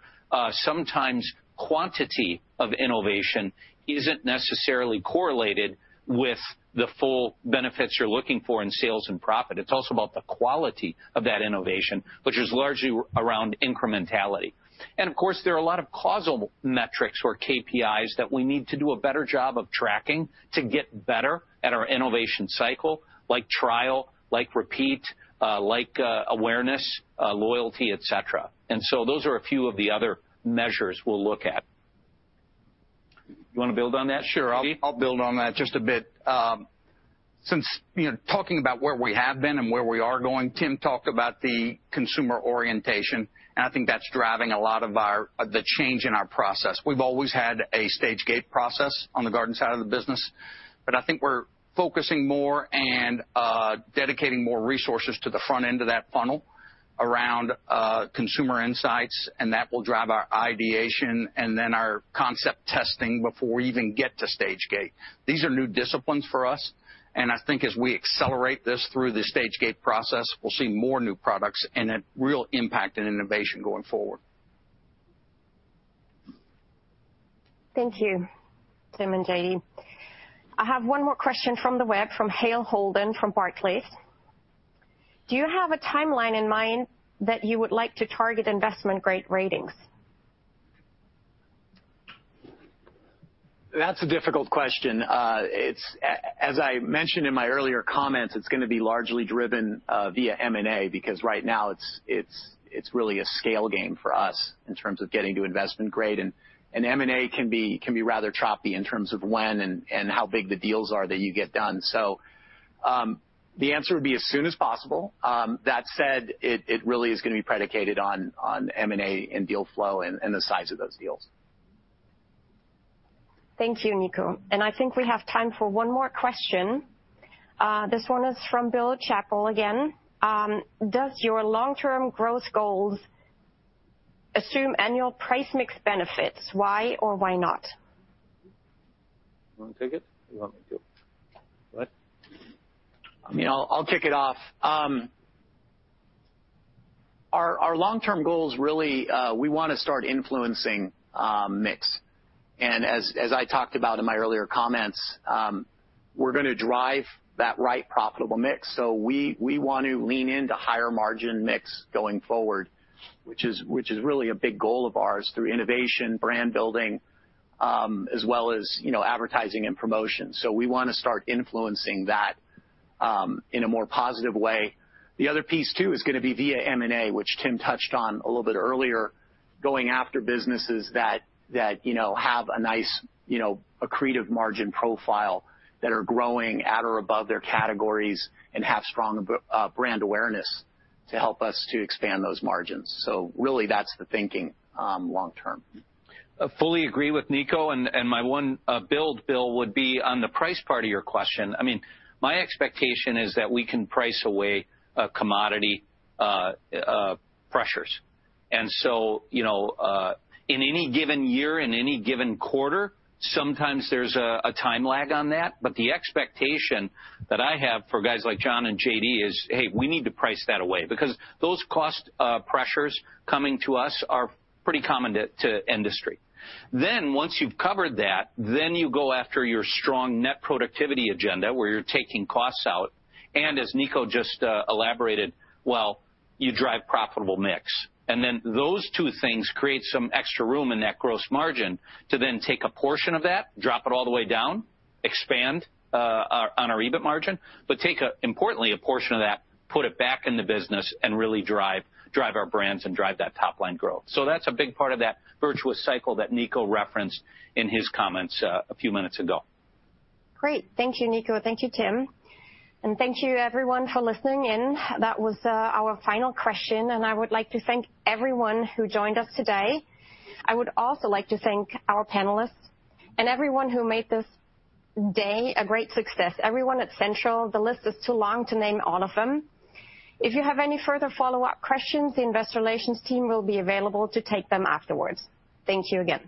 sometimes quantity of innovation isn't necessarily correlated with the full benefits you're looking for in sales and profit. It's also about the quality of that innovation, which is largely around incrementality. Of course, there are a lot of causal metrics or KPIs that we need to do a better job of tracking to get better at our innovation cycle, like trial, like repeat, like awareness, loyalty, et cetera. Those are a few of the other measures we'll look at. You want to build on that, J.D.? Sure, I'll build on that just a bit. Since talking about where we have been and where we are going, Tim talked about the consumer orientation. I think that's driving a lot of the change in our process. We've always had a stage gate process on the garden side of the business. I think we're focusing more and dedicating more resources to the front end of that funnel around consumer insights. That will drive our ideation and then our concept testing before we even get to stage gate. These are new disciplines for us. I think as we accelerate this through the stage gate process, we'll see more new products and a real impact in innovation going forward. Thank you, Tim and J.D. I have one more question from the web from Hale Holden from Barclays. Do you have a timeline in mind that you would like to target investment grade ratings? That's a difficult question. As I mentioned in my earlier comments, it's going to be largely driven via M&A because right now it's really a scale game for us in terms of getting to investment grade. M&A can be rather choppy in terms of when and how big the deals are that you get done. The answer would be as soon as possible. That said, it really is going to be predicated on M&A and deal flow and the size of those deals. Thank you, Niko. I think we have time for one more question. This one is from Bill Chappell again. Does your long-term growth goals assume annual price mix benefits? Why or why not? You want to take it? You want me to? I mean, I'll kick it off. Our long-term goals really, we want to start influencing mix. As I talked about in my earlier comments, we're going to drive that right profitable mix. We want to lean into higher margin mix going forward, which is really a big goal of ours through innovation, brand building, as well as advertising and promotion. We want to start influencing that in a more positive way. The other piece too is going to be via M&A, which Tim touched on a little bit earlier, going after businesses that have a nice accretive margin profile that are growing at or above their categories and have strong brand awareness to help us to expand those margins. Really, that is the thinking long term. I fully agree with Niko. My one build, Bill, would be on the price part of your question. I mean, my expectation is that we can price away commodity pressures. In any given year, in any given quarter, sometimes there is a time lag on that. The expectation that I have for guys like John and J.D. is, hey, we need to price that away because those cost pressures coming to us are pretty common to industry. Once you have covered that, you go after your strong net productivity agenda where you are taking costs out. As Niko just elaborated, you drive profitable mix. Those two things create some extra room in that gross margin to then take a portion of that, drop it all the way down, expand on our EBIT margin, but take importantly a portion of that, put it back in the business and really drive our brands and drive that top line growth. That is a big part of that virtuous cycle that Niko referenced in his comments a few minutes ago. Great. Thank you, Niko. Thank you, Tim. Thank you, everyone, for listening in. That was our final question. I would like to thank everyone who joined us today. I would also like to thank our panelists and everyone who made this day a great success. Everyone at Central, the list is too long to name all of them. If you have any further follow-up questions, the investor relations team will be available to take them afterwards. Thank you again.